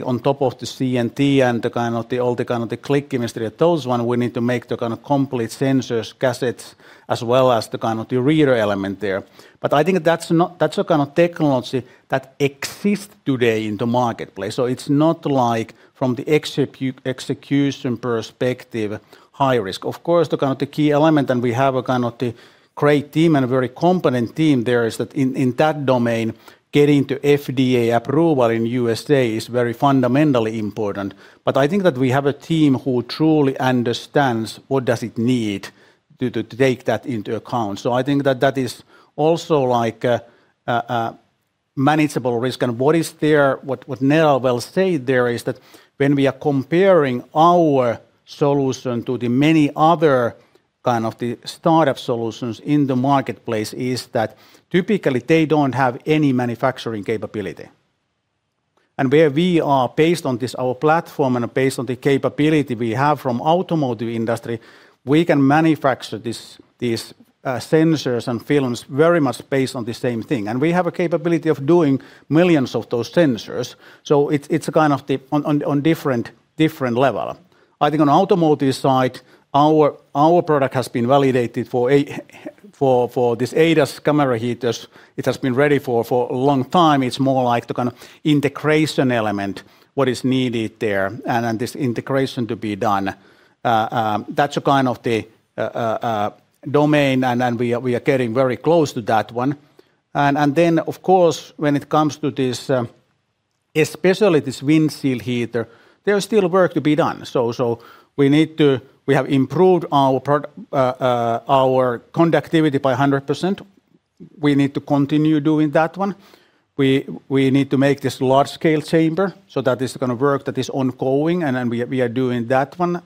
on top of the CNT and the kind of all the kind of the clinic industry, those ones. We need to make the kind of complete sensors, cassettes, as well as the kind of reader element there. I think that's a kind of technology that exists today in the marketplace. It's not like from the execution perspective, high risk. Of course, the kind of key element, and we have a kind of great team and a very competent team there, is that in that domain, getting the FDA approval in USA is very fundamentally important. I think that we have a team who truly understands what does it need to take that into account. I think that is also, like, a manageable risk. What Nedal will say there is that when we are comparing our solution to the many other kind of the startup solutions in the marketplace is that typically they don't have any manufacturing capability. Where we are based on this, our platform, and based on the capability we have from automotive industry, we can manufacture these sensors and films very much based on the same thing. We have a capability of doing millions of those sensors. It's kind of on different level. I think on automotive side, our product has been validated for this ADAS camera heaters. It has been ready for a long time. It's more like the kind of integration element, what is needed there, and then this integration to be done. That's kind of the domain, and then we are getting very close to that one. Then of course, when it comes to this, especially this windshield heater, there's still work to be done. We need to. We have improved our conductivity by 100%. We need to continue doing that one. We need to make this large scale chamber, so that is the kind of work that is ongoing, and then we are doing that one.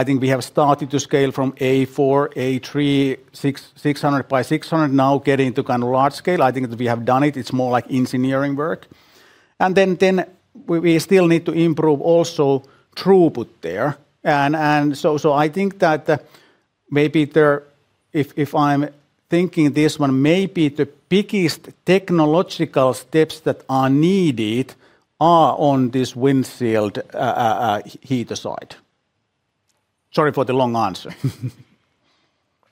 I think we have started to scale from A4, A3, 600 by 600, now getting to kind of large scale. I think we have done it. It's more like engineering work. Then we still need to improve also throughput there. I think that maybe there, if I'm thinking this one, maybe the biggest technological steps that are needed are on this windshield, heater side. Sorry for the long answer.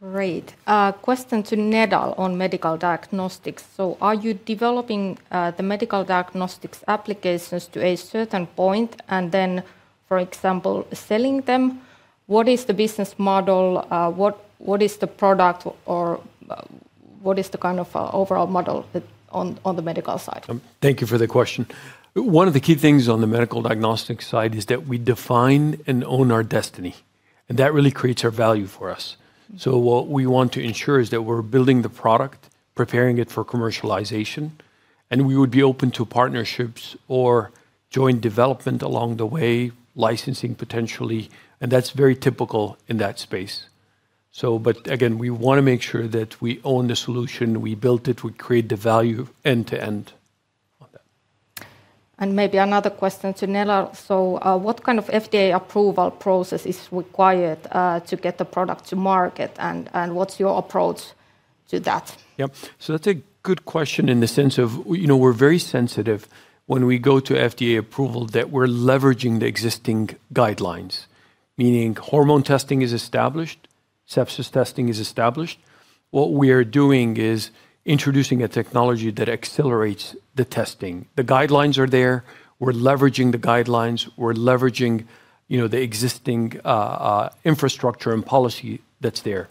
Great. Question to Nedal on medical diagnostics. Are you developing the medical diagnostics applications to a certain point and then, for example, selling them? What is the business model? What is the product or what is the kind of overall model that on the medical side? Thank you for the question. One of the key things on the medical diagnostics side is that we define and own our destiny, and that really creates our value for us. What we want to ensure is that we're building the product, preparing it for commercialization, and we would be open to partnerships or joint development along the way, licensing potentially, and that's very typical in that space. Again, we wanna make sure that we own the solution, we built it, we create the value end to end on that. Maybe another question to Nedal. What kind of FDA approval process is required to get the product to market? What's your approach to that? Yep. That's a good question in the sense of, you know, we're very sensitive when we go to FDA approval that we're leveraging the existing guidelines, meaning hormone testing is established, sepsis testing is established. What we are doing is introducing a technology that accelerates the testing. The guidelines are there. We're leveraging the guidelines. We're leveraging, you know, the existing, infrastructure and policy that's there.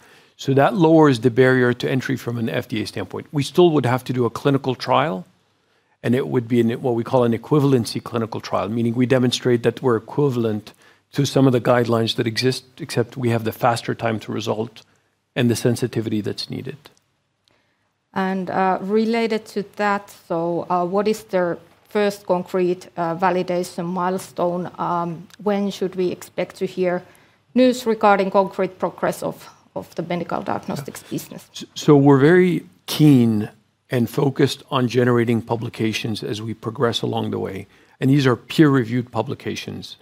That lowers the barrier to entry from an FDA standpoint. We still would have to do a clinical trial, and it would be what we call an equivalency clinical trial, meaning we demonstrate that we're equivalent to some of the guidelines that exist, except we have the faster time to result and the sensitivity that's needed Related to that, what is the first concrete validation milestone? When should we expect to hear news regarding concrete progress of the medical diagnostics business? We're very keen and focused on generating publications as we progress along the way, and these are peer-reviewed publications,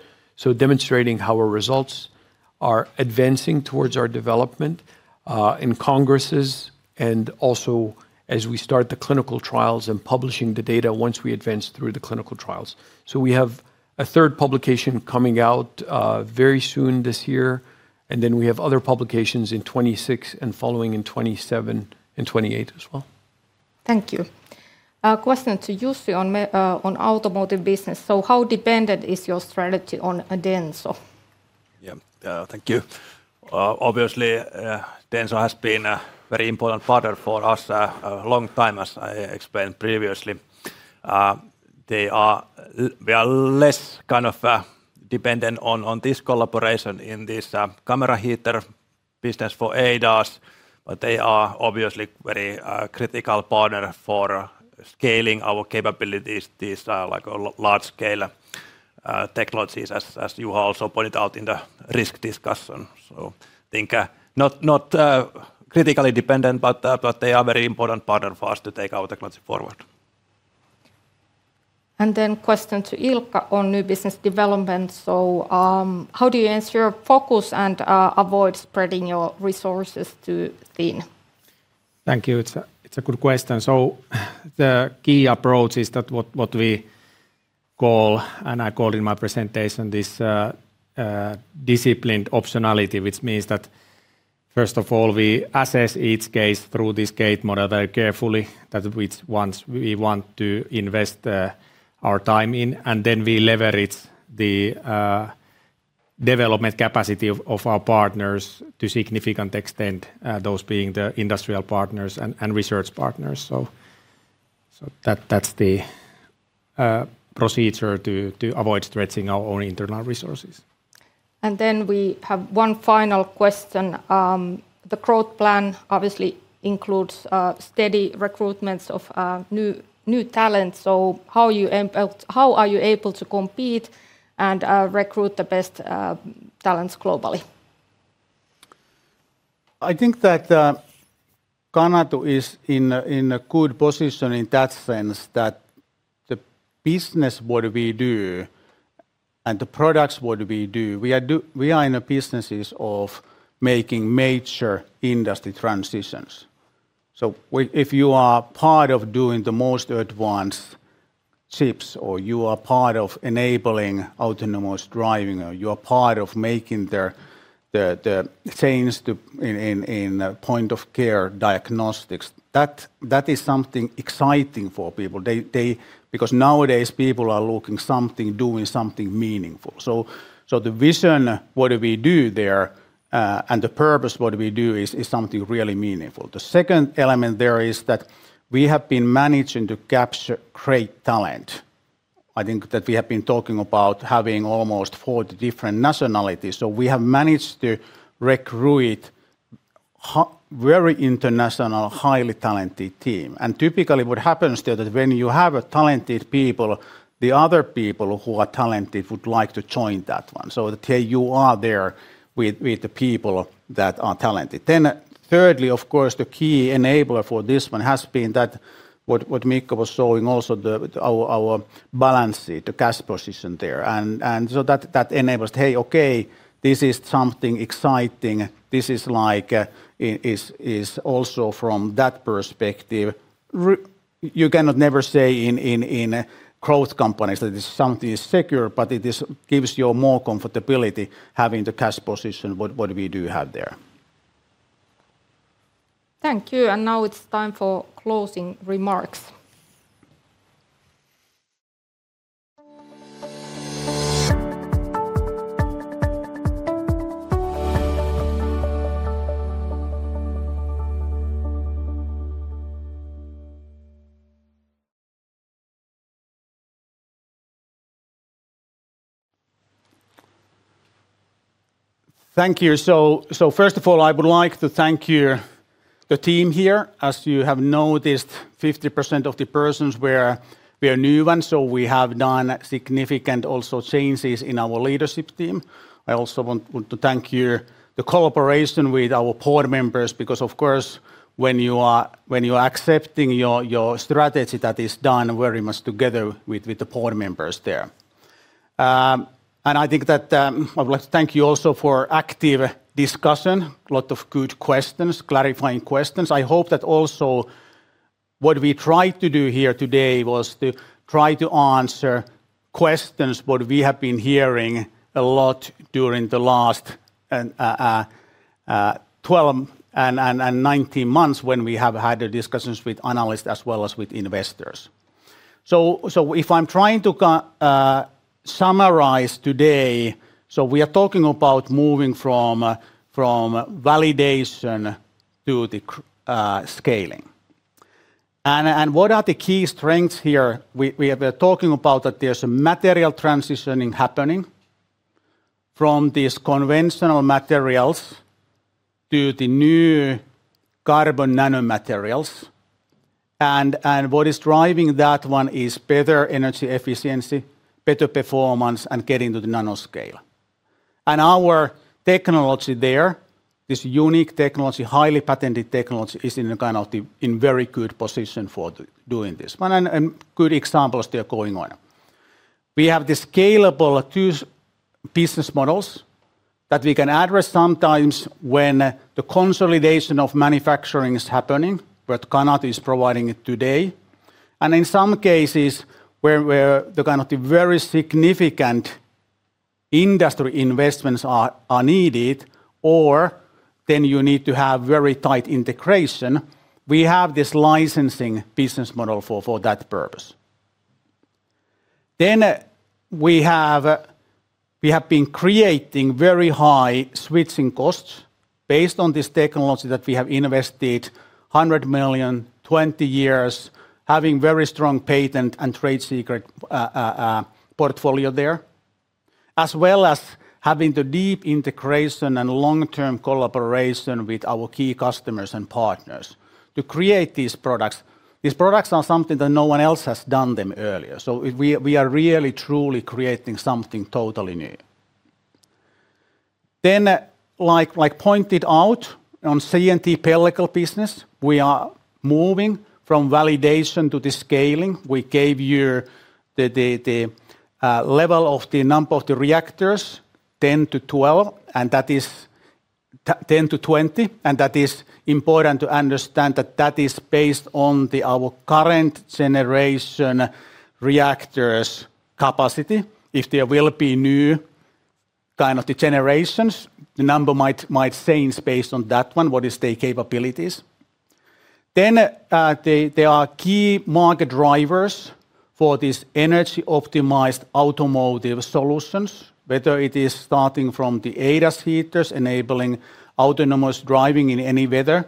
demonstrating how our results are advancing towards our development in congresses and also as we start the clinical trials and publishing the data once we advance through the clinical trials. We have a third publication coming out very soon this year, and then we have other publications in 2026 and following in 2027 and 2028 as well. Thank you. A question to Jussi on automotive business. How dependent is your strategy on Denso? Yeah. Thank you. Obviously, Denso has been a very important partner for us a long time, as I explained previously. We are less kind of dependent on this collaboration in this camera heater business for ADAS, but they are obviously very critical partner for scaling our capabilities, these like a large scale technologies as Juha also pointed out in the risk discussion. I think not critically dependent, but they are a very important partner for us to take our technology forward. Question to Ilkka on new business development. How do you ensure focus and avoid spreading your resources too thin? Thank you. It's a good question. The key approach is that what we call, and I called in my presentation, this disciplined optionality, which means that first of all, we assess each case through this gate model very carefully that which ones we want to invest our time in, and then we leverage the development capacity of our partners to significant extent, those being the industrial partners and research partners. That's the procedure to avoid stretching our own internal resources. We have one final question. The growth plan obviously includes steady recruitments of new talent. How are you able to compete and recruit the best talents globally? I think that Canatu is in a good position in that sense that the business what we do and the products what we do, we are in the businesses of making major industry transitions. If you are part of doing the most advanced chips or you are part of enabling autonomous driving or you are part of making the change to point-of-care diagnostics, that is something exciting for people. Because nowadays people are looking something, doing something meaningful. The vision what we do there and the purpose what we do is something really meaningful. The second element there is that we have been managing to capture great talent. I think that we have been talking about having almost 40 different nationalities. We have managed to recruit very international, highly talented team. Typically what happens there that when you have a talented people, the other people who are talented would like to join that one. That here you are there with the people that are talented. Thirdly, of course, the key enabler for this one has been that what Mikko was showing also our balance sheet, the cash position there. That enables, "Hey, okay, this is something exciting. This is like is also from that perspective." You cannot never say in growth companies that something is secure, but it gives you more comfortability having the cash position what we do have there. Thank you. Now it's time for closing remarks. Thank you. First of all, I would like to thank the team here. As you have noticed, 50% of the persons were new ones, so we have done significant also changes in our leadership team. I also want to thank the cooperation with our board members because, of course, when you are accepting your strategy that is done very much together with the board members there. I think that I would like to thank you also for active discussion, lot of good questions, clarifying questions. I hope that also what we tried to do here today was to try to answer questions what we have been hearing a lot during the last 12 and 19 months when we have had the discussions with analysts as well as with investors. If I'm trying to summarize today, we are talking about moving from validation to the scaling. What are the key strengths here? We have been talking about that there's a material transitioning happening from these conventional materials to the new carbon nano materials and what is driving that one is better energy efficiency, better performance, and getting to the nano scale. Our technology there, this unique technology, highly patented technology, is in very good position for doing this. A good examples they are going on. We have the scalable business models that we can address sometimes when the consolidation of manufacturing is happening, but Canatu is providing it today. In some cases, where the kind of the very significant industry investments are needed or then you need to have very tight integration, we have this licensing business model for that purpose. We have been creating very high switching costs based on this technology that we have invested 100 million, 20 years, having very strong patent and trade secret portfolio there, as well as having the deep integration and long-term collaboration with our key customers and partners to create these products. These products are something that no one else has done them earlier. So, we are really truly creating something totally new. Like pointed out on CNT Pellicle business, we are moving from validation to the scaling. We gave you the level of the number of the reactors, 10-12, and that is 10-20, and that is important to understand that that is based on our current generation reactors' capacity. If there will be new kind of generations, the number might change based on their capabilities. There are key market drivers for this energy-optimized automotive solutions, whether it is starting from the ADAS heaters, enabling autonomous driving in any weather,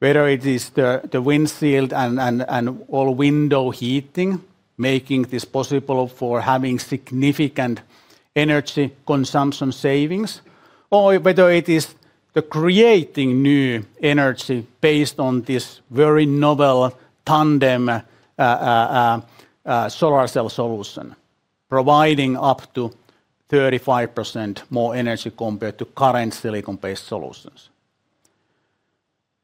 whether it is the windshield and all window heating, making this possible for having significant energy consumption savings, or whether it is creating new energy based on this very novel tandem solar cell solution, providing up to 35% more energy compared to current silicon-based solutions.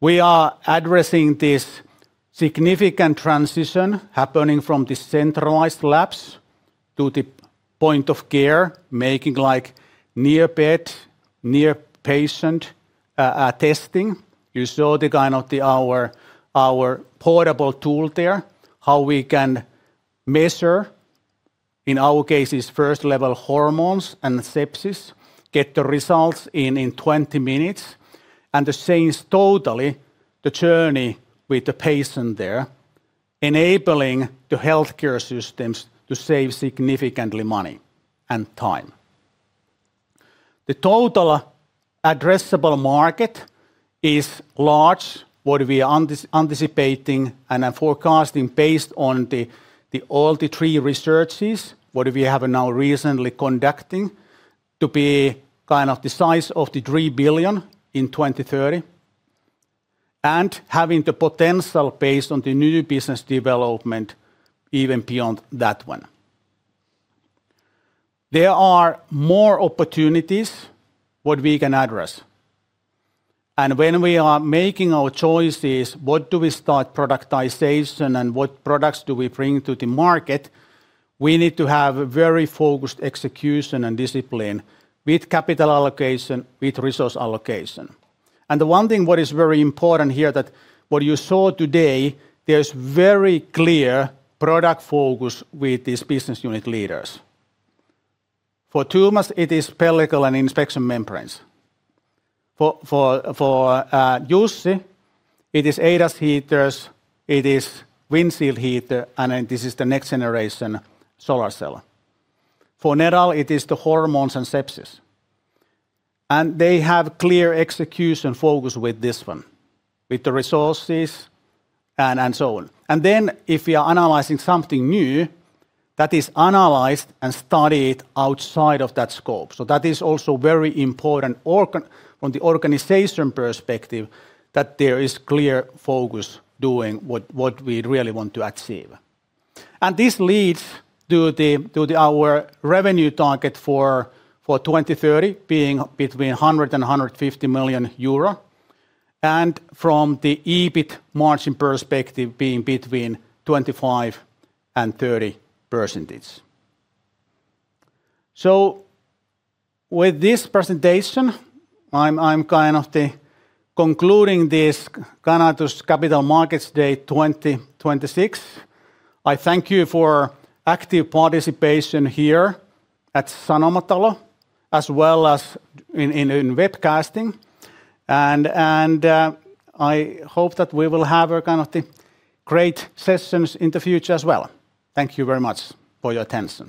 We are addressing this significant transition happening from the centralized labs to the point-of-care, making like near-bed, near-patient testing. You saw our portable tool there, how we can measure, in our cases, first level hormones and sepsis, get the results in 20 minutes, and this saves totally the journey with the patient there, enabling the healthcare systems to save significantly money and time. The total addressable market is large, what we are anticipating and are forecasting based on all the three researches, what we have now recently conducting to be kind of the size of 3 billion in 2030. Having the potential based on the new business development even beyond that one. There are more opportunities what we can address. When we are making our choices, what do we start productization and what products do we bring to the market, we need to have very focused execution and discipline with capital allocation, with resource allocation. The one thing what is very important here that what you saw today, there's very clear product focus with these business unit leaders. For Thomas, it is pellicle and Inspection membranes. For Jussi, it is ADAS heaters, it is windshield heater, and then this is the next generation solar cell. For Nedal, it is the hormones and sepsis. They have clear execution focus with this one, with the resources and so on. Then if we are analyzing something new, that is analyzed and studied outside of that scope. That is also very important from the organization perspective, that there is clear focus doing what we really want to achieve. This leads to our revenue target for 2030 being between 100 million euro and 150 million euro, and from the EBIT margin perspective being between 25% and 30%. With this presentation, I'm kind of concluding this Canatu's Capital Markets Day 2026. I thank you for active participation here at Sanomatalo, as well as in webcasting. I hope that we will have a kind of the great sessions in the future as well. Thank you very much for your attention.